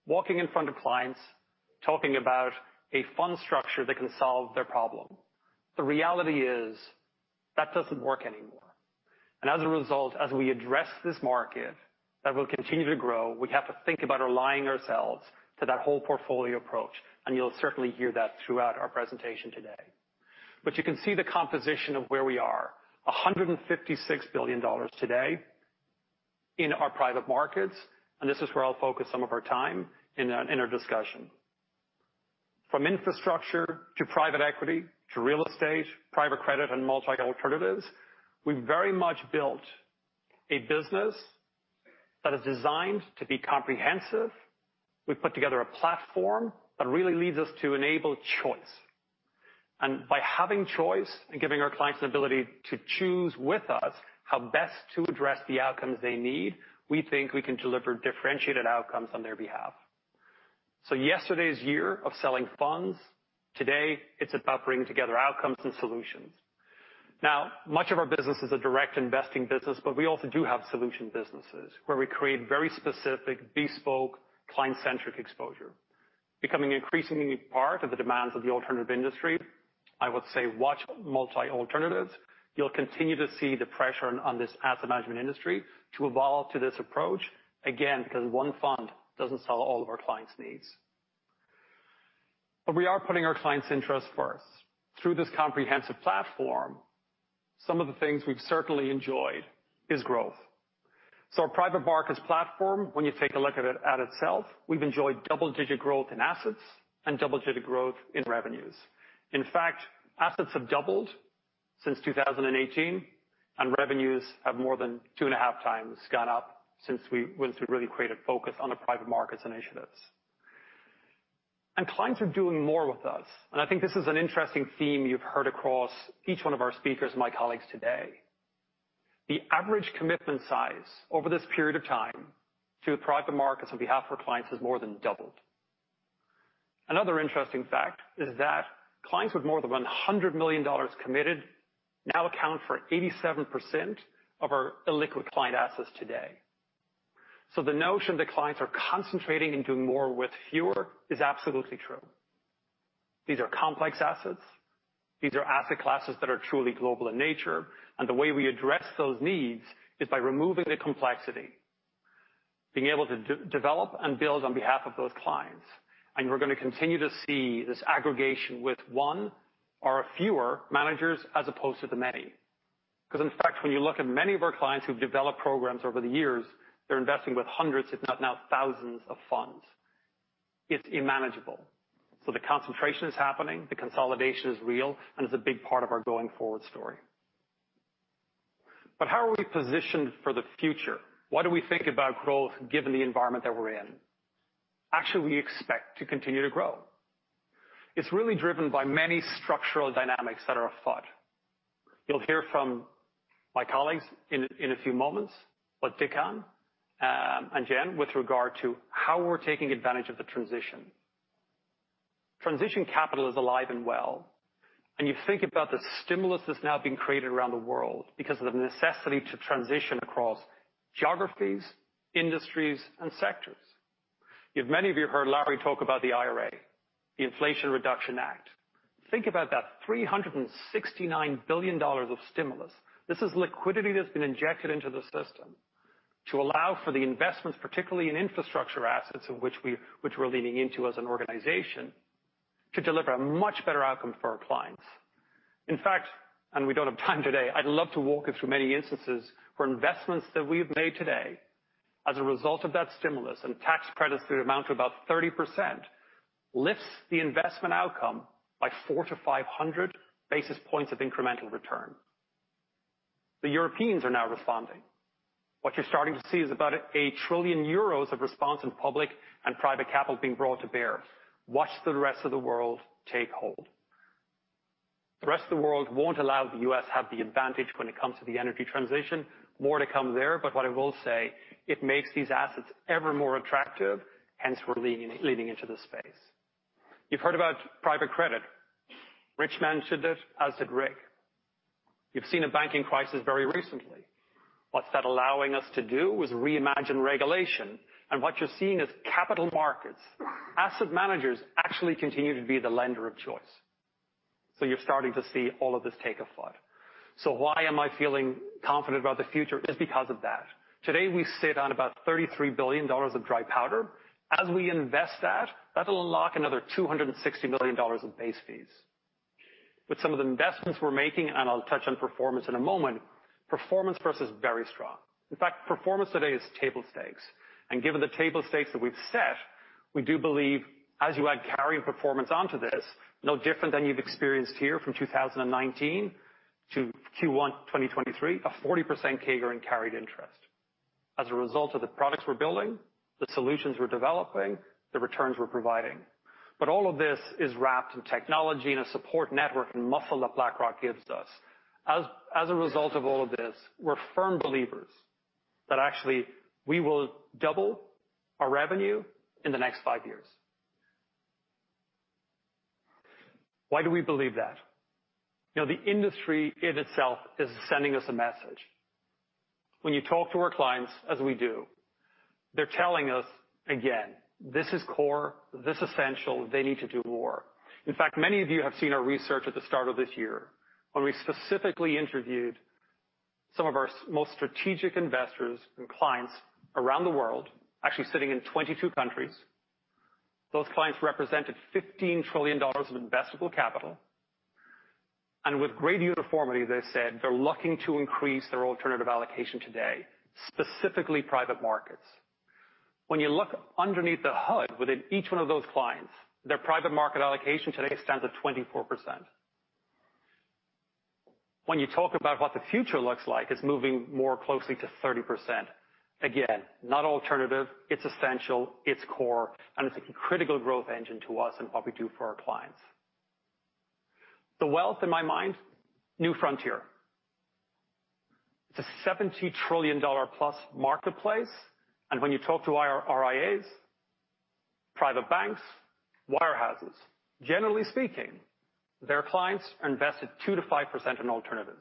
Walking in front of clients, talking about a fund structure that can solve their problem. The reality is, that doesn't work anymore. As a result, as we address this market, that will continue to grow, we have to think about aligning ourselves to that whole portfolio approach, and you'll certainly hear that throughout our presentation today. You can see the composition of where we are, $156 billion today in our private markets, and this is where I'll focus some of our time in our discussion. From infrastructure to private equity, to real estate, private credit, and multi alternatives, we've very much built a business that is designed to be comprehensive. We've put together a platform that really leads us to enable choice. By having choice and giving our clients the ability to choose with us how best to address the outcomes they need, we think we can deliver differentiated outcomes on their behalf. Yesterday's year of selling funds, today, it's about bringing together outcomes and solutions. Much of our business is a direct investing business, but we also do have solution businesses where we create very specific, bespoke, client-centric exposure. Becoming an increasingly part of the demands of the alternative industry, I would say watch multi-alternatives. You'll continue to see the pressure on this asset management industry to evolve to this approach, again, because one fund doesn't solve all of our clients' needs. We are putting our clients' interests first. Through this comprehensive platform, some of the things we've certainly enjoyed is growth. Our private markets platform, when you take a look at itself, we've enjoyed double-digit growth in assets and double-digit growth in revenues. In fact, assets have doubled since 2018, and revenues have more than 2.5x gone up since we really created focus on the private markets initiatives. Clients are doing more with us, and I think this is an interesting theme you've heard across each one of our speakers and my colleagues today. The average commitment size over this period of time to the private markets on behalf of our clients, has more than doubled. Another interesting fact is that clients with more than $100 million committed now account for 87% of our illiquid client assets today. The notion that clients are concentrating and doing more with fewer is absolutely true. These are complex assets. These are asset classes that are truly global in nature, the way we address those needs is by removing the complexity, being able to de-develop and build on behalf of those clients. We're gonna continue to see this aggregation with one or fewer managers, as opposed to the many. 'Cause in fact, when you look at many of our clients who've developed programs over the years, they're investing with hundreds, if not now, thousands of funds. It's unmanageable. The concentration is happening, the consolidation is real, and it's a big part of our going-forward story. How are we positioned for the future? What do we think about growth, given the environment that we're in? Actually, we expect to continue to grow. It's really driven by many structural dynamics that are afoot. You'll hear from my colleagues in a few moments, but Dickon and Jes, with regard to how we're taking advantage of the transition. Transition Capital is alive and well, and you think about the stimulus that's now being created around the world because of the necessity to transition across geographies, industries, and sectors. Many of you heard Larry talk about the IRA, the Inflation Reduction Act. Think about that $369 billion of stimulus. This is liquidity that's been injected into the system to allow for the investments, particularly in infrastructure assets, in which we're leaning into as an organization, to deliver a much better outcome for our clients. In fact, we don't have time today, I'd love to walk you through many instances for investments that we've made today as a result of that stimulus and tax credits that amount to about 30%, lifts the investment outcome by 400 basis points-500 basis points of incremental return. The Europeans are now responding. What you're starting to see is about 1 trillion euros of response in public and private capital being brought to bear. Watch the rest of the world take hold. The rest of the world won't allow the U.S. have the advantage when it comes to the energy transition. More to come there, but what I will say, it makes these assets ever more attractive, hence we're leading into this space. You've heard about private credit. Rich mentioned it, as did Rick. You've seen a banking crisis very recently. What's that allowing us to do, is reimagine regulation, and what you're seeing is capital markets. Asset managers actually continue to be the lender of choice. You're starting to see all of this take afoot. Why am I feeling confident about the future? Is because of that. Today, we sit on about $33 billion of dry powder. As we invest that'll unlock another $260 million of base fees. With some of the investments we're making, and I'll touch on performance in a moment, performance for us is very strong. In fact, performance today is table stakes, and given the table stakes that we've set, we do believe, as you add carrying performance onto this, no different than you've experienced here from 2019 to Q1 2023, a 40% CAGR in carried interest. As a result of the products we're building, the solutions we're developing, the returns we're providing. All of this is wrapped in technology and a support network and muscle that BlackRock gives us. As a result of all of this, we're firm believers that actually we will double our revenue in the next five years. Why do we believe that? You know, the industry in itself is sending us a message. When you talk to our clients, as we do, they're telling us, again, this is core, this essential, they need to do more. In fact, many of you have seen our research at the start of this year, when we specifically interviewed some of our most strategic investors and clients around the world, actually sitting in 22 countries. Those clients represented $15 trillion of investable capital. With great uniformity, they said they're looking to increase their alternative allocation today, specifically private markets. When you look underneath the hood, within each one of those clients, their private market allocation today stands at 24%. When you talk about what the future looks like, it's moving more closely to 30%. Again, not alternative, it's essential, it's core, and it's a critical growth engine to us and what we do for our clients. The wealth in my mind, new frontier. It's a $70+ trillion marketplace. When you talk to our RIAs, private banks, wirehouses, generally speaking, their clients invested 2%-5% in alternatives.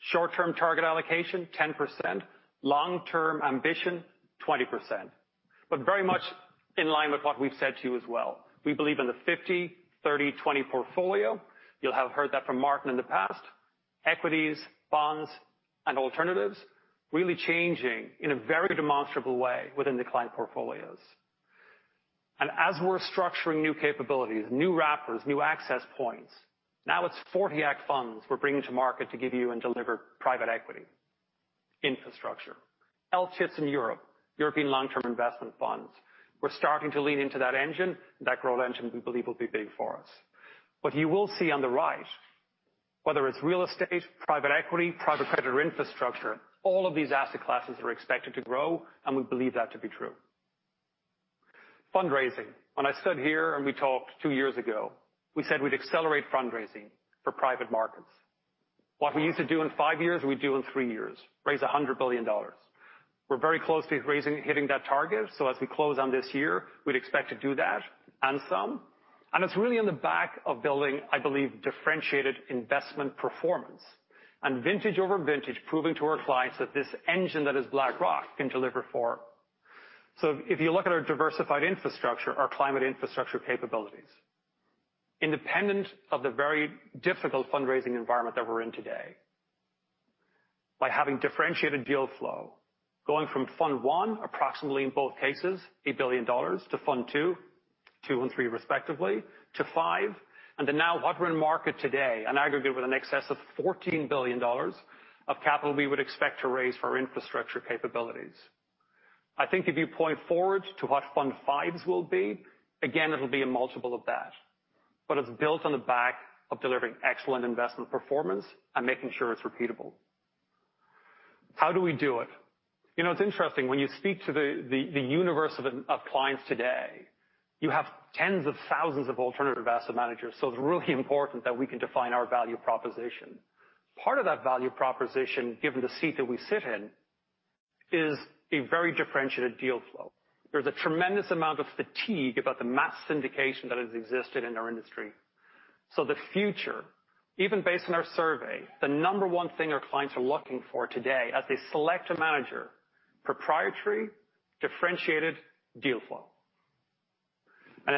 Short-term target allocation, 10%. Long-term ambition, 20%. Very much in line with what we've said to you as well. We believe in the 50/30/20 portfolio. You'll have heard that from Martin in the past. Equities, bonds, and alternatives, really changing in a very demonstrable way within the client portfolios. As we're structuring new capabilities, new wrappers, new access points, now it's '40 Act funds we're bringing to market to give you and deliver private equity, infrastructure. ELTIFs in Europe, European long-term investment funds. We're starting to lean into that engine. That growth engine, we believe, will be big for us. What you will see on the right, whether it's real estate, private equity, private credit, or infrastructure, all of these asset classes are expected to grow, and we believe that to be true. Fundraising. When I stood here and we talked two years ago, we said we'd accelerate fundraising for private markets. What we used to do in five years, we'd do in three years, raise $100 billion. We're very closely hitting that target, so as we close on this year, we'd expect to do that and some. It's really on the back of building, I believe, differentiated investment performance and vintage over vintage, proving to our clients that this engine that is BlackRock can deliver for. If you look at our diversified infrastructure, our climate infrastructure capabilities, independent of the very difficult fundraising environment that we're in today, by having differentiated deal flow, going from fund 1, approximately in both cases, $8 billion to fund 2 and 3, respectively, to 5, and then now what we're in market today, an aggregate with an excess of $14 billion of capital we would expect to raise for our infrastructure capabilities. I think if you point forward to what fund 5s will be, again, it'll be a multiple of that, but it's built on the back of delivering excellent investment performance and making sure it's repeatable. How do we do it? You know, it's interesting, when you speak to the universe of clients today, you have tens of thousands of alternative asset managers, it's really important that we can define our value proposition. Part of that value proposition, given the seat that we sit in, is a very differentiated deal flow. There's a tremendous amount of fatigue about the mass syndication that has existed in our industry. The future, even based on our survey, the number one thing our clients are looking for today, as they select a manager, proprietary, differentiated deal flow.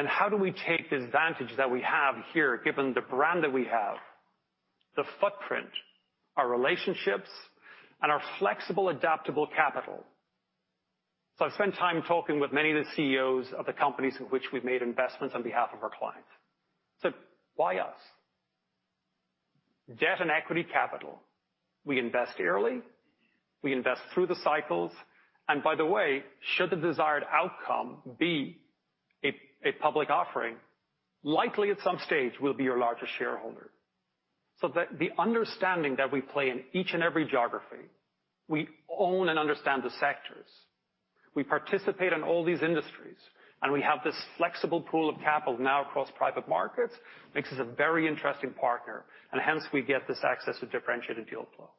How do we take the advantage that we have here, given the brand that we have, the footprint, our relationships, and our flexible, adaptable capital? I've spent time talking with many of the CEOs of the companies in which we've made investments on behalf of our clients. Why us? Debt and equity capital. We invest early, we invest through the cycles, and by the way, should the desired outcome be a public offering, likely at some stage, we'll be your largest shareholder. The understanding that we play in each and every geography, we own and understand the sectors, we participate in all these industries, and we have this flexible pool of capital now across private markets, makes us a very interesting partner, and hence, we get this access to differentiated deal flow.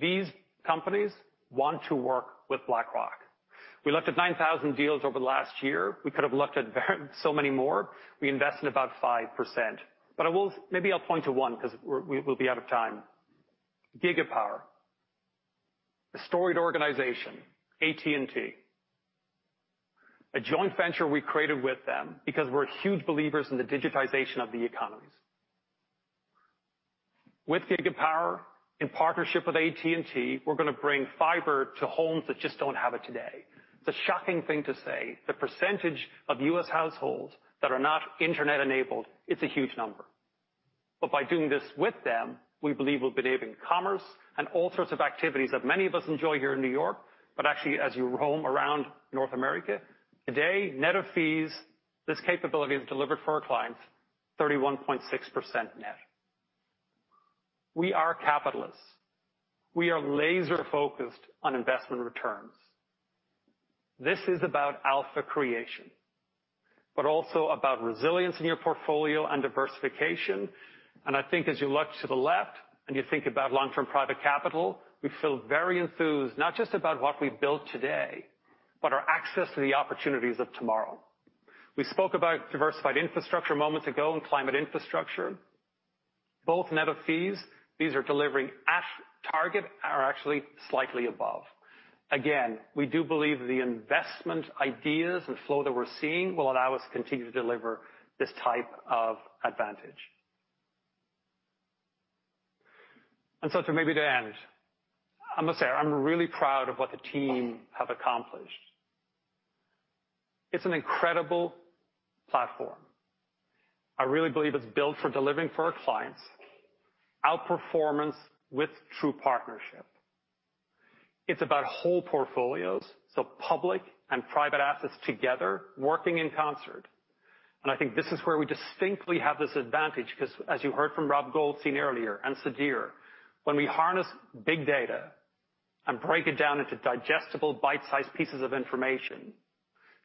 These companies want to work with BlackRock. We looked at 9,000 deals over the last year. We could have looked at very so many more. We invested about 5%. Maybe I'll point to one, because we'll be out of time. Gigapower, a storied organization, AT&T, a joint venture we created with them because we're huge believers in the digitization of the economies. With Gigapower, in partnership with AT&T, we're going to bring fiber to homes that just don't have it today. It's a shocking thing to say, the percentage of U.S. households that are not internet-enabled, it's a huge number. By doing this with them, we believe we'll be enabling commerce and all sorts of activities that many of us enjoy here in New York, but actually, as you roam around North America, today, net of fees, this capability is delivered for our clients, 31.6% net. We are capitalists. We are laser-focused on investment returns. This is about alpha creation, but also about resilience in your portfolio and diversification. I think as you look to the left and you think about long-term private capital, we feel very enthused, not just about what we've built today, but our access to the opportunities of tomorrow. We spoke about diversified infrastructure a moment ago and climate infrastructure. Both net of fees, these are delivering at target, are actually slightly above. Again, we do believe the investment ideas and flow that we're seeing will allow us to continue to deliver this type of advantage. To maybe end, I must say, I'm really proud of what the team have accomplished. It's an incredible platform. I really believe it's built for delivering for our clients, outperformance with true partnership. It's about whole portfolios, so public and private assets together, working in concert. I think this is where we distinctly have this advantage, 'cause as you heard from Rob Goldstein earlier, and Sudhir, when we harness big data and break it down into digestible, bite-sized pieces of information,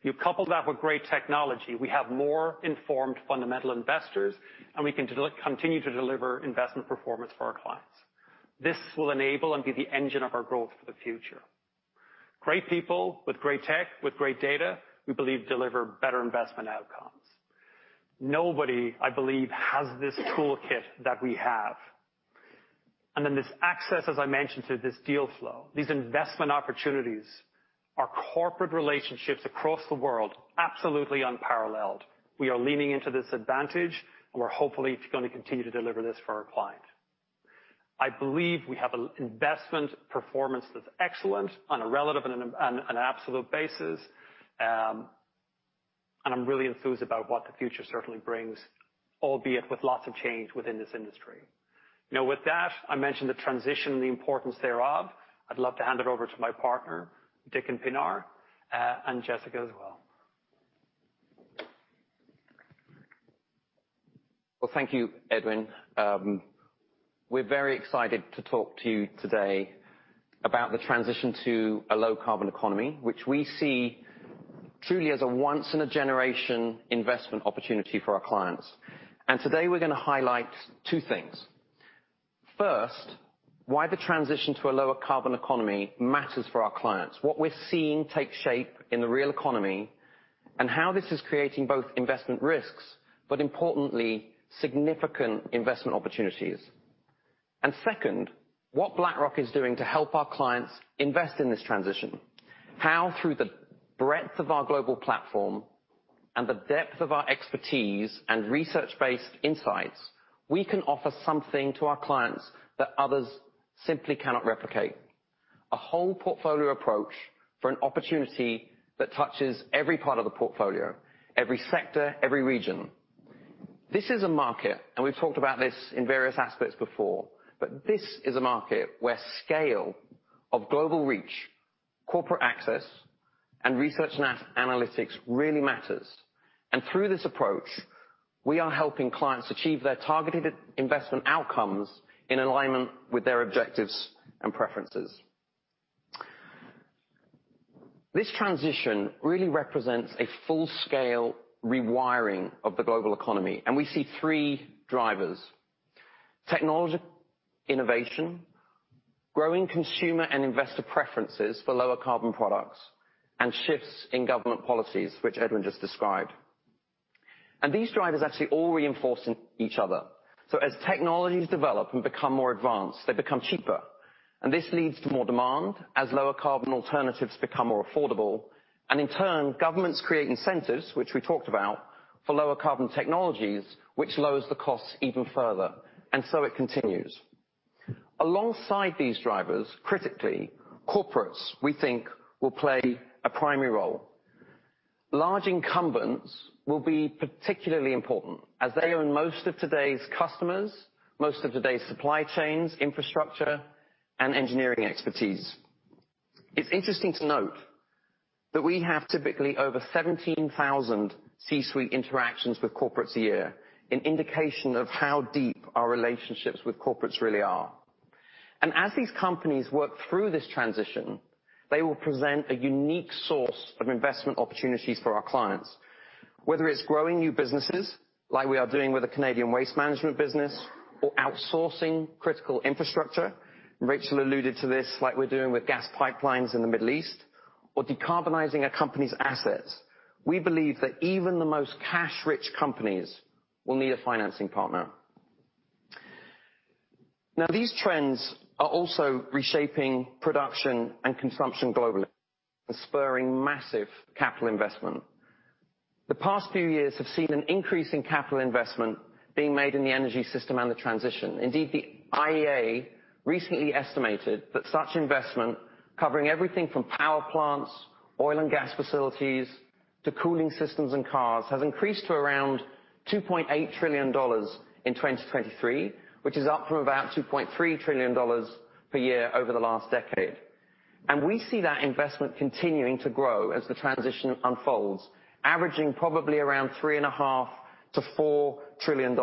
you couple that with great technology, we have more informed fundamental investors, and we can continue to deliver investment performance for our clients. This will enable and be the engine of our growth for the future. Great people with great tech, with great data, we believe deliver better investment outcomes. Nobody, I believe, has this toolkit that we have. Then this access, as I mentioned, to this deal flow, these investment opportunities, our corporate relationships across the world, absolutely unparalleled. We are leaning into this advantage, and we're hopefully going to continue to deliver this for our client. I believe we have a investment performance that's excellent on a relative and an absolute basis. I'm really enthused about what the future certainly brings, albeit with lots of change within this industry. With that, I mentioned the transition and the importance thereof. I'd love to hand it over to my partner, Dickon Pinner, and Jessica as well. Well, thank you, Edwin. We're very excited to talk to you today about the transition to a low carbon economy, which we see truly as a once in a generation investment opportunity for our clients. Today, we're gonna highlight two things. First, why the transition to a lower carbon economy matters for our clients, what we're seeing take shape in the real economy, and how this is creating both investment risks, but importantly, significant investment opportunities. Second, what BlackRock is doing to help our clients invest in this transition. How, through the breadth of our global platform and the depth of our expertise and research-based insights, we can offer something to our clients that others simply cannot replicate. A whole portfolio approach for an opportunity that touches every part of the portfolio, every sector, every region. This is a market, we've talked about this in various aspects before, this is a market where scale of global reach, corporate access, and research analytics really matters. Through this approach, we are helping clients achieve their targeted investment outcomes in alignment with their objectives and preferences. This transition really represents a full-scale rewiring of the global economy, we see three drivers. Technology innovation, growing consumer and investor preferences for lower carbon products, and shifts in government policies, which Edwin just described. These drivers actually all reinforce in each other. As technologies develop and become more advanced, they become cheaper, this leads to more demand as lower carbon alternatives become more affordable. In turn, governments create incentives, which we talked about, for lower carbon technologies, which lowers the costs even further, it continues. Alongside these drivers, critically, corporates, we think, will play a primary role. Large incumbents will be particularly important, as they own most of today's customers, most of today's supply chains, infrastructure, and engineering expertise. It's interesting to note that we have typically over 17,000 C-suite interactions with corporates a year, an indication of how deep our relationships with corporates really are. As these companies work through this transition, they will present a unique source of investment opportunities for our clients. Whether it's growing new businesses, like we are doing with a Canadian waste management business, or outsourcing critical infrastructure, and Rachel alluded to this, like we're doing with gas pipelines in the Middle East, or decarbonizing a company's assets, we believe that even the most cash-rich companies will need a financing partner. These trends are also reshaping production and consumption globally and spurring massive capital investment. The past few years have seen an increase in capital investment being made in the energy system and the transition. Indeed, the IEA recently estimated that such investment, covering everything from power plants, oil and gas facilities, to cooling systems and cars, has increased to around $2.8 trillion in 2023, which is up from about $2.3 trillion per year over the last decade. We see that investment continuing to grow as the transition unfolds, averaging probably around $3.5 trillion-$4 trillion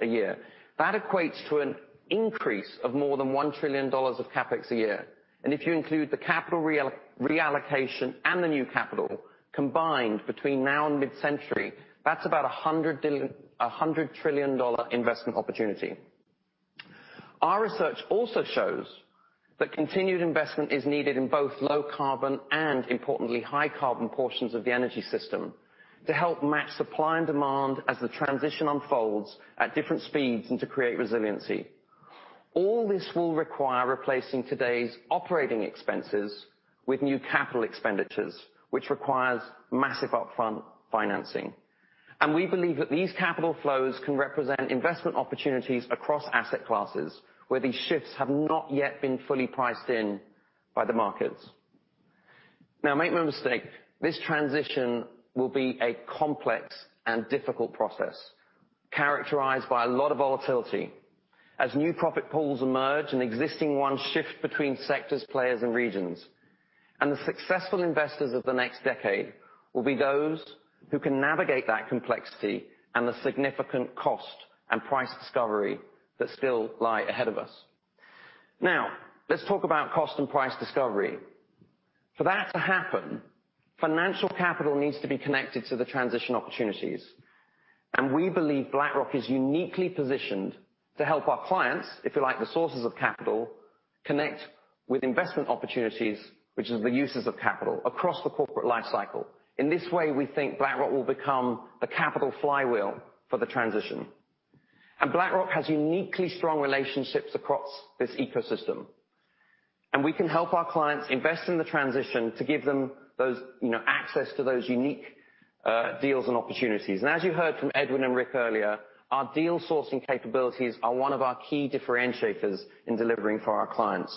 a year. That equates to an increase of more than $1 trillion of CapEx a year. If you include the capital reallocation and the new capital combined between now and mid-century, that's about a $100 trillion investment opportunity. Our research also shows that continued investment is needed in both low carbon and importantly, high carbon portions of the energy system, to help match supply and demand as the transition unfolds at different speeds and to create resiliency. All this will require replacing today's operating expenses with new capital expenditures, which requires massive upfront financing. We believe that these capital flows can represent investment opportunities across asset classes, where these shifts have not yet been fully priced in by the markets. Now, make no mistake, this transition will be a complex and difficult process, characterized by a lot of volatility. As new profit pools emerge and existing ones shift between sectors, players, and regions, and the successful investors of the next decade will be those who can navigate that complexity and the significant cost and price discovery that still lie ahead of us. Now, let's talk about cost and price discovery. For that to happen, financial capital needs to be connected to the transition opportunities. We believe BlackRock is uniquely positioned to help our clients, if you like, the sources of capital, connect with investment opportunities, which is the uses of capital across the corporate life cycle. In this way, we think BlackRock will become the capital flywheel for the transition. BlackRock has uniquely strong relationships across this ecosystem, and we can help our clients invest in the transition to give them those, you know, access to those unique deals and opportunities. As you heard from Edwin and Rick earlier, our deal sourcing capabilities are one of our key differentiators in delivering for our clients.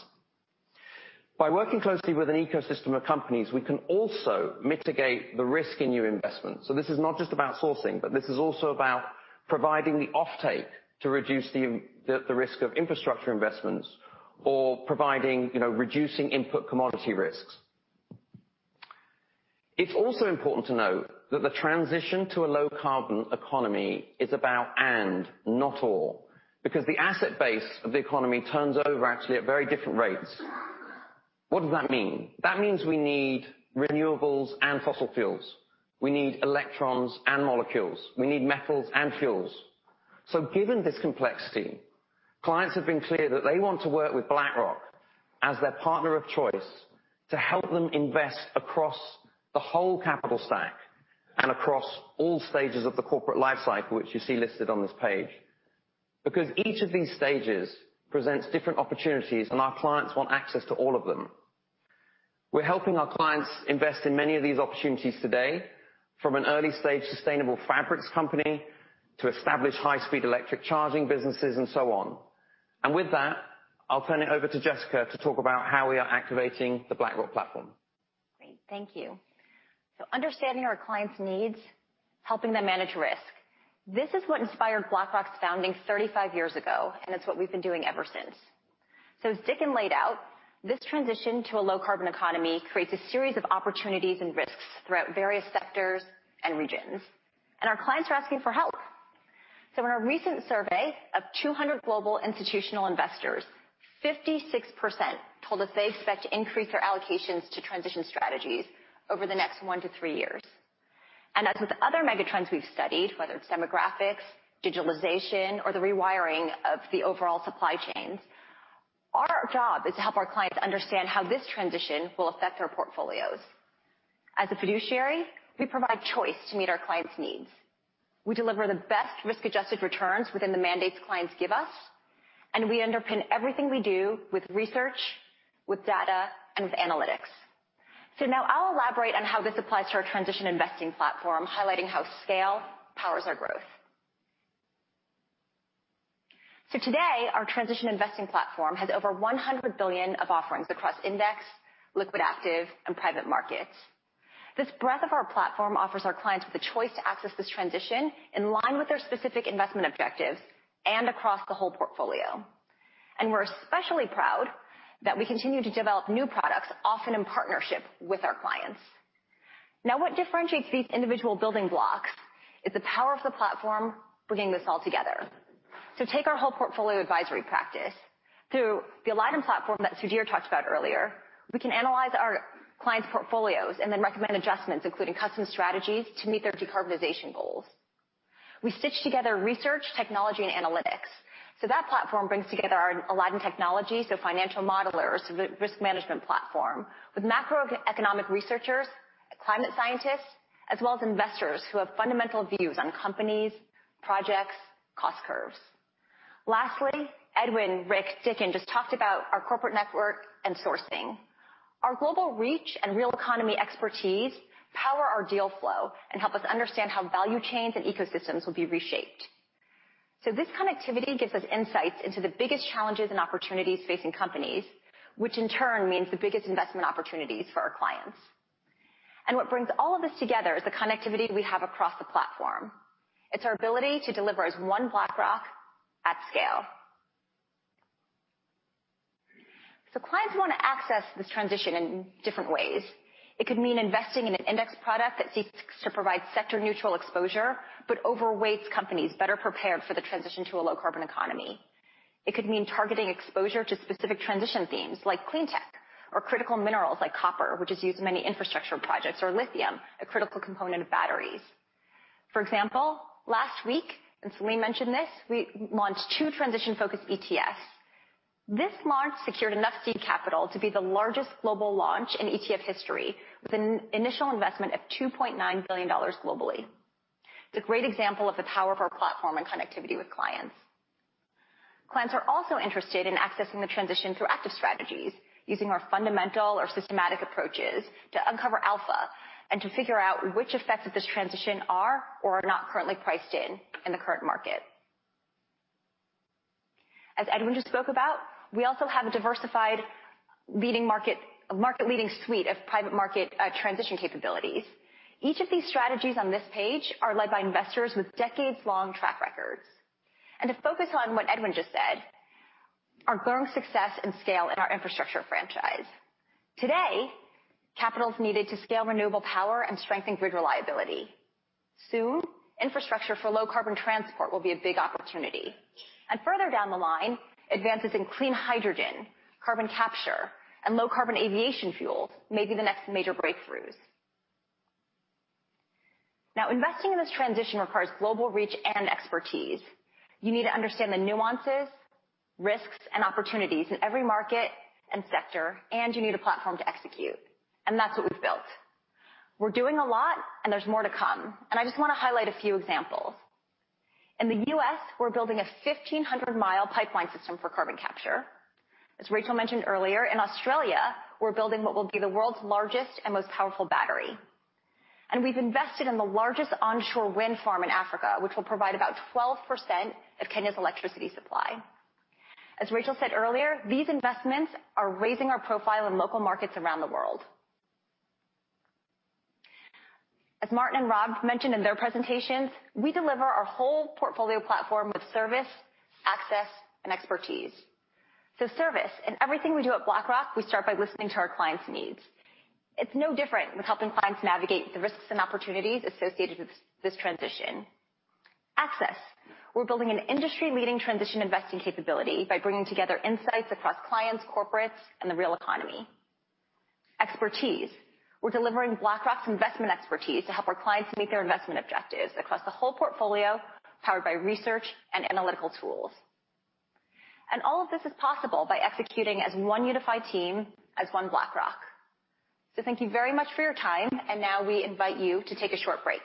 By working closely with an ecosystem of companies, we can also mitigate the risk in new investments. This is not just about sourcing, but this is also about providing the offtake to reduce the risk of infrastructure investments or providing, you know, reducing input commodity risks. It's also important to note that the transition to a low-carbon economy is about and not all, because the asset base of the economy turns over actually at very different rates. What does that mean? That means we need renewables and fossil fuels. We need electrons and molecules. We need metals and fuels. Given this complexity, clients have been clear that they want to work with BlackRock as their partner of choice, to help them invest across the whole capital stack and across all stages of the corporate life cycle, which you see listed on this page. Each of these stages presents different opportunities, and our clients want access to all of them. We're helping our clients invest in many of these opportunities today from an early-stage, sustainable fabrics company to establish high-speed electric charging businesses and so on. With that, I'll turn it over to Jessica to talk about how we are activating the BlackRock platform. Great. Thank you. Understanding our clients' needs, helping them manage risk. This is what inspired BlackRock's founding 35 years ago, and it's what we've been doing ever since. As Dickon laid out, this transition to a low-carbon economy creates a series of opportunities and risks throughout various sectors and regions, and our clients are asking for help. In our recent survey of 200 global institutional investors, 56% told us they expect to increase their allocations to transition strategies over the next 1-3 years. As with other megatrends we've studied, whether it's demographics, digitalization, or the rewiring of the overall supply chains, our job is to help our clients understand how this transition will affect their portfolios. As a fiduciary, we provide choice to meet our clients' needs. We deliver the best risk-adjusted returns within the mandates clients give us, and we underpin everything we do with research, with data, and with analytics. Now I'll elaborate on how this applies to our transition investing platform, hig hlighting how scale powers our growth. Today, our transition investing platform has over $100 billion of offerings across index, liquid, active, and private markets. This breadth of our platform offers our clients with the choice to access this transition in line with their specific investment objectives and across the whole portfolio. We're especially proud that we continue to develop new products, often in partnership with our clients. Now, what differentiates these individual building blocks is the power of the platform, bringing this all together. Take our whole portfolio advisory practice. Through the Aladdin platform that Sudhir talked about earlier, we can analyze our clients' portfolios and then recommend adjustments, including custom strategies, to meet their decarbonization goals. That platform brings together our Aladdin technology, so financial modelers, the risk management platform, with macroeconomic researchers, climate scientists, as well as investors who have fundamental views on companies, projects, cost curves. Lastly, Edwin, Rick, Dickon just talked about our corporate network and sourcing. Our global reach and real economy expertise, power our deal flow and help us understand how value chains and ecosystems will be reshaped. This connectivity gives us insights into the biggest challenges and opportunities facing companies, which in turn means the biggest investment opportunities for our clients. What brings all of this together is the connectivity we have across the platform. It's our ability to deliver as one BlackRock at scale. Clients want to access this transition in different ways. It could mean investing in an index product that seeks to provide sector-neutral exposure, but overweights companies better prepared for the transition to a low-carbon economy. It could mean targeting exposure to specific transition themes like clean tech or critical minerals like copper, which is used in many infrastructure projects, or lithium, a critical component of batteries. For example, last week, as we mentioned this, we launched two transition-focused ETFs. This launch secured enough seed capital to be the largest global launch in ETF history, with an initial investment of $2.9 billion globally. It's a great example of the power of our platform and connectivity with clients. Clients are also interested in accessing the transition through active strategies, using our fundamental or systematic approaches to uncover alpha and to figure out which effects of this transition are or are not currently priced in the current market. As Edwin just spoke about, we also have a diversified a market-leading suite of private market transition capabilities. Each of these strategies on this page are led by investors with decades-long track records. To focus on what Edwin just said, our growing success and scale in our infrastructure franchise. Today, capital is needed to scale renewable power and strengthen grid reliability. Soon, infrastructure for low carbon transport will be a big opportunity, and further down the line, advances in clean hydrogen, carbon capture, and low carbon aviation fuels may be the next major breakthroughs. Investing in this transition requires global reach and expertise. You need to understand the nuances, risks, and opportunities in every market and sector, and you need a platform to execute. That's what we've built. We're doing a lot, and there's more to come, and I just want to highlight a few examples. In the U.S., we're building a 1,500 mi pipeline system for carbon capture. As Rachel mentioned earlier, in Australia, we're building what will be the world's largest and most powerful battery. We've invested in the largest onshore wind farm in Africa, which will provide about 12% of Kenya's electricity supply. As Rachel said earlier, these investments are raising our profile in local markets around the world. As Martin and Rob mentioned in their presentations, we deliver our whole portfolio platform with service, access, and expertise. Service, in everything we do at BlackRock, we start by listening to our clients' needs. It's no different with helping clients navigate the risks and opportunities associated with this transition. Access, we're building an industry-leading transition investing capability by bringing together insights across clients, corporates, and the real economy. Expertise, we're delivering BlackRock's investment expertise to help our clients meet their investment objectives across the whole portfolio, powered by research and analytical tools. All of this is possible by executing as one unified team, as one BlackRock. Thank you very much for your time, and now we invite you to take a short break.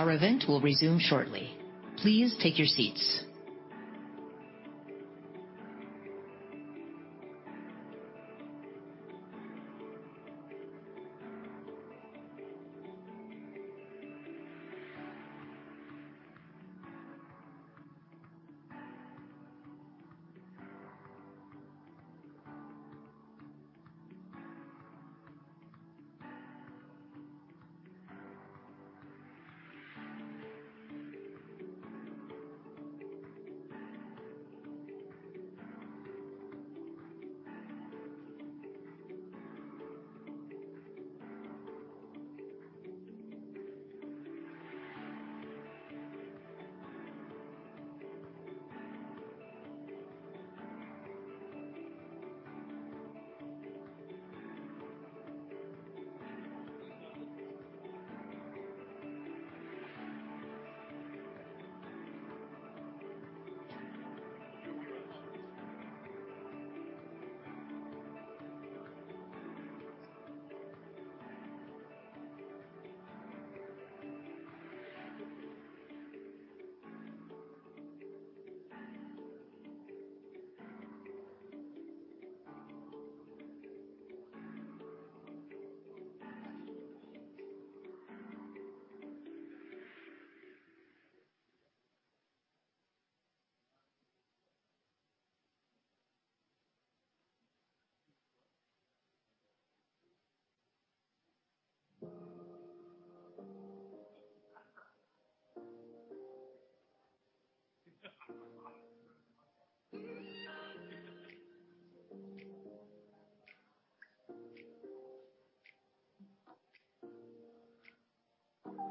Our event will resume shortly. Please take your seats.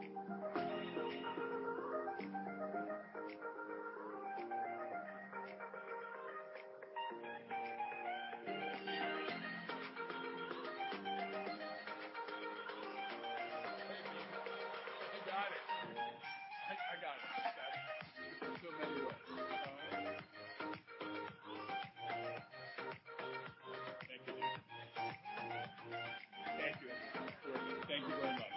Thanks again for joining us.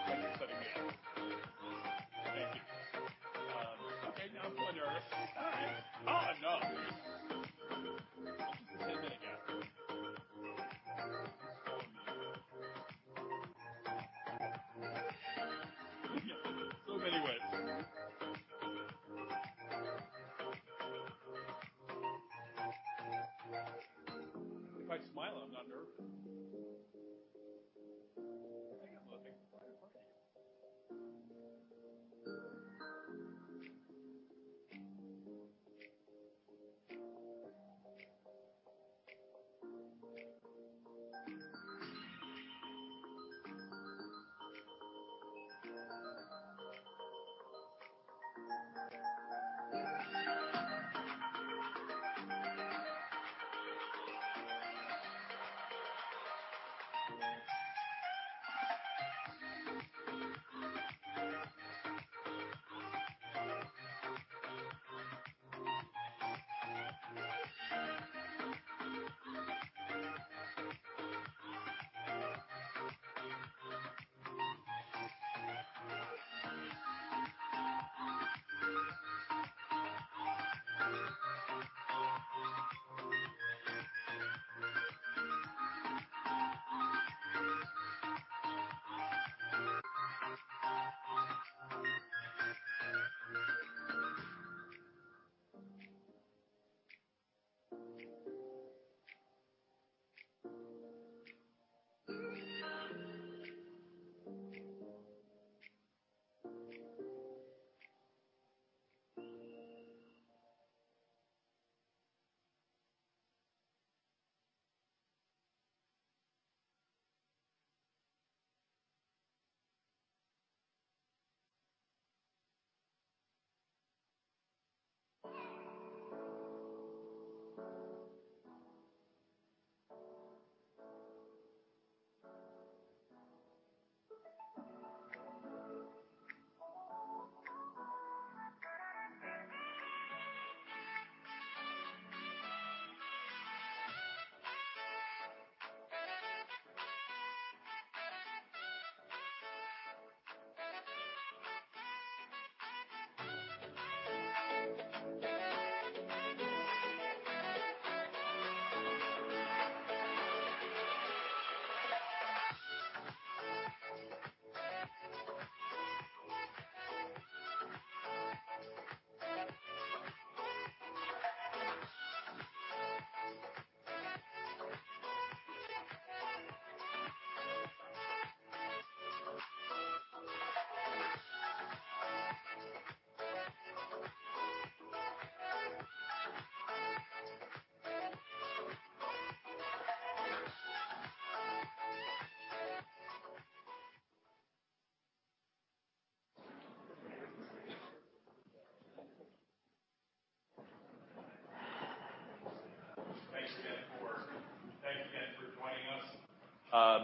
I'm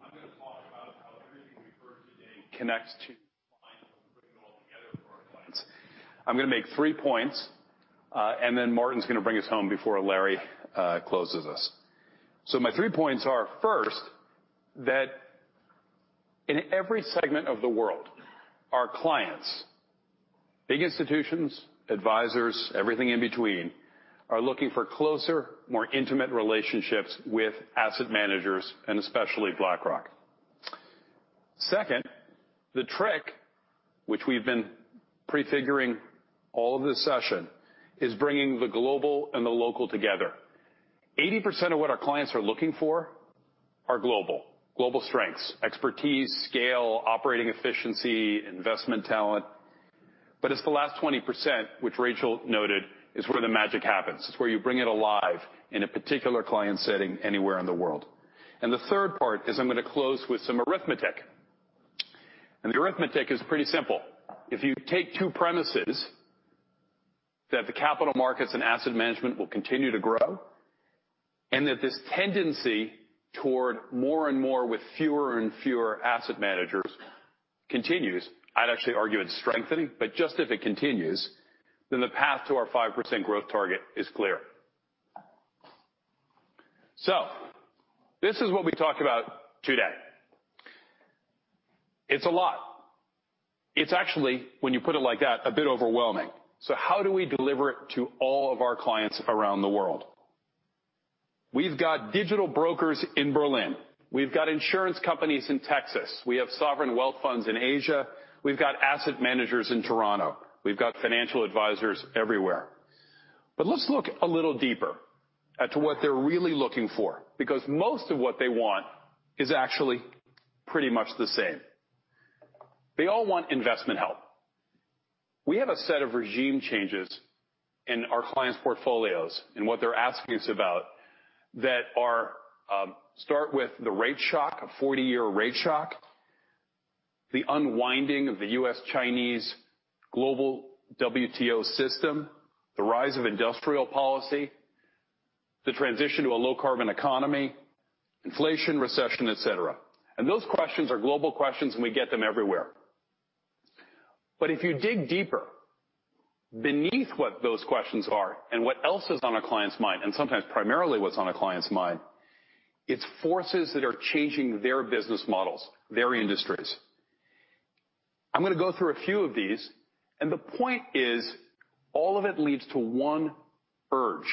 going to talk about how everything we've heard today connects to clients, putting it all together for our clients. I'm gonna make three points, and then Martin's gonna bring us home before Larry closes us. My three points are, first, that in every segment of the world, our clients, big institutions, advisors, everything in between, are looking for closer, more intimate relationships with asset managers, and especially BlackRock. Second, the trick, which we've been prefiguring all of this session, is bringing the global and the local together. 80% of what our clients are looking for are global. Global strengths, expertise, scale, operating efficiency, investment talent. It's the last 20%, which Rachel noted, is where the magic happens. It's where you bring it alive in a particular client setting, anywhere in the world. The third part is I'm gonna close with some arithmetic. The arithmetic is pretty simple. If you take two premises, that the capital markets and asset management will continue to grow, and that this tendency toward more and more with fewer and fewer asset managers continues, I'd actually argue it's strengthening, but just if it continues, then the path to our 5% growth target is clear. This is what we talked about today. It's a lot. It's actually, when you put it like that, a bit overwhelming. How do we deliver it to all of our clients around the world? We've got digital brokers in Berlin. We've got insurance companies in Texas. We have sovereign wealth funds in Asia. We've got asset managers in Toronto. We've got financial advisors everywhere. Let's look a little deeper as to what they're really looking for, because most of what they want is actually pretty much the same. They all want investment help. We have a set of regime changes in our clients' portfolios and what they're asking us about, that are, start with the rate shock, a 40-year rate shock, the unwinding of the U.S.-Chinese global WTO system, the rise of industrial policy, the transition to a low-carbon economy, inflation, recession, et cetera. Those questions are global questions, and we get them everywhere. If you dig deeper, beneath what those questions are and what else is on a client's mind, and sometimes primarily what's on a client's mind, it's forces that are changing their business models, their industries. I'm gonna go through a few of these, and the point is, all of it leads to one urge,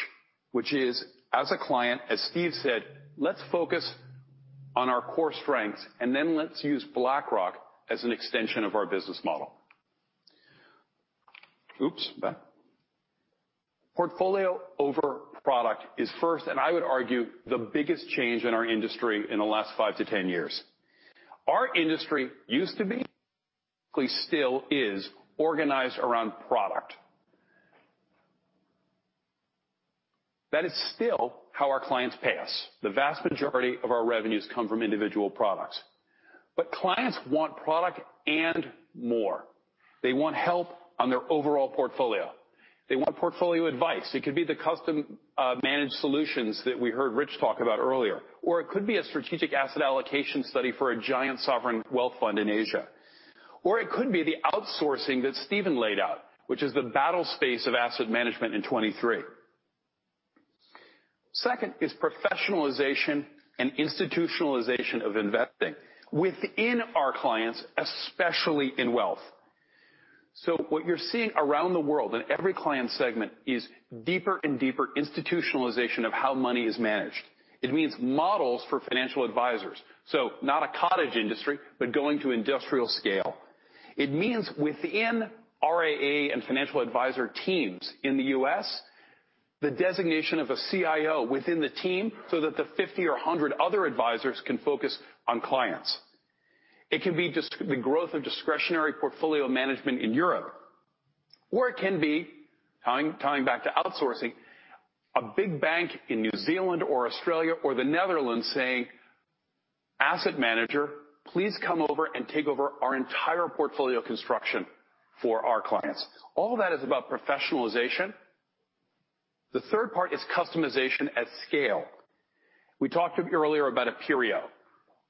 which is, as a client, as Steve said, Let's focus on our core strengths, and then let's use BlackRock as an extension of our business model. Oops, back. Portfolio over product is first, and I would argue, the biggest change in our industry in the last 5 years-10 years. Our industry used to be, still is, organized around product. That is still how our clients pay us. The vast majority of our revenues come from individual products. Clients want product and more. They want help on their overall portfolio. They want portfolio advice. It could be the custom, managed solutions that we heard Rich talk about earlier, or it could be a strategic asset allocation study for a giant sovereign wealth fund in Asia. It could be the outsourcing that Stephen laid out, which is the battle space of asset management in 2023. Second, is professionalization and institutionalization of investing within our clients, especially in wealth. What you're seeing around the world, in every client segment, is deeper and deeper institutionalization of how money is managed. It means models for financial advisors, so not a cottage industry, but going to industrial scale. It means within RIA and financial advisor teams in the U.S., the designation of a CIO within the team so that the 50 or 100 other advisors can focus on clients. It can be the growth of discretionary portfolio management in Europe, or it can be, tying back to outsourcing, a big bank in New Zealand or Australia or the Netherlands saying, "Asset manager, please come over and take over our entire portfolio construction for our clients." All of that is about professionalization. The third part is customization at scale. We talked earlier about Aperio,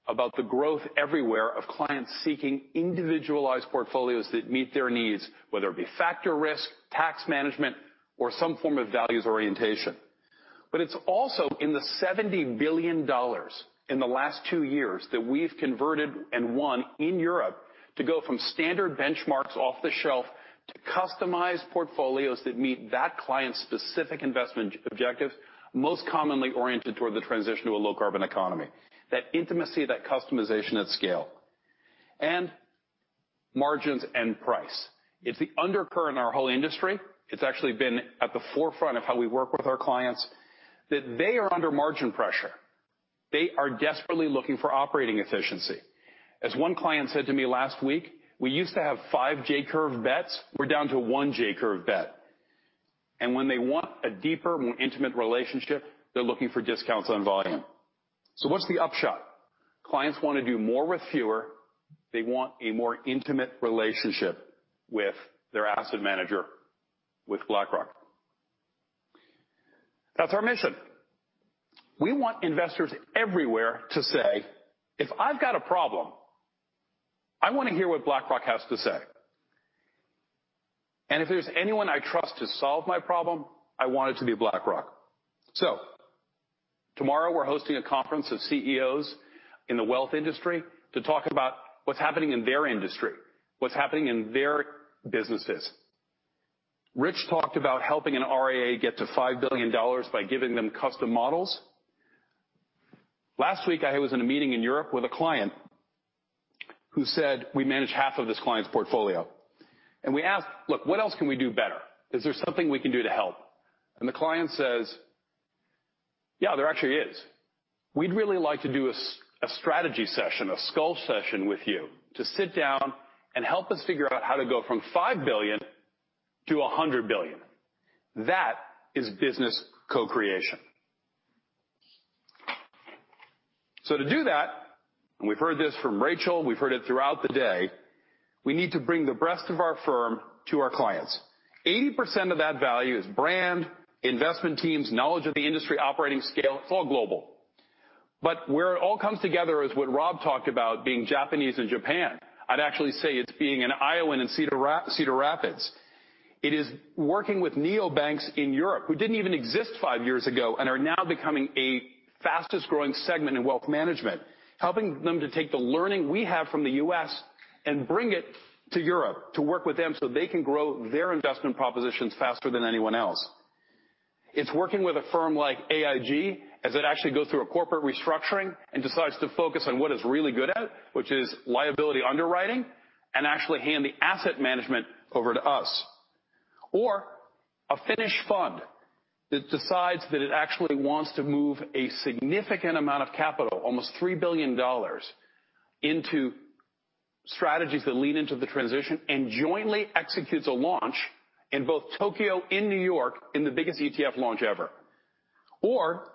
about the growth everywhere of clients seeking individualized portfolios that meet their needs, whether it be factor risk, tax management, or some form of values orientation. It's also in the $70 billion in the last two years that we've converted and won in Europe, to go from standard benchmarks off the shelf, to customized portfolios that meet that client's specific investment objective, most commonly oriented toward the transition to a low carbon economy. That intimacy, that customization at scale. Margins and price. It's the undercurrent in our whole industry. It's actually been at the forefront of how we work with our clients, that they are under margin pressure. They are desperately looking for operating efficiency. As one client said to me last week, We used to have 5 J-curve bets. We're down to 1 J-curve bet. When they want a deeper, more intimate relationship, they're looking for discounts on volume. What's the upshot? Clients want to do more with fewer. They want a more intimate relationship with their asset manager, with BlackRock. That's our mission. We want investors everywhere to say, If I've got a problem, I want to hear what BlackRock has to say. If there's anyone I trust to solve my problem, I want it to be BlackRock. Tomorrow, we're hosting a conference of CEOs in the wealth industry to talk about what's happening in their industry, what's happening in their businesses. Rich talked about helping an RIA get to $5 billion by giving them custom models. Last week, I was in a meeting in Europe with a client who said we manage half of this client's portfolio, and we asked, Look, what else can we do better? Is there something we can do to help? The client says, Yeah, there actually is. We'd really like to do a strategy session, a skull session with you to sit down and help us figure out how to go from $5 billion to $100 billion." That is business co-creation. To do that, and we've heard this from Rachel, we've heard it throughout the day, we need to bring the best of our firm to our clients. 80% of that value is brand, investment teams, knowledge of the industry, operating scale, it's all global. Where it all comes together is what Rob talked about being Japanese in Japan. I'd actually say it's being an Iowan in Cedar Rapids. It is working with neobanks in Europe, who didn't even exist five years ago, and are now becoming a fastest growing segment in wealth management, helping them to take the learning we have from the U.S. and bring it to Europe to work with them so they can grow their investment propositions faster than anyone else. It's working with a firm like AIG, as it actually goes through a corporate restructuring and decides to focus on what it's really good at, which is liability underwriting, and actually hand the asset management over to us. A Finnish fund that decides that it actually wants to move a significant amount of capital, almost $3 billion, into strategies that lean into the transition and jointly executes a launch in both Tokyo and New York, in the biggest ETF launch ever.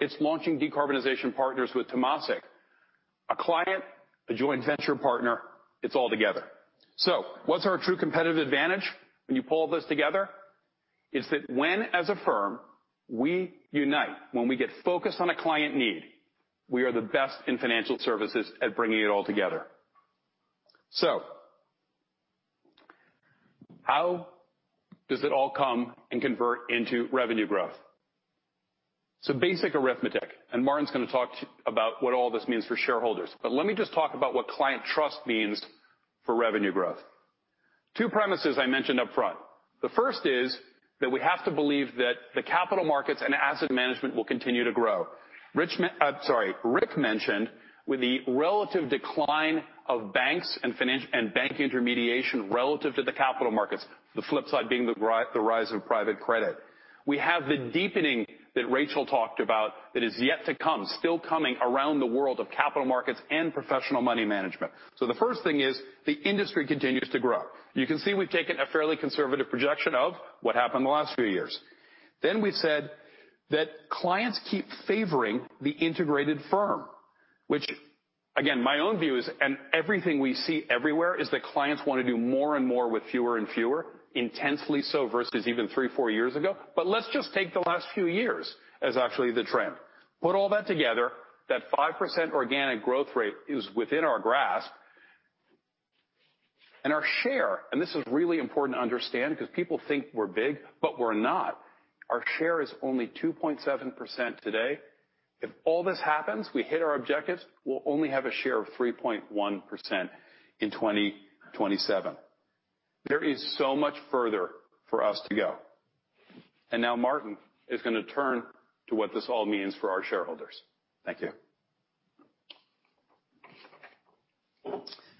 It's launching Decarbonization Partners with Temasek, a client, a joint venture partner. It's all together. What's our true competitive advantage when you pull all this together? It's that when, as a firm, we unite, when we get focused on a client need, we are the best in financial services at bringing it all together. How does it all come and convert into revenue growth? Basic arithmetic, and Martin's gonna talk about what all this means for shareholders, but let me just talk about what client trust means for revenue growth. Two premises I mentioned upfront. The first is that we have to believe that the capital markets and asset management will continue to grow. Sorry, Rick mentioned with the relative decline of banks and bank intermediation relative to the capital markets, the flip side being the rise of private credit. We have the deepening that Rachel talked about that is yet to come, still coming around the world of capital markets and professional money management. The first thing is, the industry continues to grow. You can see we've taken a fairly conservative projection of what happened in the last few years. We've said that clients keep favoring the integrated firm, which, again, my own view is, and everything we see everywhere, is that clients want to do more and more with fewer and fewer, intensely so, versus even three, four years ago. Let's just take the last few years as actually the trend. Put all that together, that 5% organic growth rate is within our grasp. Our share, and this is really important to understand, 'cause people think we're big, but we're not. Our share is only 2.7% today. If all this happens, we hit our objectives, we'll only have a share of 3.1% in 2027. There is so much further for us to go. Now Martin is going to turn to what this all means for our shareholders. Thank you.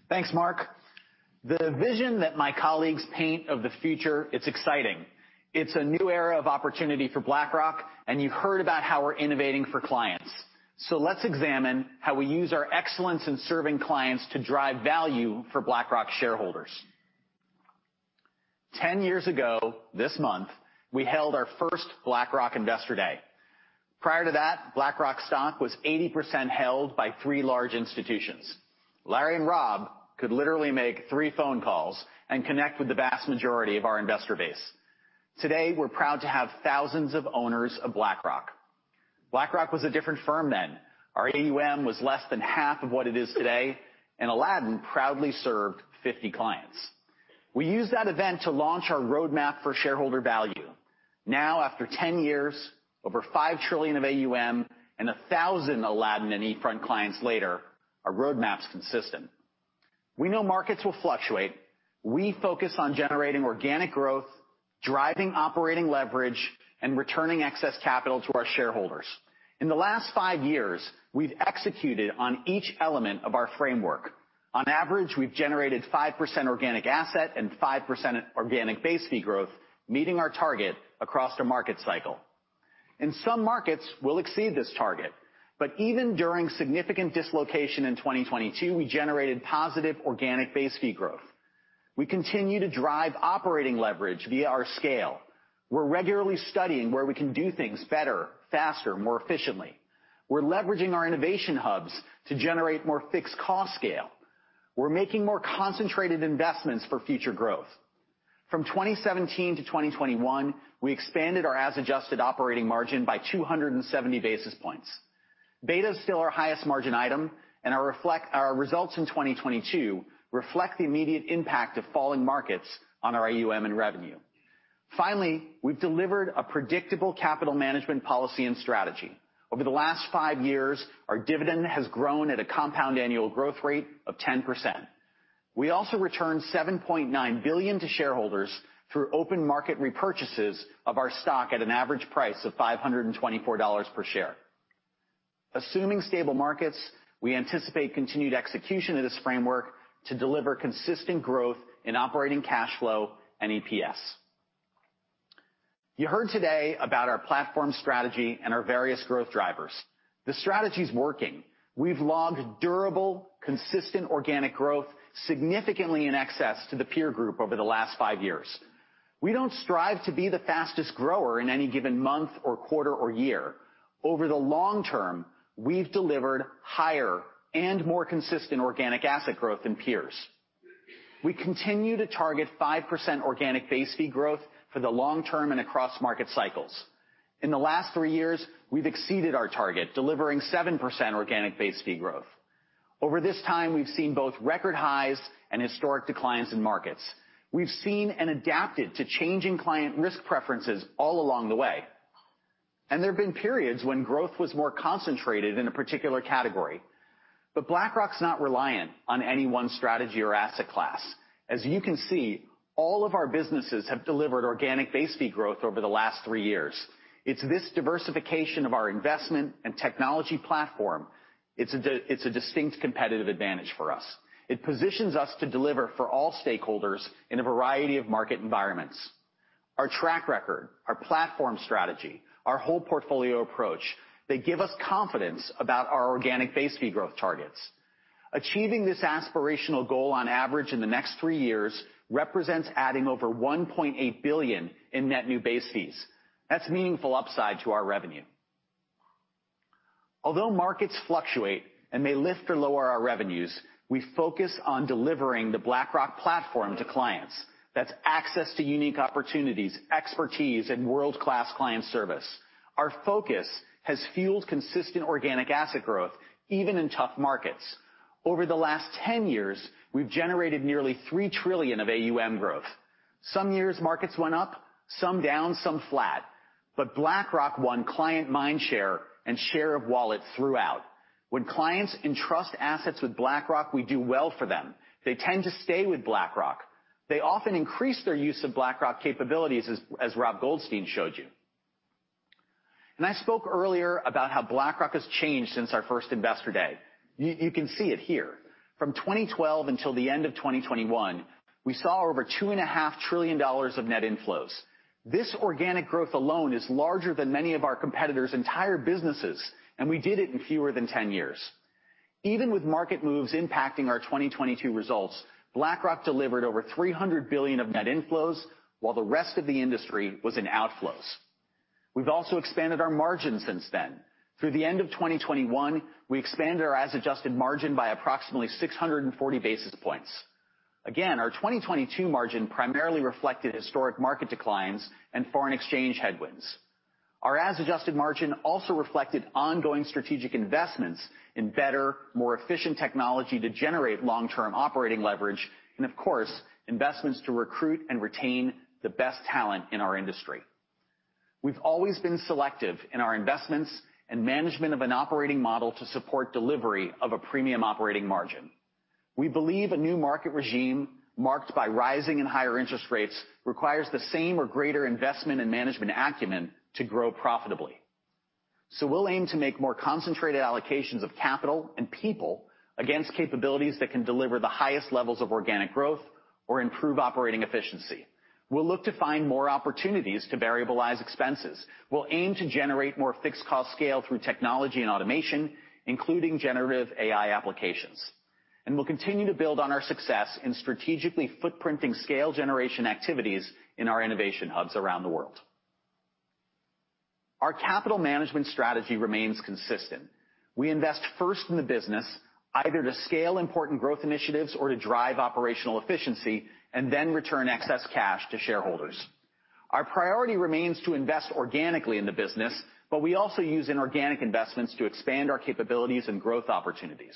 Thanks, Mark. The vision that my colleagues paint of the future, it's exciting. It's a new era of opportunity for BlackRock, and you heard about how we're innovating for clients. Let's examine how we use our excellence in serving clients to drive value for BlackRock shareholders. 10 years ago, this month, we held our first BlackRock Investor Day. Prior to that, BlackRock stock was 80% held by three large institutions. Larry and Rob could literally make three phone calls and connect with the vast majority of our investor base. Today, we're proud to have thousands of owners of BlackRock. BlackRock was a different firm then. Our AUM was less than half of what it is today, and Aladdin proudly served 50 clients. We used that event to launch our roadmap for shareholder value. After 10 years, over $5 trillion of AUM, and 1,000 Aladdin and eFront clients later, our roadmap's consistent. We know markets will fluctuate. We focus on generating organic growth, driving operating leverage, and returning excess capital to our shareholders. In the last five years, we've executed on each element of our framework. On average, we've generated 5% organic asset and 5% organic base fee growth, meeting our target across the market cycle. In some markets, we'll exceed this target, but even during significant dislocation in 2022, we generated positive organic base fee growth. We continue to drive operating leverage via our scale. We're regularly studying where we can do things better, faster, more efficiently. We're leveraging our innovation hubs to generate more fixed cost scale. We're making more concentrated investments for future growth. From 2017 to 2021, we expanded our as-adjusted operating margin by 270 basis points. Beta is still our highest margin item, and our results in 2022 reflect the immediate impact of falling markets on our AUM and revenue. Finally, we've delivered a predictable capital management policy and strategy. Over the last five years, our dividend has grown at a compound annual growth rate of 10%. We also returned $7.9 billion to shareholders through open market repurchases of our stock at an average price of $524 per share. Assuming stable markets, we anticipate continued execution of this framework to deliver consistent growth in operating cash flow and EPS. You heard today about our platform strategy and our various growth drivers. The strategy's working. We've logged durable, consistent organic growth, significantly in excess to the peer group over the last five years. We don't strive to be the fastest grower in any given month, or quarter, or year. Over the long term, we've delivered higher and more consistent organic asset growth than peers. We continue to target 5% organic base fee growth for the long term and across market cycles. In the last three years, we've exceeded our target, delivering 7% organic base fee growth. Over this time, we've seen both record highs and historic declines in markets. We've seen and adapted to changing client risk preferences all along the way. There have been periods when growth was more concentrated in a particular category. BlackRock's not reliant on any one strategy or asset class. As you can see, all of our businesses have delivered organic base fee growth over the last three years. It's this diversification of our investment and technology platform, it's a distinct competitive advantage for us. It positions us to deliver for all stakeholders in a variety of market environments. Our track record, our platform strategy, our whole portfolio approach, they give us confidence about our organic base fee growth targets. Achieving this aspirational goal on average in the next three years, represents adding over $1.8 billion in net new base fees. That's meaningful upside to our revenue. Markets fluctuate and may lift or lower our revenues, we focus on delivering the BlackRock platform to clients. That's access to unique opportunities, expertise, and world-class client service. Our focus has fueled consistent organic asset growth, even in tough markets. Over the last 10 years, we've generated nearly $3 trillion of AUM growth. Some years, markets went up, some down, some flat, BlackRock won client mind share and share of wallet throughout. When clients entrust assets with BlackRock, we do well for them. They tend to stay with BlackRock. They often increase their use of BlackRock capabilities, as Rob Goldstein showed you. I spoke earlier about how BlackRock has changed since our first Investor Day. You can see it here. From 2012 until the end of 2021, we saw over $2.5 trillion of net inflows. This organic growth alone is larger than many of our competitors' entire businesses, we did it in fewer than 10 years. Even with market moves impacting our 2022 results, BlackRock delivered over $300 billion of net inflows, while the rest of the industry was in outflows. We've also expanded our margin since then. Through the end of 2021, we expanded our as-adjusted margin by approximately 640 basis points. Again, our 2022 margin primarily reflected historic market declines and foreign exchange headwinds. Our as-adjusted margin also reflected ongoing strategic investments in better, more efficient technology to generate long-term operating leverage, and of course, investments to recruit and retain the best talent in our industry. We've always been selective in our investments and management of an operating model to support delivery of a premium operating margin. We believe a new market regime, marked by rising and higher interest rates, requires the same or greater investment in management acumen to grow profitably. We'll aim to make more concentrated allocations of capital and people against capabilities that can deliver the highest levels of organic growth or improve operating efficiency. We'll look to find more opportunities to variabilize expenses. We'll aim to generate more fixed cost scale through technology and automation, including Generative AI applications. We'll continue to build on our success in strategically footprinting scale generation activities in our innovation hubs around the world. Our capital management strategy remains consistent. We invest first in the business, either to scale important growth initiatives or to drive operational efficiency, and then return excess cash to shareholders. Our priority remains to invest organically in the business, but we also use inorganic investments to expand our capabilities and growth opportunities.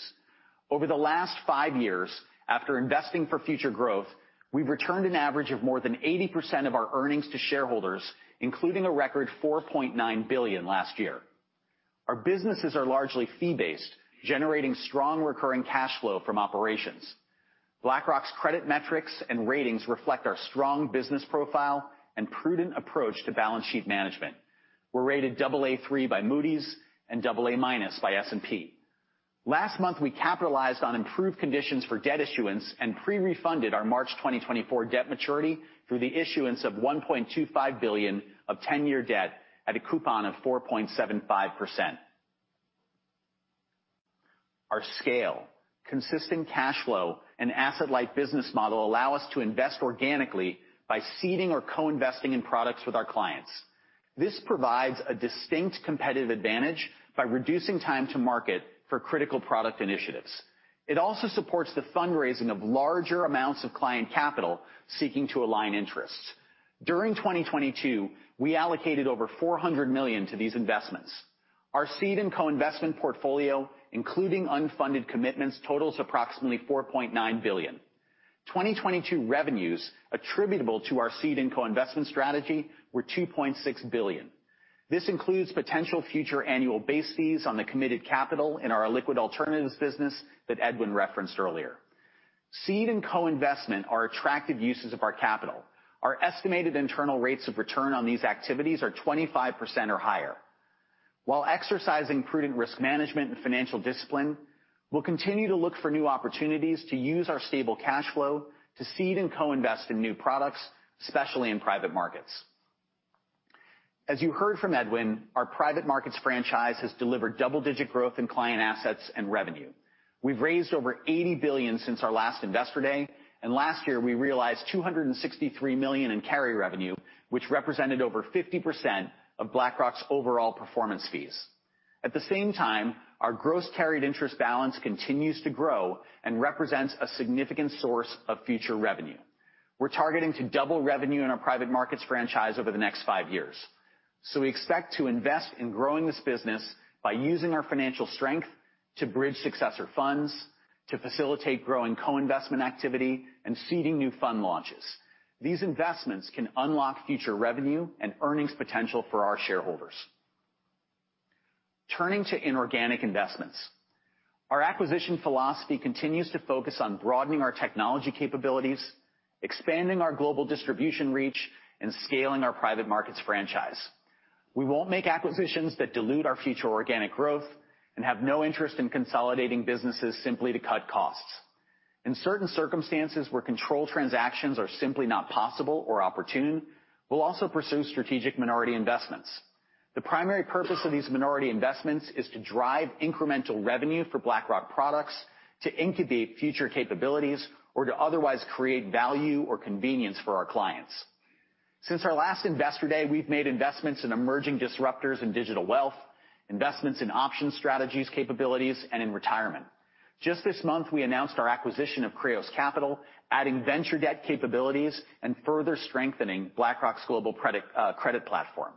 Over the last 5 years, after investing for future growth, we've returned an average of more than 80% of our earnings to shareholders, including a record $4.9 billion last year. Our businesses are largely fee-based, generating strong recurring cash flow from operations. BlackRock's credit metrics and ratings reflect our strong business profile and prudent approach to balance sheet management. We're rated Aa3 by Moody's and Aa- by S&P. Last month, we capitalized on improved conditions for debt issuance and pre-refunded our March 2024 debt maturity through the issuance of $1.25 billion of 10-year debt at a coupon of 4.75%. Our scale, consistent cash flow, and asset-light business model allow us to invest organically by seeding or co-investing in products with our clients. This provides a distinct competitive advantage by reducing time to market for critical product initiatives. It also supports the fundraising of larger amounts of client capital seeking to align interests. During 2022, we allocated over $400 million to these investments. Our seed and co-investment portfolio, including unfunded commitments, totals approximately $4.9 billion. 2022 revenues attributable to our seed and co-investment strategy were $2.6 billion. This includes potential future annual base fees on the committed capital in our liquid alternatives business that Edwin referenced earlier. Seed and co-investment are attractive uses of our capital. Our estimated internal rates of return on these activities are 25% or higher. While exercising prudent risk management and financial discipline, we'll continue to look for new opportunities to use our stable cash flow to seed and co-invest in new products, especially in private markets. As you heard from Edwin, our private markets franchise has delivered double-digit growth in client assets and revenue. We've raised over $80 billion since our last investor day. Last year, we realized $263 million in carry revenue, which represented over 50% of BlackRock's overall performance fees. At the same time, our gross carried interest balance continues to grow and represents a significant source of future revenue. We're targeting to double revenue in our private markets franchise over the next five years. We expect to invest in growing this business by using our financial strength to bridge successor funds, to facilitate growing co-investment activity, and seeding new fund launches. These investments can unlock future revenue and earnings potential for our shareholders. Turning to inorganic investments. Our acquisition philosophy continues to focus on broadening our technology capabilities, expanding our global distribution reach, and scaling our private markets franchise. We won't make acquisitions that dilute our future organic growth and have no interest in consolidating businesses simply to cut costs. In certain circumstances, where control transactions are simply not possible or opportune, we'll also pursue strategic minority investments. The primary purpose of these minority investments is to drive incremental revenue for BlackRock products, to incubate future capabilities, or to otherwise create value or convenience for our clients. Since our last Investor Day, we've made investments in emerging disruptors in digital wealth, investments in option strategies, capabilities, and in retirement. Just this month, we announced our acquisition of Kreos Capital, adding venture debt capabilities and further strengthening BlackRock's global credit platform.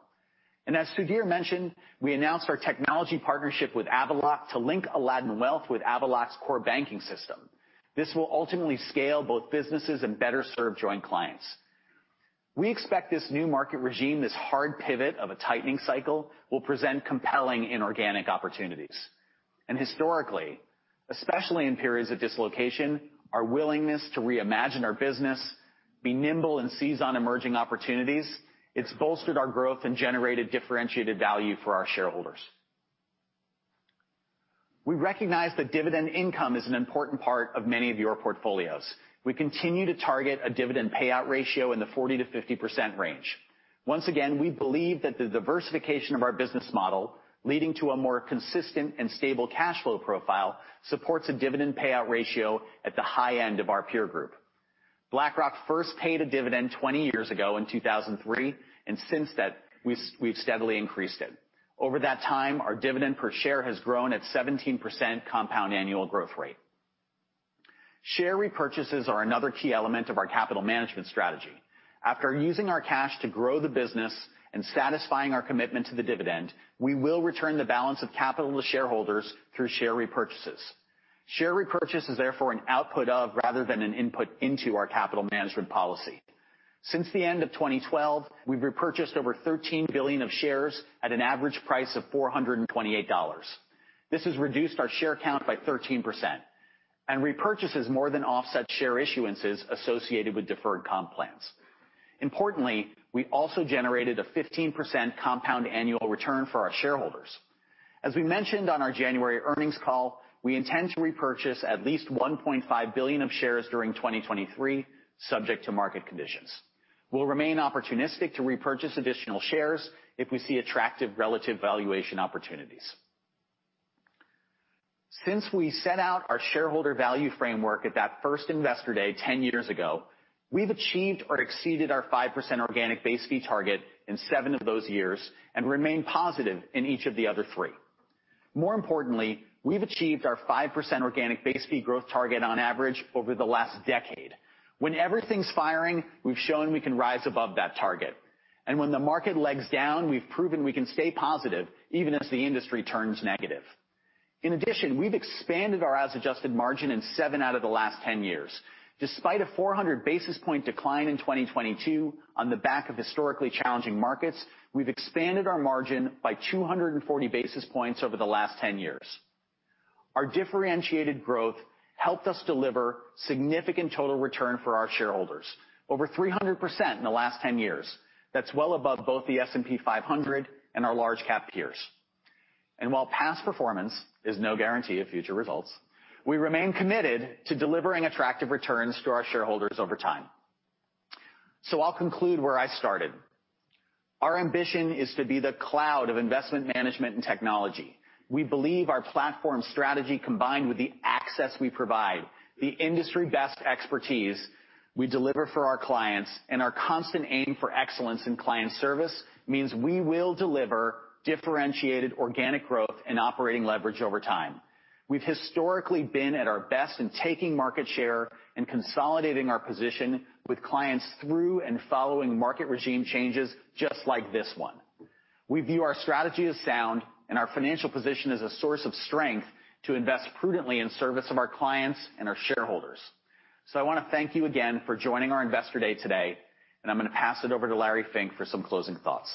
As Sudhir mentioned, we announced our technology partnership with Avaloq to link Aladdin Wealth with Avaloq's core banking system. This will ultimately scale both businesses and better serve joint clients. We expect this new market regime, this hard pivot of a tightening cycle, will present compelling inorganic opportunities. Historically, especially in periods of dislocation, our willingness to reimagine our business, be nimble, and seize on emerging opportunities, it's bolstered our growth and generated differentiated value for our shareholders. We recognize that dividend income is an important part of many of your portfolios. We continue to target a dividend payout ratio in the 40%-50% range. Once again, we believe that the diversification of our business model, leading to a more consistent and stable cash flow profile, supports a dividend payout ratio at the high end of our peer group. BlackRock first paid a dividend 20 years ago in 2003, since that, we've steadily increased it. Over that time, our dividend per share has grown at 17% compound annual growth rate. Share repurchases are another key element of our capital management strategy. After using our cash to grow the business and satisfying our commitment to the dividend, we will return the balance of capital to shareholders through share repurchases. Share repurchase is therefore an output of, rather than an input into, our capital management policy. Since the end of 2012, we've repurchased over $13 billion of shares at an average price of $428. This has reduced our share count by 13%, repurchases more than offset share issuances associated with deferred comp plans. Importantly, we also generated a 15% compound annual return for our shareholders. As we mentioned on our January earnings call, we intend to repurchase at least $1.5 billion of shares during 2023, subject to market conditions. We'll remain opportunistic to repurchase additional shares if we see attractive relative valuation opportunities. Since we set out our shareholder value framework at that first Investor Day, 10 years ago, we've achieved or exceeded our 5% organic base fee target in 7 of those years and remained positive in each of the other 3. More importantly, we've achieved our 5% organic base fee growth target on average over the last decade. When everything's firing, we've shown we can rise above that target, and when the market legs down, we've proven we can stay positive even as the industry turns negative. In addition, we've expanded our adjusted margin in 7 out of the last 10 years. Despite a 400 basis point decline in 2022, on the back of historically challenging markets, we've expanded our margin by 240 basis points over the last 10 years. Our differentiated growth helped us deliver significant total return for our shareholders, over 300% in the last 10 years. That's well above both the S&P 500 and our large cap peers. While past performance is no guarantee of future results, we remain committed to delivering attractive returns to our shareholders over time. I'll conclude where I started. Our ambition is to be the cloud of investment management and technology. We believe our platform strategy, combined with the access we provide, the industry best expertise we deliver for our clients, and our constant aim for excellence in client service, means we will deliver differentiated organic growth and operating leverage over time. We've historically been at our best in taking market share and consolidating our position with clients through and following market regime changes just like this one. We view our strategy as sound and our financial position as a source of strength to invest prudently in service of our clients and our shareholders. I want to thank you again for joining our Investor Day today, and I'm going to pass it over to Larry Fink for some closing thoughts.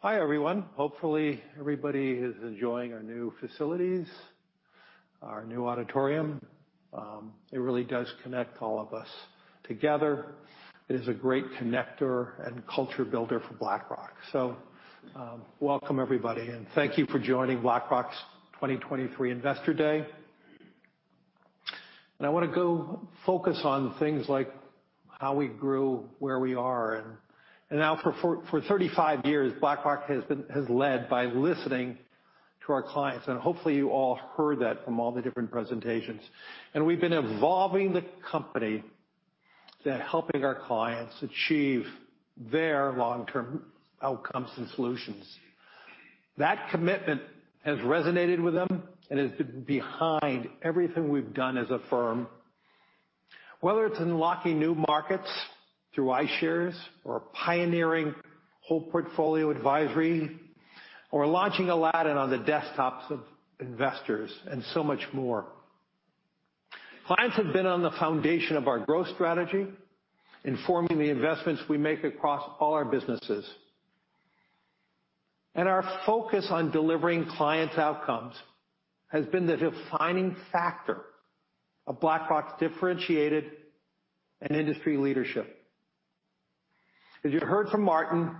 Hi, everyone. Hopefully, everybody is enjoying our new facilities, our new auditorium. It really does connect all of us together. It is a great connector and culture builder for BlackRock. Welcome, everybody, and thank you for joining BlackRock's 2023 Investor Day. I want to go focus on things like how we grew, where we are. Now for 35 years, BlackRock has led by listening to our clients, and hopefully, you all heard that from all the different presentations. We've been evolving the company to helping our clients achieve their long-term outcomes and solutions. That commitment has resonated with them and has been behind everything we've done as a firm. Whether it's unlocking new markets through iShares, or pioneering whole portfolio advisory, or launching Aladdin on the desktops of investors, and so much more. Clients have been on the foundation of our growth strategy, informing the investments we make across all our businesses. Our focus on delivering clients' outcomes has been the defining factor of BlackRock's differentiated and industry leadership. As you heard from Martin,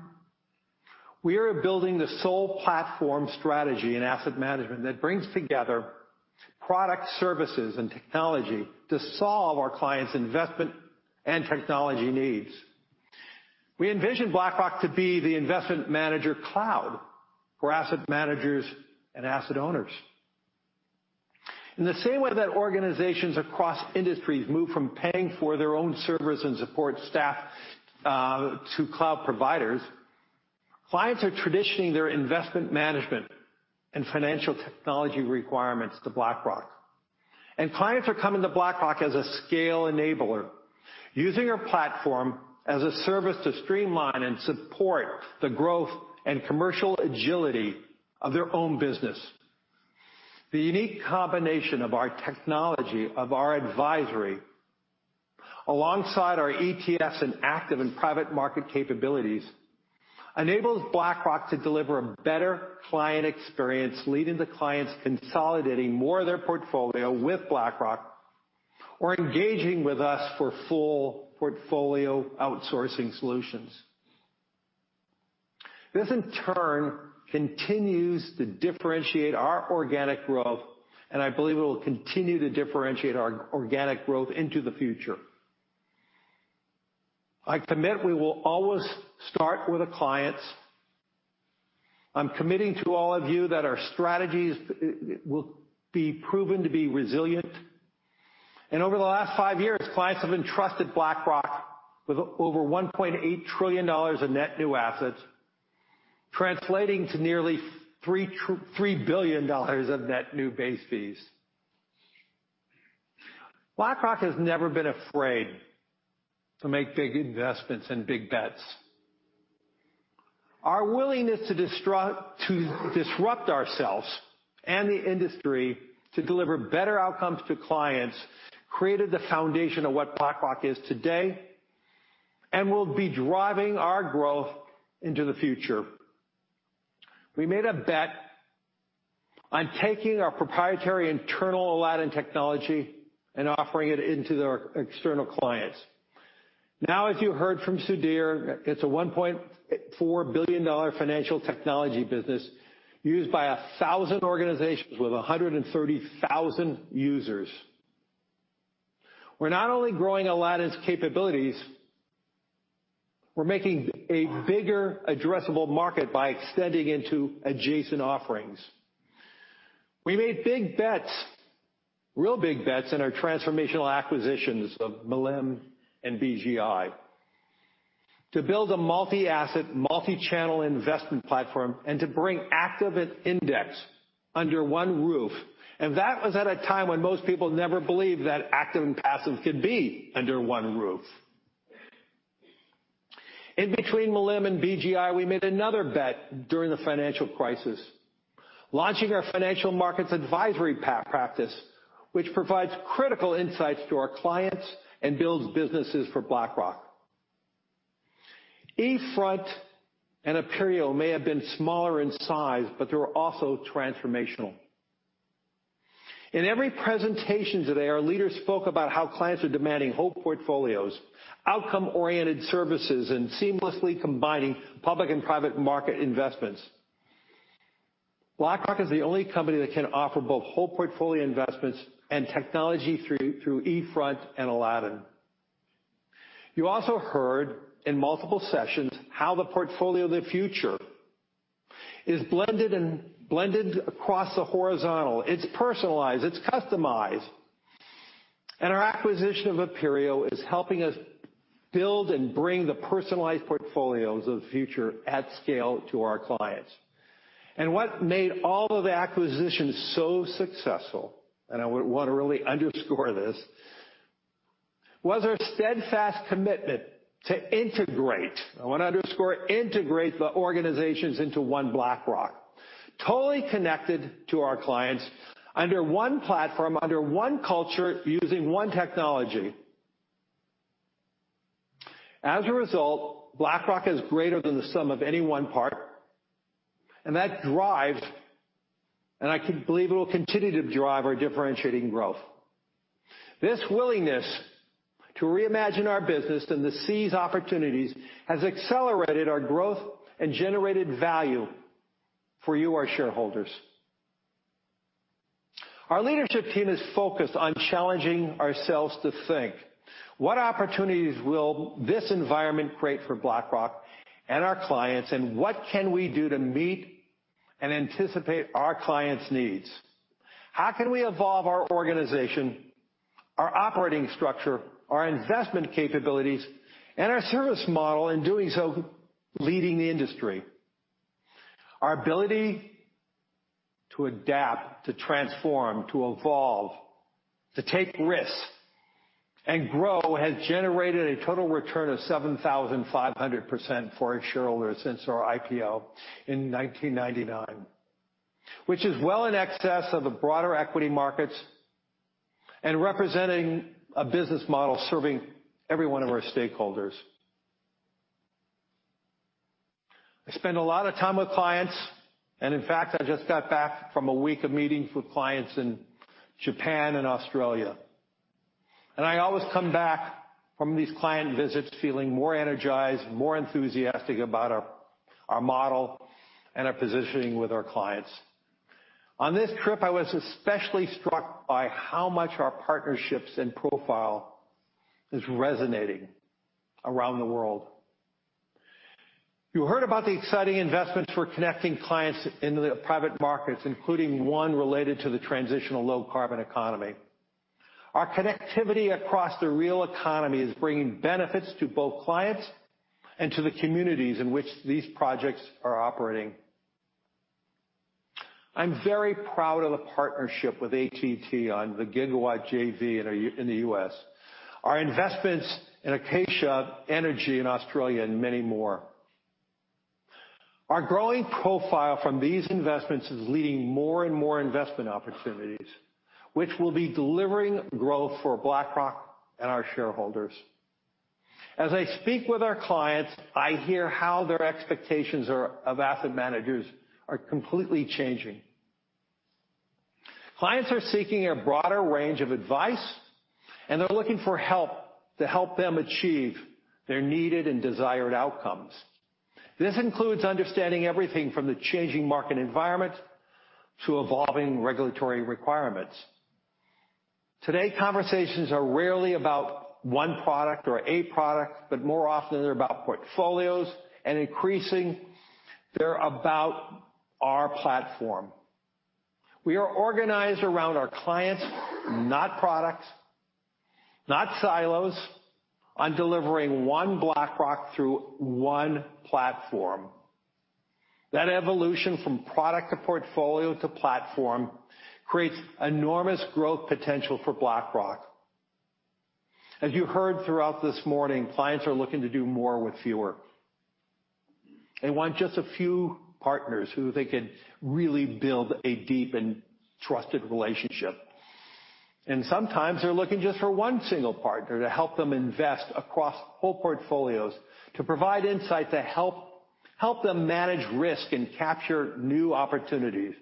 we are building the sole platform strategy in asset management that brings together product services and technology to solve our clients' investment and technology needs. We envision BlackRock to be the investment manager cloud for asset managers and asset owners. In the same way that organizations across industries move from paying for their own servers and support staff to cloud providers. Clients are traditioning their investment management and financial technology requirements to BlackRock. Clients are coming to BlackRock as a scale enabler, using our platform as a service to streamline and support the growth and commercial agility of their own business. The unique combination of our technology, of our advisory, alongside our ETFs and active and private market capabilities, enables BlackRock to deliver a better client experience, leading to clients consolidating more of their portfolio with BlackRock or engaging with us for full portfolio outsourcing solutions. This, in turn, continues to differentiate our organic growth, I believe it will continue to differentiate our organic growth into the future. I commit we will always start with the clients. I'm committing to all of you that our strategies will be proven to be resilient. Over the last five years, clients have entrusted BlackRock with over $1.8 trillion of net new assets, translating to nearly $3 billion of net new base fees. BlackRock has never been afraid to make big investments and big bets. Our willingness to disrupt ourselves and the industry to deliver better outcomes to clients, created the foundation of what BlackRock is today and will be driving our growth into the future. We made a bet on taking our proprietary internal Aladdin technology and offering it into the external clients. As you heard from Sudhir Nair, it's a $1.4 billion financial technology business used by 1,000 organizations with 130,000 users. We're not only growing Aladdin's capabilities, we're making a bigger addressable market by extending into adjacent offerings. We made big bets, real big bets, in our transformational acquisitions of MLIM and BGI to build a multi-asset, multi-channel investment platform and to bring active and index under one roof. That was at a time when most people never believed that active and passive could be under one roof. In between Milliman and BGI, we made another bet during the financial crisis, launching our financial markets advisory practice, which provides critical insights to our clients and builds businesses for BlackRock. They were also transformational. In every presentation today, our leaders spoke about how clients are demanding whole portfolios, outcome-oriented services, and seamlessly combining public and private market investments. BlackRock is the only company that can offer both whole portfolio investments and technology through eFront and Aladdin. You also heard in multiple sessions how the portfolio of the future is blended and blended across the horizontal. It's personalized, it's customized, and our acquisition of Aperio is helping us build and bring the personalized portfolios of the future at scale to our clients. What made all of the acquisitions so successful, and I would want to really underscore this, was our steadfast commitment to integrate. I want to underscore, integrate the organizations into one BlackRock, totally connected to our clients under one platform, under one culture, using one technology. As a result, BlackRock is greater than the sum of any one part, and that drives, and I can believe it will continue to drive our differentiating growth. This willingness to reimagine our business and to seize opportunities has accelerated our growth and generated value for you, our shareholders. Our leadership team is focused on challenging ourselves to think, what opportunities will this environment create for BlackRock and our clients, and what can we do to meet and anticipate our clients' needs? How can we evolve our organization, our operating structure, our investment capabilities, and our service model, in doing so, leading the industry? Our ability to adapt, to transform, to evolve, to take risks and grow, has generated a total return of 7,500% for our shareholders since our IPO in 1999. Which is well in excess of the broader equity markets and representing a business model serving every one of our stakeholders. I spend a lot of time with clients, and in fact, I just got back from a week of meetings with clients in Japan and Australia. I always come back from these client visits feeling more energized, more enthusiastic about our model and our positioning with our clients. On this trip, I was especially struck by how much our partnerships and profile is resonating around the world. You heard about the exciting investments for connecting clients into the private markets, including one related to the transitional low carbon economy. Our connectivity across the real economy is bringing benefits to both clients and to the communities in which these projects are operating. I'm very proud of the partnership with AT&T on the Gigapower JV in the U.S. Our investments in Akaysha Energy in Australia and many more. Our growing profile from these investments is leading more and more investment opportunities, which will be delivering growth for BlackRock and our shareholders. As I speak with our clients, I hear how their expectations of asset managers are completely changing. Clients are seeking a broader range of advice, they're looking for help to help them achieve their needed and desired outcomes. This includes understanding everything from the changing market environment to evolving regulatory requirements. Today, conversations are rarely about one product or a product, but more often they're about portfolios, increasing, they're about our platform. We are organized around our clients, not products, not silos, on delivering one BlackRock through one platform. That evolution from product to portfolio to platform creates enormous growth potential for BlackRock. As you heard throughout this morning, clients are looking to do more with fewer. They want just a few partners who they can really build a deep and trusted relationship, sometimes they're looking just for one single partner to help them invest across whole portfolios, to provide insight, to help them manage risk and capture new opportunities,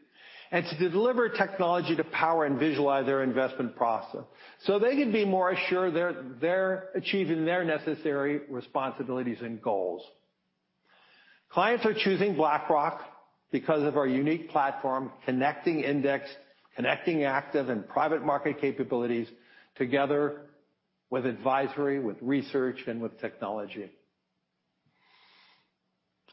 to deliver technology to power and visualize their investment process so they can be more assured they're achieving their necessary responsibilities and goals. Clients are choosing BlackRock because of our unique platform, connecting index, connecting active and private market capabilities together with advisory, with research, and with technology.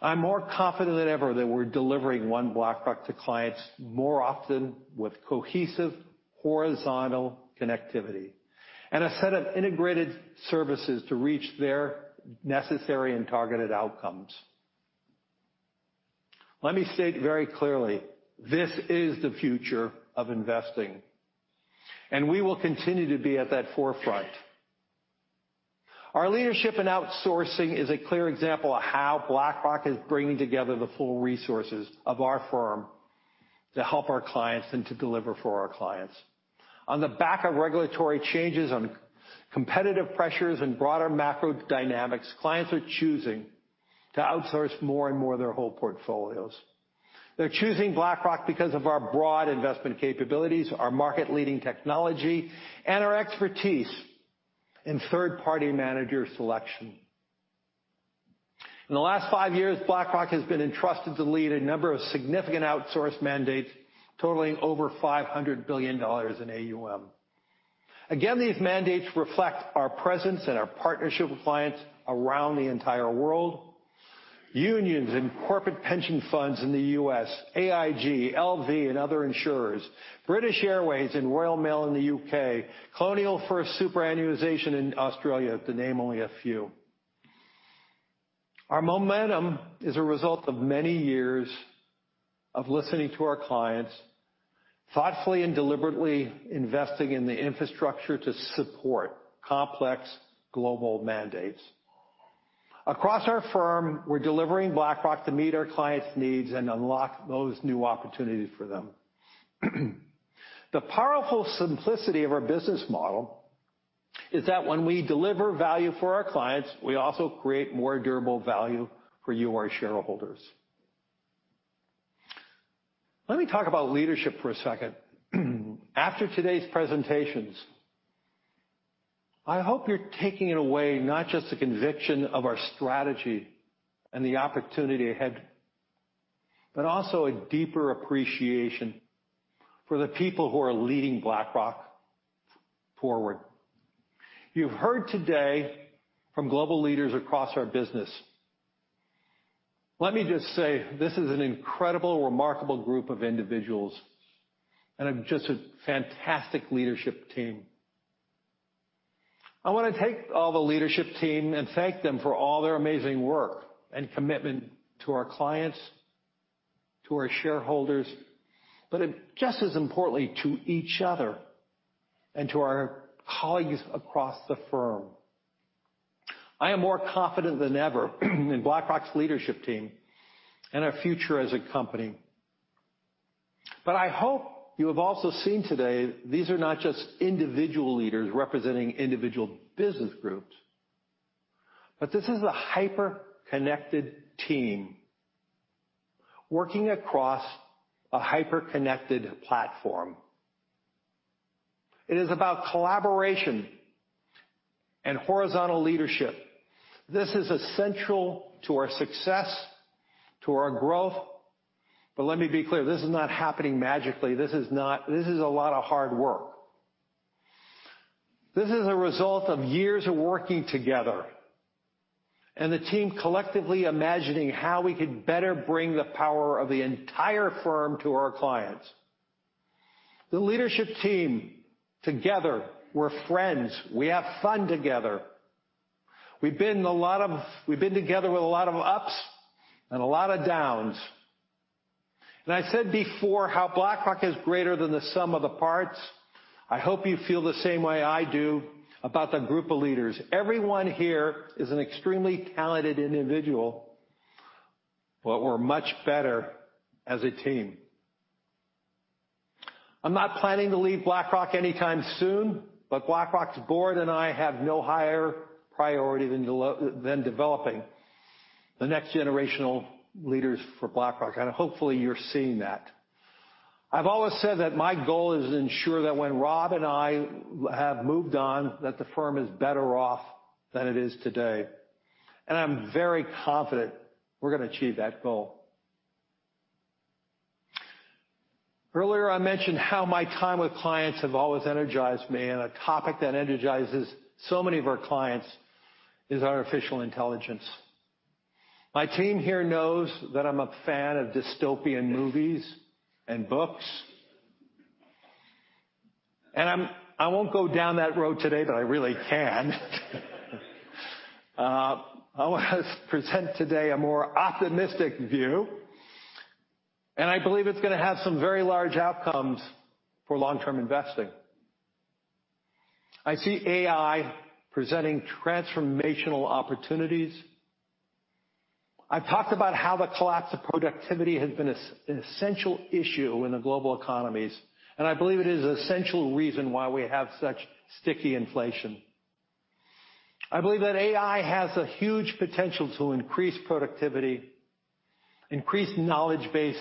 I'm more confident than ever that we're delivering one BlackRock to clients more often with cohesive, horizontal connectivity and a set of integrated services to reach their necessary and targeted outcomes. Let me state very clearly, this is the future of investing, and we will continue to be at that forefront. Our leadership in outsourcing is a clear example of how BlackRock is bringing together the full resources of our firm to help our clients and to deliver for our clients. On the back of regulatory changes, on competitive pressures and broader macro dynamics, clients are choosing to outsource more and more of their whole portfolios. They're choosing BlackRock because of our broad investment capabilities, our market-leading technology, and our expertise in third-party manager selection. In the last five years, BlackRock has been entrusted to lead a number of significant outsource mandates, totaling over $500 billion in AUM. These mandates reflect our presence and our partnership with clients around the entire world. Unions and corporate pension funds in the U.S., AIG, LV, and other insurers, British Airways and Royal Mail in the U.K., Colonial First Superannuation in Australia, to name only a few. Our momentum is a result of many years of listening to our clients, thoughtfully and deliberately investing in the infrastructure to support complex global mandates. Across our firm, we're delivering BlackRock to meet our clients' needs and unlock those new opportunities for them. The powerful simplicity of our business model is that when we deliver value for our clients, we also create more durable value for you, our shareholders. Let me talk about leadership for a second. After today's presentations, I hope you're taking away not just the conviction of our strategy and the opportunity ahead, but also a deeper appreciation for the people who are leading BlackRock forward. You've heard today from global leaders across our business. Let me just say, this is an incredible, remarkable group of individuals and a fantastic leadership team. I want to thank all the leadership team and thank them for all their amazing work and commitment to our clients, to our shareholders, but just as importantly, to each other and to our colleagues across the firm. I am more confident than ever in BlackRock's leadership team and our future as a company. I hope you have also seen today, these are not just individual leaders representing individual business groups, but this is a hyper-connected team working across a hyper-connected platform. It is about collaboration and horizontal leadership. This is essential to our success, to our growth. Let me be clear, this is not happening magically. This is a lot of hard work. This is a result of years of working together. The team collectively imagining how we could better bring the power of the entire firm to our clients. The leadership team, together, we're friends. We have fun together. We've been together with a lot of ups and a lot of downs. I said before, how BlackRock is greater than the sum of the parts. I hope you feel the same way I do about the group of leaders. Everyone here is an extremely talented individual, but we're much better as a team. I'm not planning to leave BlackRock anytime soon, but BlackRock's board and I have no higher priority than developing the next generational leaders for BlackRock, and hopefully, you're seeing that. I've always said that my goal is to ensure that when Rob and I have moved on, that the firm is better off than it is today, and I'm very confident we're gonna achieve that goal. Earlier, I mentioned how my time with clients have always energized me, and a topic that energizes so many of our clients is artificial intelligence. My team here knows that I'm a fan of dystopian movies and books. I won't go down that road today, but I really can. I want to present today a more optimistic view, and I believe it's gonna have some very large outcomes for long-term investing. I see AI presenting transformational opportunities. I've talked about how the collapse of productivity has been an essential issue in the global economies, and I believe it is an essential reason why we have such sticky inflation. I believe that AI has a huge potential to increase productivity, increase knowledge base,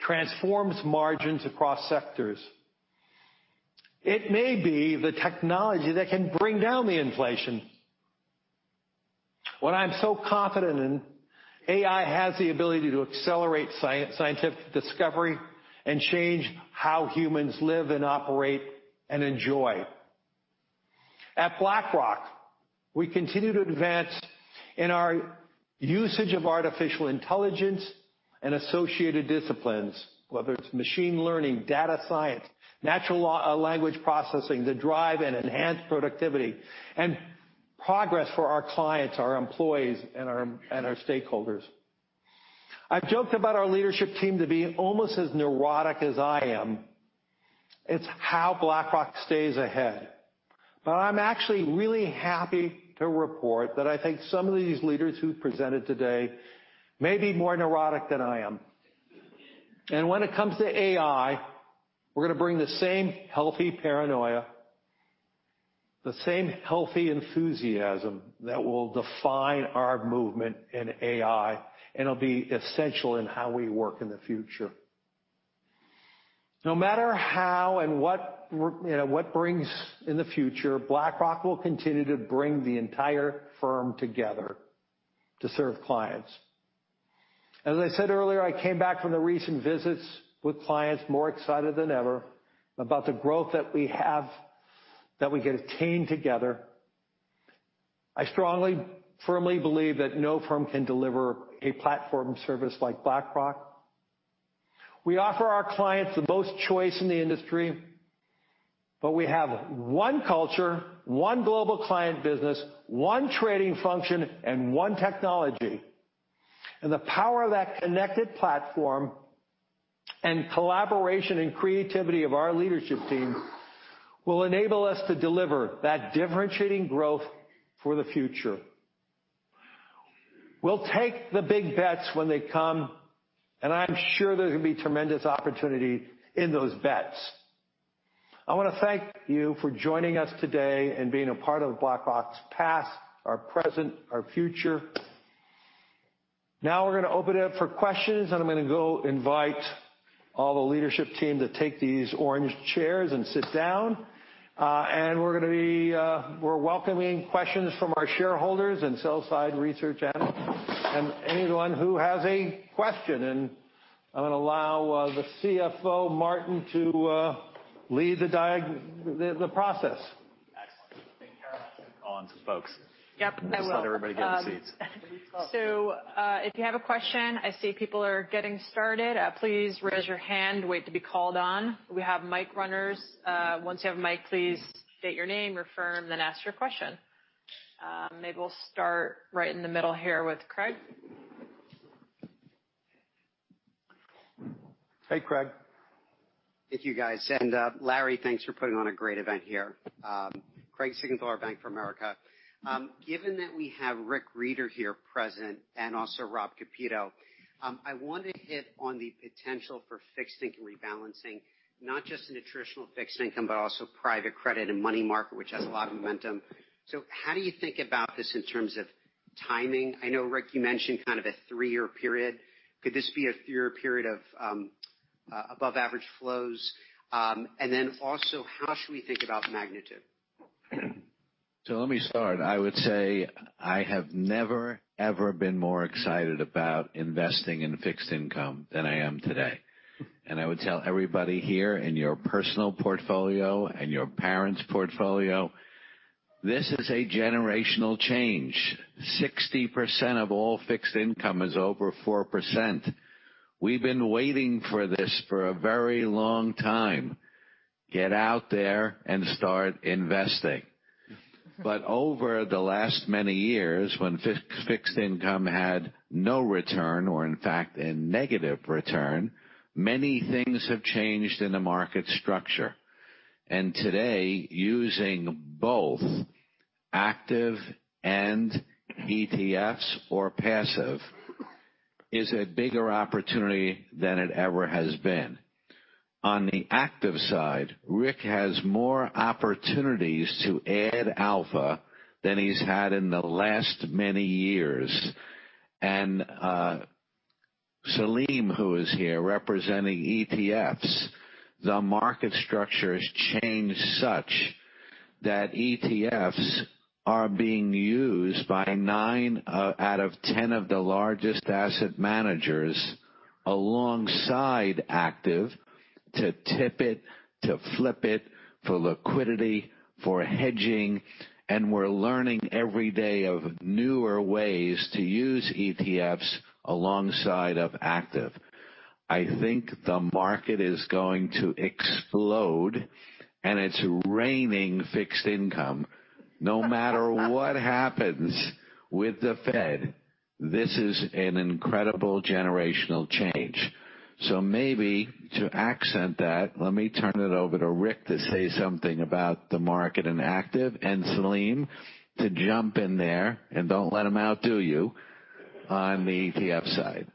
transforms margins across sectors. It may be the technology that can bring down the inflation. What I'm so confident in, AI has the ability to accelerate scientific discovery and change how humans live and operate and enjoy. At BlackRock, we continue to advance in our usage of artificial intelligence and associated disciplines, whether it's machine learning, data science, natural language processing, to drive and enhance productivity and progress for our clients, our employees, and our stakeholders. I've joked about our leadership team to be almost as neurotic as I am. It's how BlackRock stays ahead. I'm actually really happy to report that I think some of these leaders who presented today may be more neurotic than I am. When it comes to AI, we're gonna bring the same healthy paranoia, the same healthy enthusiasm that will define our movement in AI, and it'll be essential in how we work in the future. No matter how and what we're, you know, what brings in the future, BlackRock will continue to bring the entire firm together to serve clients. As I said earlier, I came back from the recent visits with clients more excited than ever about the growth that we have, that we can attain together. I strongly, firmly believe that no firm can deliver a platform service like BlackRock. We offer our clients the most choice in the industry, but we have one culture, one global client business, one trading function, and one technology. The power of that connected platform and collaboration and creativity of our leadership team will enable us to deliver that differentiating growth for the future. We'll take the big bets when they come, and I'm sure there's going to be tremendous opportunity in those bets. I want to thank you for joining us today and being a part of BlackRock's past, our present, our future. Now we're gonna open it up for questions, and I'm gonna go invite all the leadership team to take these orange chairs and sit down. We're gonna be, we're welcoming questions from our shareholders and sell-side research analysts, and anyone who has a question, and I'm gonna allow the CFO, Martin, to lead the process. Excellent. Thank you, Carol on to folks. Yep, I will. Let everybody get their seats. If you have a question, I see people are getting started. Please raise your hand. Wait to be called on. We have mic runners. Once you have a mic, please state your name, your firm, then ask your question. Maybe we'll start right in the middle here with Craig. Hey, Craig. Thank you, guys. Larry, thanks for putting on a great event here. Craig Siegenthaler with Bank of America. Given that we have Rick Rieder here present and also Rob Kapito, I want to hit on the potential for fixed income rebalancing, not just in the traditional fixed income, but also private credit and money market, which has a lot of momentum. How do you think about this in terms of timing? I know, Rick, you mentioned kind of a three-year period. Could this be a three-year period of above average flows? Also, how should we think about magnitude? Let me start. I would say I have never, ever been more excited about investing in fixed income than I am today. I would tell everybody here in your personal portfolio and your parents' portfolio. This is a generational change. 60% of all fixed income is over 4%. We've been waiting for this for a very long time. Get out there and start investing. Over the last many years, when fixed income had no return or, in fact, a negative return, many things have changed in the market structure. Today, using both active and ETFs or passive, is a bigger opportunity than it ever has been. On the active side, Rick has more opportunities to add alpha than he's had in the last many years. Salim, who is here representing ETFs, the market structure has changed such that ETFs are being used by 9 out of 10 of the largest asset managers, alongside active, to tip it, to flip it, for liquidity, for hedging, and we're learning every day of newer ways to use ETFs alongside of active. I think the market is going to explode, and it's raining fixed income. No matter what happens with the Fed, this is an incredible generational change. Maybe to accent that, let me turn it over to Rick to say something about the market and active, and Salim, to jump in there, and don't let him outdo you on the ETF side.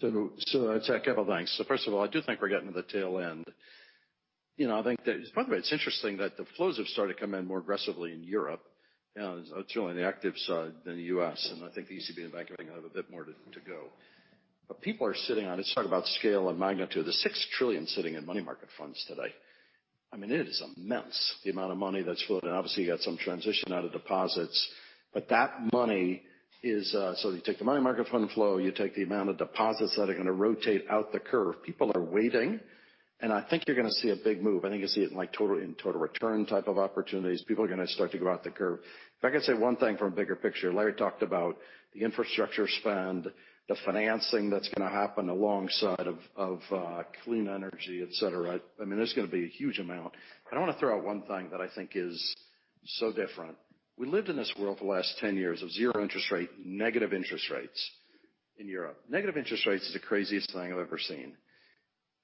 It's a couple things. First of all, I do think we're getting to the tail end. You know, I think that, by the way, it's interesting that the flows have started to come in more aggressively in Europe, and certainly on the active side than the U.S., and I think the ECB and Bank of England have a bit more to go. People are sitting on it. Let's talk about scale and magnitude. There's $6 trillion sitting in money market funds today. I mean, it is immense, the amount of money that's flowing, and obviously you've got some transition out of deposits, but that money is- You take the money market fund flow, you take the amount of deposits that are going to rotate out the curve. People are waiting, and I think you're going to see a big move. I think you'll see it in in total return type of opportunities. People are going to start to go out the curve. If I could say one thing from a bigger picture, Larry talked about the infrastructure spend, the financing that's going to happen alongside of clean energy, et cetera. I mean, there's going to be a huge amount. I want to throw out one thing that I think is so different. We lived in this world for the last 10 years of zero-interest rate, negative interest rates in Europe. Negative interest rates is the craziest thing I've ever seen.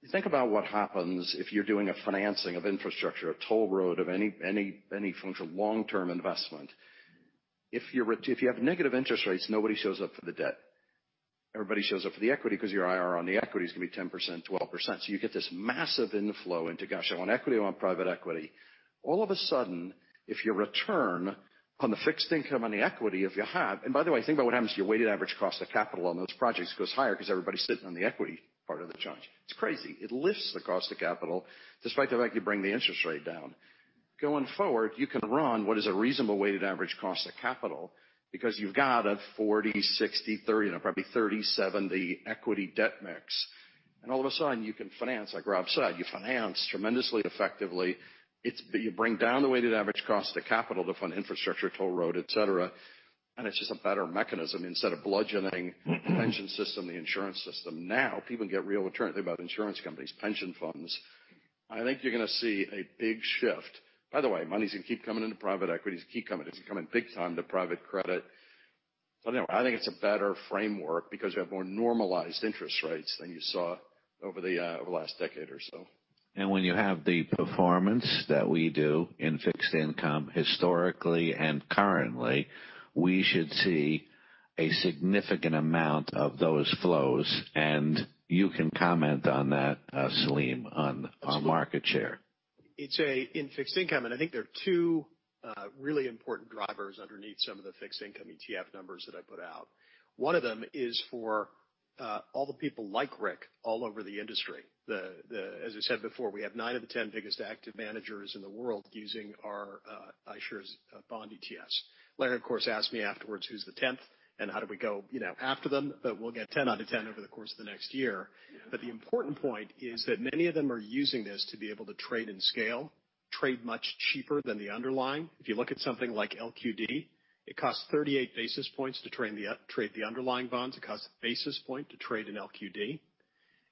You think about what happens if you're doing a financing of infrastructure, a toll road, of any functional long-term investment. If you have negative interest rates, nobody shows up for the debt. Everybody shows up for the equity because your IRR on the equity is going to be 10%, 12%. You get this massive inflow into, gosh, I want equity, I want private equity. All of a sudden, if your return on the fixed income, on the equity, think about what happens to your weighted average cost of capital on those projects. It goes higher because everybody's sitting on the equity part of the challenge. It's crazy. It lifts the cost of capital despite the fact you bring the interest rate down. Going forward, you can run what is a reasonable weighted average cost of capital because you've got a 40, 60, 30, and probably 30-70 equity debt mix, and all of a sudden you can finance, like Rob said, you finance tremendously effectively. You bring down the weighted average cost of the capital to fund infrastructure, toll road, et cetera, and it's just a better mechanism. Instead of bludgeoning the pension system, the insurance system, now people get real return. Think about insurance companies, pension funds. I think you're going to see a big shift. By the way, money's going to keep coming into private equity. It's going to keep coming. It's going to come in big time to private credit. Anyway, I think it's a better framework because you have more normalized interest rates than you saw over the last decade or so. When you have the performance that we do in fixed income, historically and currently, we should see a significant amount of those flows. You can comment on that, Salim, on our market share. It's in fixed income. I think there are two really important drivers underneath some of the fixed income ETF numbers that I put out. One of them is for all the people like Rick, all over the industry. As I said before, we have 9 of the 10 biggest active managers in the world using our iShares bond ETFs. Larry, of course, asked me afterwards, Who's the tenth, and how do we go, you know, after them? We'll get 10 out of 10 over the course of the next year. The important point is that many of them are using this to be able to trade and scale, trade much cheaper than the underlying. If you look at something like LQD, it costs 38 basis points to trade the underlying bonds. It costs a basis point to trade in LQD.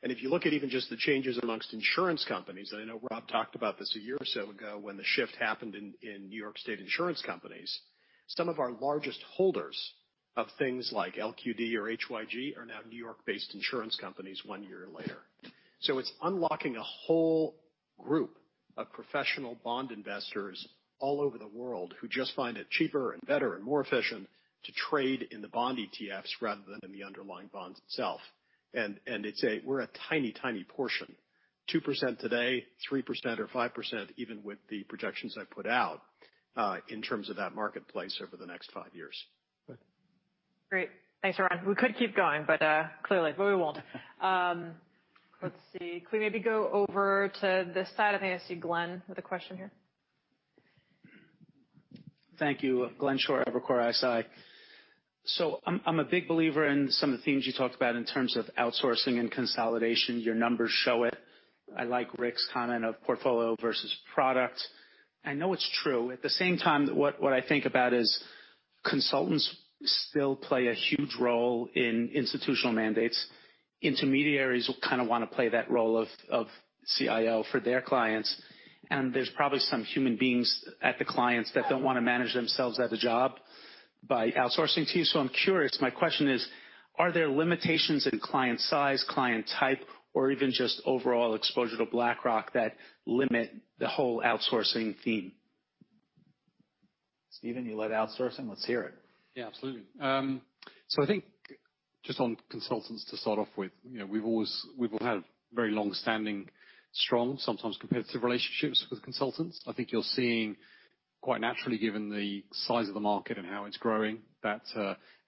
If you look at even just the changes amongst insurance companies, I know Rob talked about this a year or so ago, when the shift happened in New York State insurance companies, some of our largest holders of things like LQD or HYG are now New York-based insurance companies one year later. It's unlocking a whole group of professional bond investors all over the world who just find it cheaper and better and more efficient to trade in the bond ETFs rather than in the underlying bonds itself. We're a tiny portion, 2% today, 3% or 5%, even with the projections I put out in terms of that marketplace over the next five years. Great. Thanks, everyone. We could keep going, but clearly, but we won't. Let's see. Can we maybe go over to this side? I think I see Glenn with a question here. Thank you. Glenn Schorr, Evercore ISI. I'm a big believer in some of the themes you talked about in terms of outsourcing and consolidation. Your numbers show it. I like Rick's comment of portfolio versus product. I know it's true. At the same time, what I think about is consultants still play a huge role in institutional mandates. Intermediaries will kind of want to play that role of CIO for their clients, and there's probably some human beings at the clients that don't want to manage themselves out of a job by outsourcing to you. I'm curious, my question is: Are there limitations in client size, client type, or even just overall exposure to BlackRock that limit the whole outsourcing theme? Stephen, you led outsourcing. Let's hear it. Absolutely. I think just on consultants, to start off with, you know, we've always, we've all had very long-standing, strong, sometimes competitive relationships with consultants. I think you're seeing, quite naturally, given the size of the market and how it's growing, that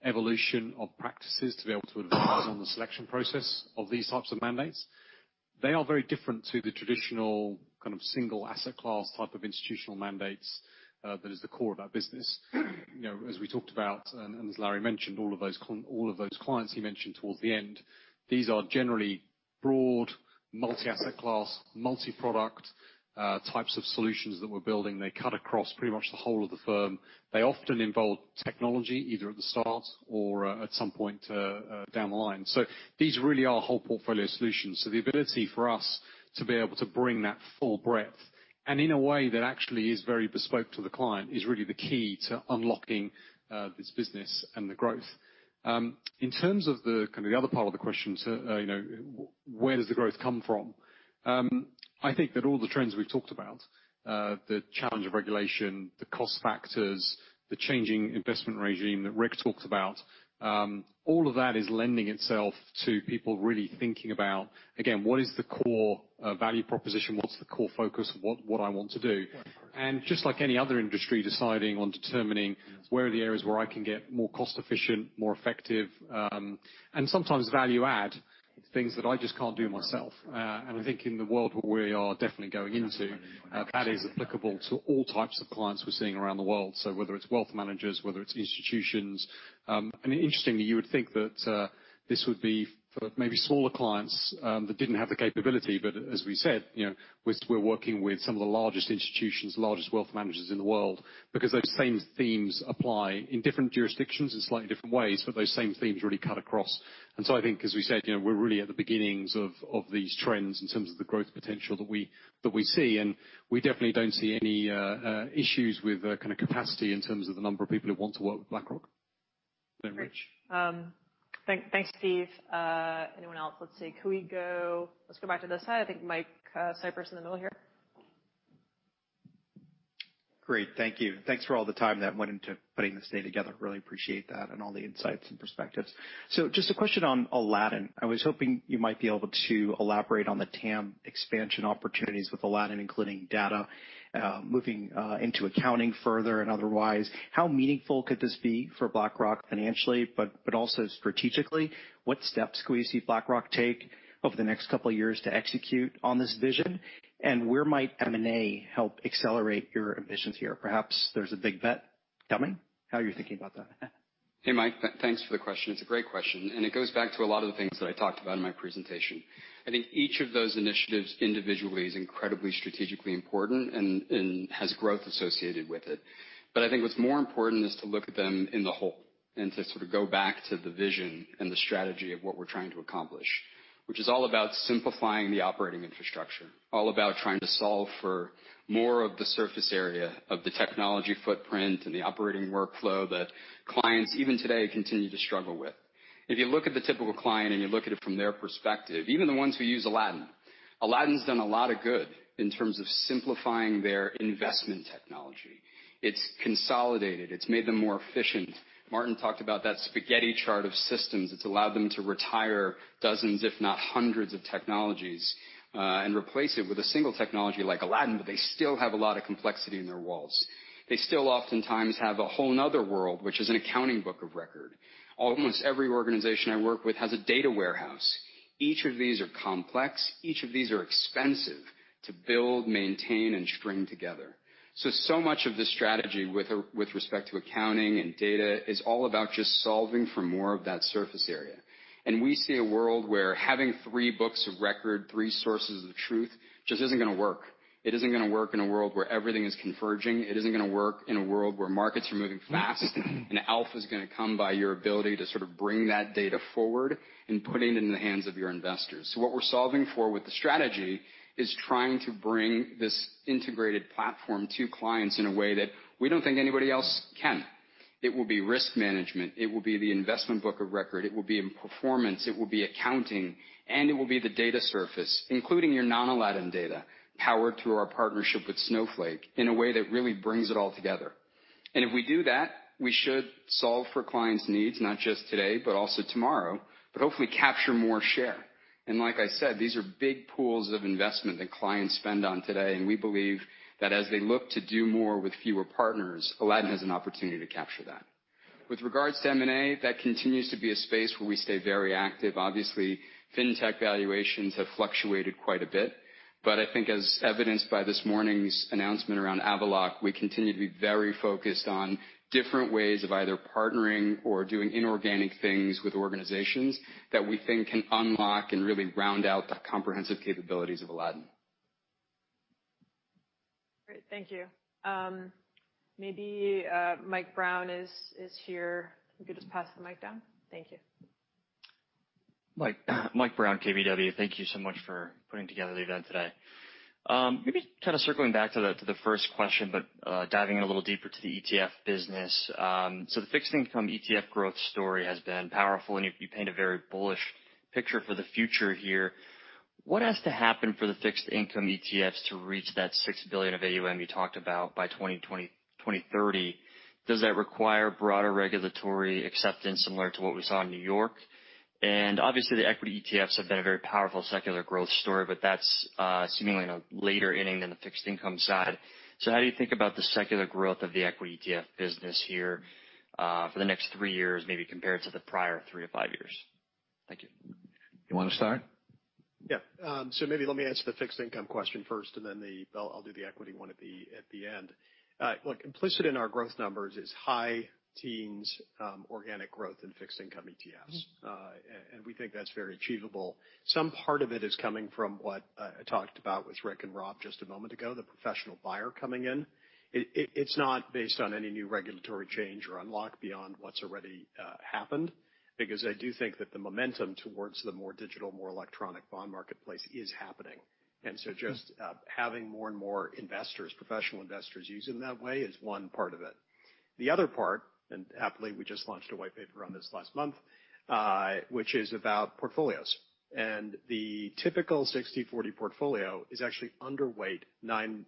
evolution of practices to be able to advise on the selection process of these types of mandates. They are very different to the traditional kind of single asset class type of institutional mandates, that is the core of our business. You know, as we talked about and, as Larry mentioned, all of those clients he mentioned towards the end, these are generally broad, multi-asset class, multi-product, types of solutions that we're building. They cut across pretty much the whole of the firm. They often involve technology, either at the start or, at some point, down the line. These really are whole portfolio solutions. The ability for us to be able to bring that full breadth, and in a way that actually is very bespoke to the client, is really the key to unlocking, this business and the growth. In terms of the, kind of the other part of the question, you know, where does the growth come from? I think that all the trends we've talked about, the challenge of regulation, the cost factors, the changing investment regime that Rick talked about, all of that is lending itself to people really thinking about, again, what is the core, value proposition? What's the core focus of what I want to do? Just like any other industry, deciding on determining where are the areas where I can get more cost efficient, more effective, and sometimes value-add things that I just can't do myself. I think in the world where we are definitely going into, that is applicable to all types of clients we're seeing around the world, so whether it's wealth managers, whether it's institutions. Interestingly, you would think that this would be for maybe smaller clients that didn't have the capability. As we said, you know, we're working with some of the largest institutions, largest wealth managers in the world, because those same themes apply in different jurisdictions in slightly different ways, but those same themes really cut across. I think, as we said, you know, we're really at the beginnings of these trends in terms of the growth potential that we, that we see. We definitely don't see any issues with kind of capacity in terms of the number of people who want to work with BlackRock. Thanks, Steve. anyone else? Let's see. Let's go back to this side. I think Mike Cyprys in the middle here. Great, thank you. Thanks for all the time that went into putting this day together. Really appreciate that and all the insights and perspectives. Just a question on Aladdin. I was hoping you might be able to elaborate on the TAM expansion opportunities with Aladdin, including data, moving into accounting further and otherwise. How meaningful could this be for BlackRock financially, but also strategically? What steps could we see BlackRock take over the next couple of years to execute on this vision? Where might M&A help accelerate your ambitions here? Perhaps there's a big bet coming. How are you thinking about that? Hey, Mike, thanks for the question. It's a great question. It goes back to a lot of the things that I talked about in my presentation. I think each of those initiatives individually is incredibly strategically important and has growth associated with it. I think what's more important is to look at them in the whole and to sort of go back to the vision and the strategy of what we're trying to accomplish, which is all about simplifying the operating infrastructure, all about trying to solve for more of the surface area of the technology footprint and the operating workflow that clients, even today, continue to struggle with. If you look at the typical client and you look at it from their perspective, even the ones who use Aladdin's done a lot of good in terms of simplifying their investment technology. It's consolidated. It's made them more efficient. Martin talked about that spaghetti chart of systems. It's allowed them to retire dozens, if not hundreds, of technologies and replace it with a single technology like Aladdin. They still have a lot of complexity in their walls. They still oftentimes have a whole other world, which is an accounting book of record. Almost every organization I work with has a data warehouse. Each of these are complex. Each of these are expensive to build, maintain, and string together. Much of the strategy with respect to accounting and data is all about just solving for more of that surface area. We see a world where having three books of record, three sources of truth, just isn't going to work. It isn't going to work in a world where everything is converging. It isn't going to work in a world where markets are moving fast and alpha is going to come by your ability to sort of bring that data forward and put it in the hands of your investors. What we're solving for with the strategy is trying to bring this integrated platform to clients in a way that we don't think anybody else can. It will be risk management, it will be the investment book of record, it will be in performance, it will be accounting, and it will be the data surface, including your non-Aladdin data, powered through our partnership with Snowflake, in a way that really brings it all together. If we do that, we should solve for clients' needs, not just today, but also tomorrow, but hopefully capture more share. Like I said, these are big pools of investment that clients spend on today, and we believe that as they look to do more with fewer partners, Aladdin has an opportunity to capture that. With regards to M&A, that continues to be a space where we stay very active. Obviously, fintech valuations have fluctuated quite a bit, but I think as evidenced by this morning's announcement around Avaloq, we continue to be very focused on different ways of either partnering or doing inorganic things with organizations that we think can unlock and really round out the comprehensive capabilities of Aladdin. Great. Thank you. Maybe Michael Brown is here. If you could just pass the mic down. Thank you. Michael Brown, KBW. Thank you so much for putting together the event today. Maybe kind of circling back to the, to the first question, but diving in a little deeper to the ETF business. The fixed income ETF growth story has been powerful, and you paint a very bullish picture for the future here. What has to happen for the fixed income ETFs to reach that $6 billion of AUM you talked about by 2020, 2030? Does that require broader regulatory acceptance similar to what we saw in New York? Obviously, the equity ETFs have been a very powerful secular growth story, but that's seemingly in a later inning than the fixed income side. How do you think about the secular growth of the equity ETF business here, for the next three years, maybe compared to the prior 3 years-5 years? Thank you. You want to start? Yeah. Maybe let me answer the fixed income question first. I'll do the equity one at the end. Look, implicit in our growth numbers is high teens organic growth in fixed income ETFs. We think that's very achievable. Some part of it is coming from what I talked about with Rick and Rob just a moment ago, the professional buyer coming in. It's not based on any new regulatory change or unlock beyond what's already happened, because I do think that the momentum towards the more digital, more electronic bond marketplace is happening. Just having more and more investors, professional investors, use it in that way is one part of it. The other part, happily, we just launched a white paper on this last month, which is about portfolios. The typical 60/40 portfolio is actually underweight 9%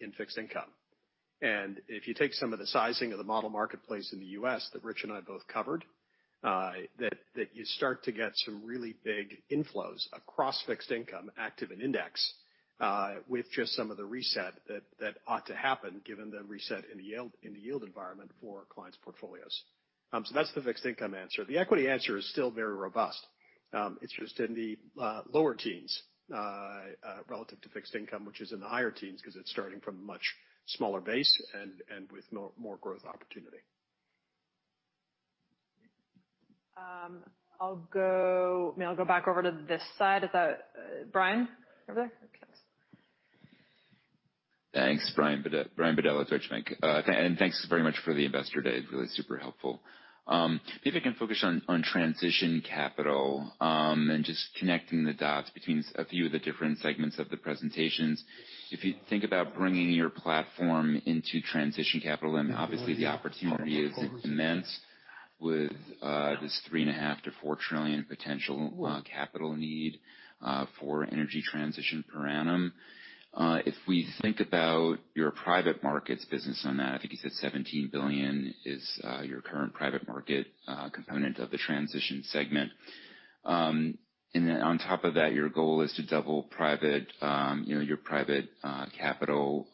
in fixed income. If you take some of the sizing of the model marketplace in the U.S. that Rich and I both covered, that you start to get some really big inflows across fixed income, active and index, with just some of the reset that ought to happen, given the reset in the yield environment for clients' portfolios. That's the fixed income answer. The equity answer is still very robust. It's just in the lower teens relative to fixed income, which is in the higher teens, because it's starting from a much smaller base and with more growth opportunity. Maybe I'll go back over to this side. Is that Brian over there? Okay. Thanks. Brian Bedell with Deutsche Bank. Thanks very much for the investor day. Really super helpful. Maybe I can focus on transition capital, just connecting the dots between a few of the different segments of the presentations. If you think about bringing your platform into transition capital, obviously the opportunity is immense with this $3.5 trillion-$4 trillion potential capital need for energy transition per annum. If we think about your private markets business on that, I think you said $17 billion is your current private market component of the transition segment. On top of that, your goal is to double private, you know, your private capital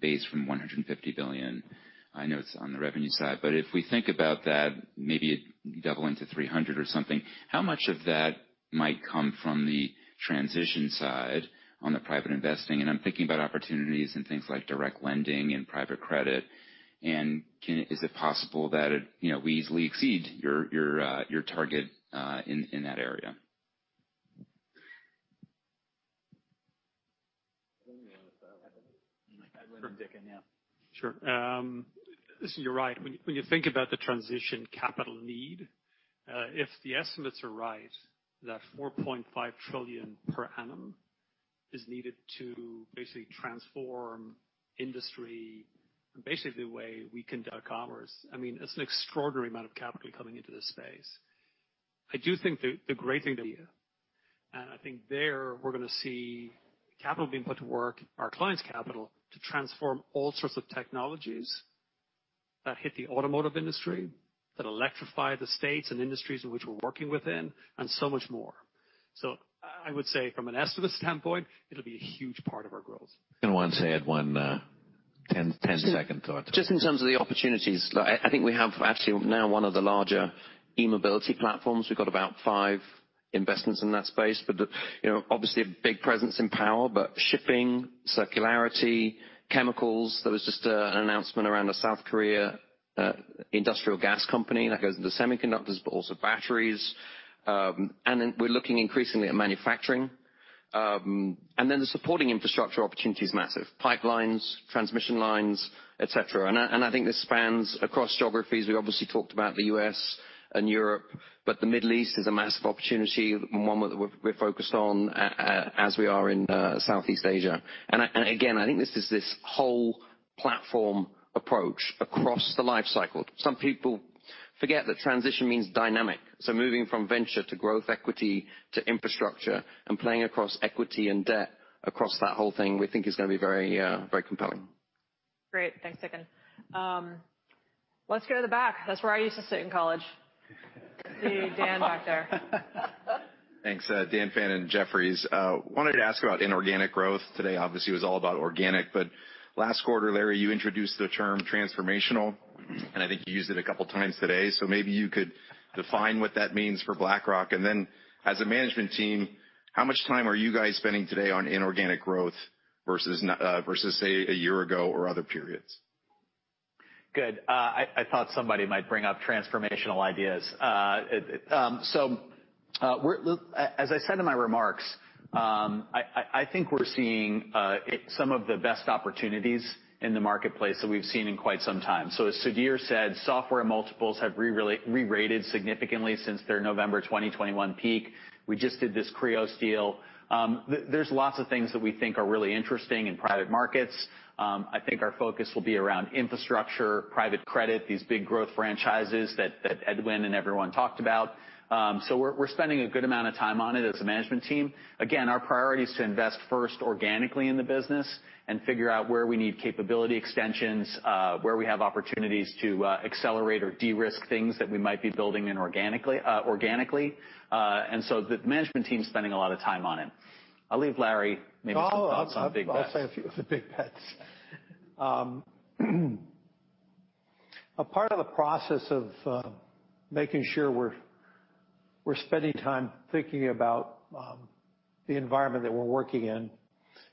base from $150 billion. I know it's on the revenue side, but if we think about that maybe doubling to $300 or something, how much of that might come from the transition side on the private investing? I'm thinking about opportunities and things like direct lending and private credit. Is it possible that it, you know, we easily exceed your target in that area? Sure. Listen, you're right. When you think about the transition capital need, if the estimates are right, that $4.5 trillion per annum is needed to basically transform industry, basically the way we conduct commerce. I mean, it's an extraordinary amount of capital coming into this space. I do think the great thing that we have, and I think there we're going to see capital being put to work, our client's capital, to transform all sorts of technologies that hit the automotive industry, that electrify the states and industries in which we're working within, and so much more. I would say from an estimate standpoint, it'll be a huge part of our growth. I want to add one 10-second thought. Just in terms of the opportunities, like, I think we have actually now one of the larger e-mobility platforms. We've got about five investments in that space, you know, obviously a big presence in power, shipping, circularity, chemicals. There was just an announcement around a South Korea industrial gas company that goes into semiconductors, also batteries. We're looking increasingly at manufacturing. The supporting infrastructure opportunity is massive. Pipelines, transmission lines, et cetera. I think this spans across geographies. We obviously talked about the U.S. and Europe. The Middle East is a massive opportunity, one that we're focused on as we are in Southeast Asia. Again, I think this is this whole platform approach across the life cycle. Some people forget that transition means dynamic, moving from venture to growth equity to infrastructure, and playing across equity and debt, across that whole thing, we think is going to be very, very compelling. Great. Thanks, Dickon. Let's go to the back. That's where I used to sit in college. I see Dan back there. Thanks. Dan Fannon, Jefferies. Wanted to ask about inorganic growth. Today, obviously, was all about organic, last quarter, Larry, you introduced the term transformational, and I think you used it a couple of times today. Maybe you could define what that means for BlackRock. As a management team, how much time are you guys spending today on inorganic growth versus, say, a year ago or other periods? Good. I thought somebody might bring up transformational ideas. As I said in my remarks, I think we're seeing some of the best opportunities in the marketplace that we've seen in quite some time. As Sudhir said, software multiples have re-rated significantly since their November 2021 peak. We just did this Kreos deal. There's lots of things that we think are really interesting in private markets. I think our focus will be around infrastructure, private credit, these big growth franchises that Edwin and everyone talked about. We're spending a good amount of time on it as a management team. Our priority is to invest first organically in the business and figure out where we need capability extensions, where we have opportunities to accelerate or de-risk things that we might be building inorganically, organically. The management team is spending a lot of time on it. I'll leave Larry maybe some thoughts on big bets. I'll say a few of the big bets. A part of the process of making sure we're spending time thinking about the environment that we're working in,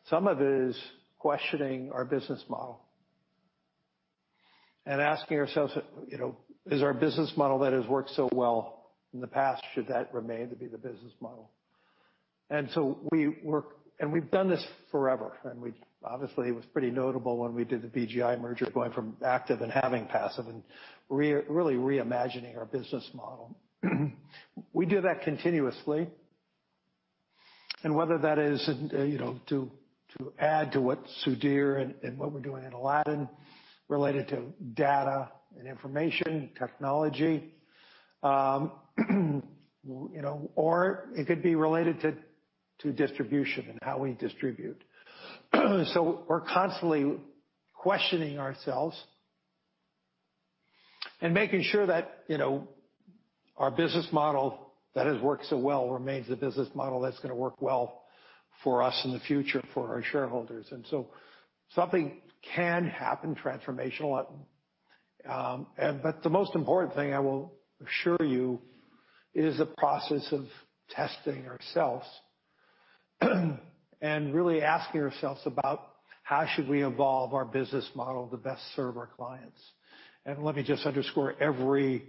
some of it is questioning our business model and asking ourselves, you know, Is our business model that has worked so well in the past, should that remain to be the business model? We work. We've done this forever, and we obviously, it was pretty notable when we did the BGI merger, going from active and having passive and really reimagining our business model. We do that continuously. Whether that is, you know, to add to what Sudhir and what we're doing in Aladdin related to data and information technology, you know, or it could be related to distribution and how we distribute. We're constantly questioning ourselves and making sure that, you know, our business model that has worked so well remains the business model that's going to work well for us in the future, for our shareholders. The most important thing I will assure you, is the process of testing ourselves, and really asking ourselves about how should we evolve our business model to best serve our clients? Let me just underscore, every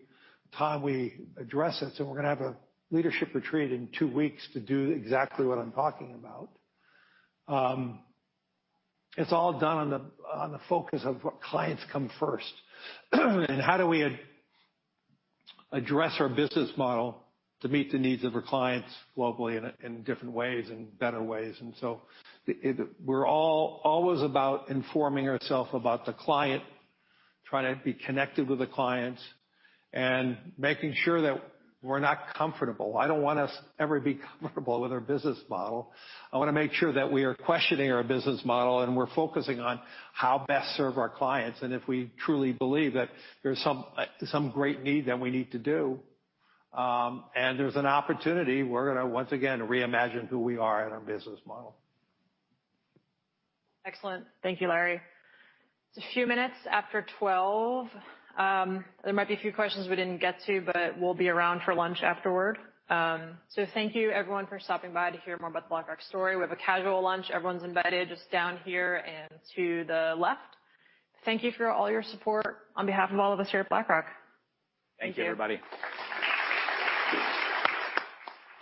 time we address it, so we're going to have a leadership retreat in two weeks to do exactly what I'm talking about. It's all done on the, on the focus of what clients come first, and how do we address our business model to meet the needs of our clients globally and in different ways and better ways. The, it, we're all always about informing ourself about the client, trying to be connected with the clients, and making sure that we're not comfortable. I don't want us to ever be comfortable with our business model. I want to make sure that we are questioning our business model, and we're focusing on how best serve our clients. If we truly believe that there's some great need that we need to do, and there's an opportunity, we're going to once again reimagine who we are in our business model. Excellent. Thank you, Larry. It's a few minutes after 12. There might be a few questions we didn't get to, but we'll be around for lunch afterward. Thank you, everyone, for stopping by to hear more about the BlackRock story. We have a casual lunch. Everyone's invited, just down here and to the left. Thank you for all your support on behalf of all of us here at BlackRock. Thank you, everybody.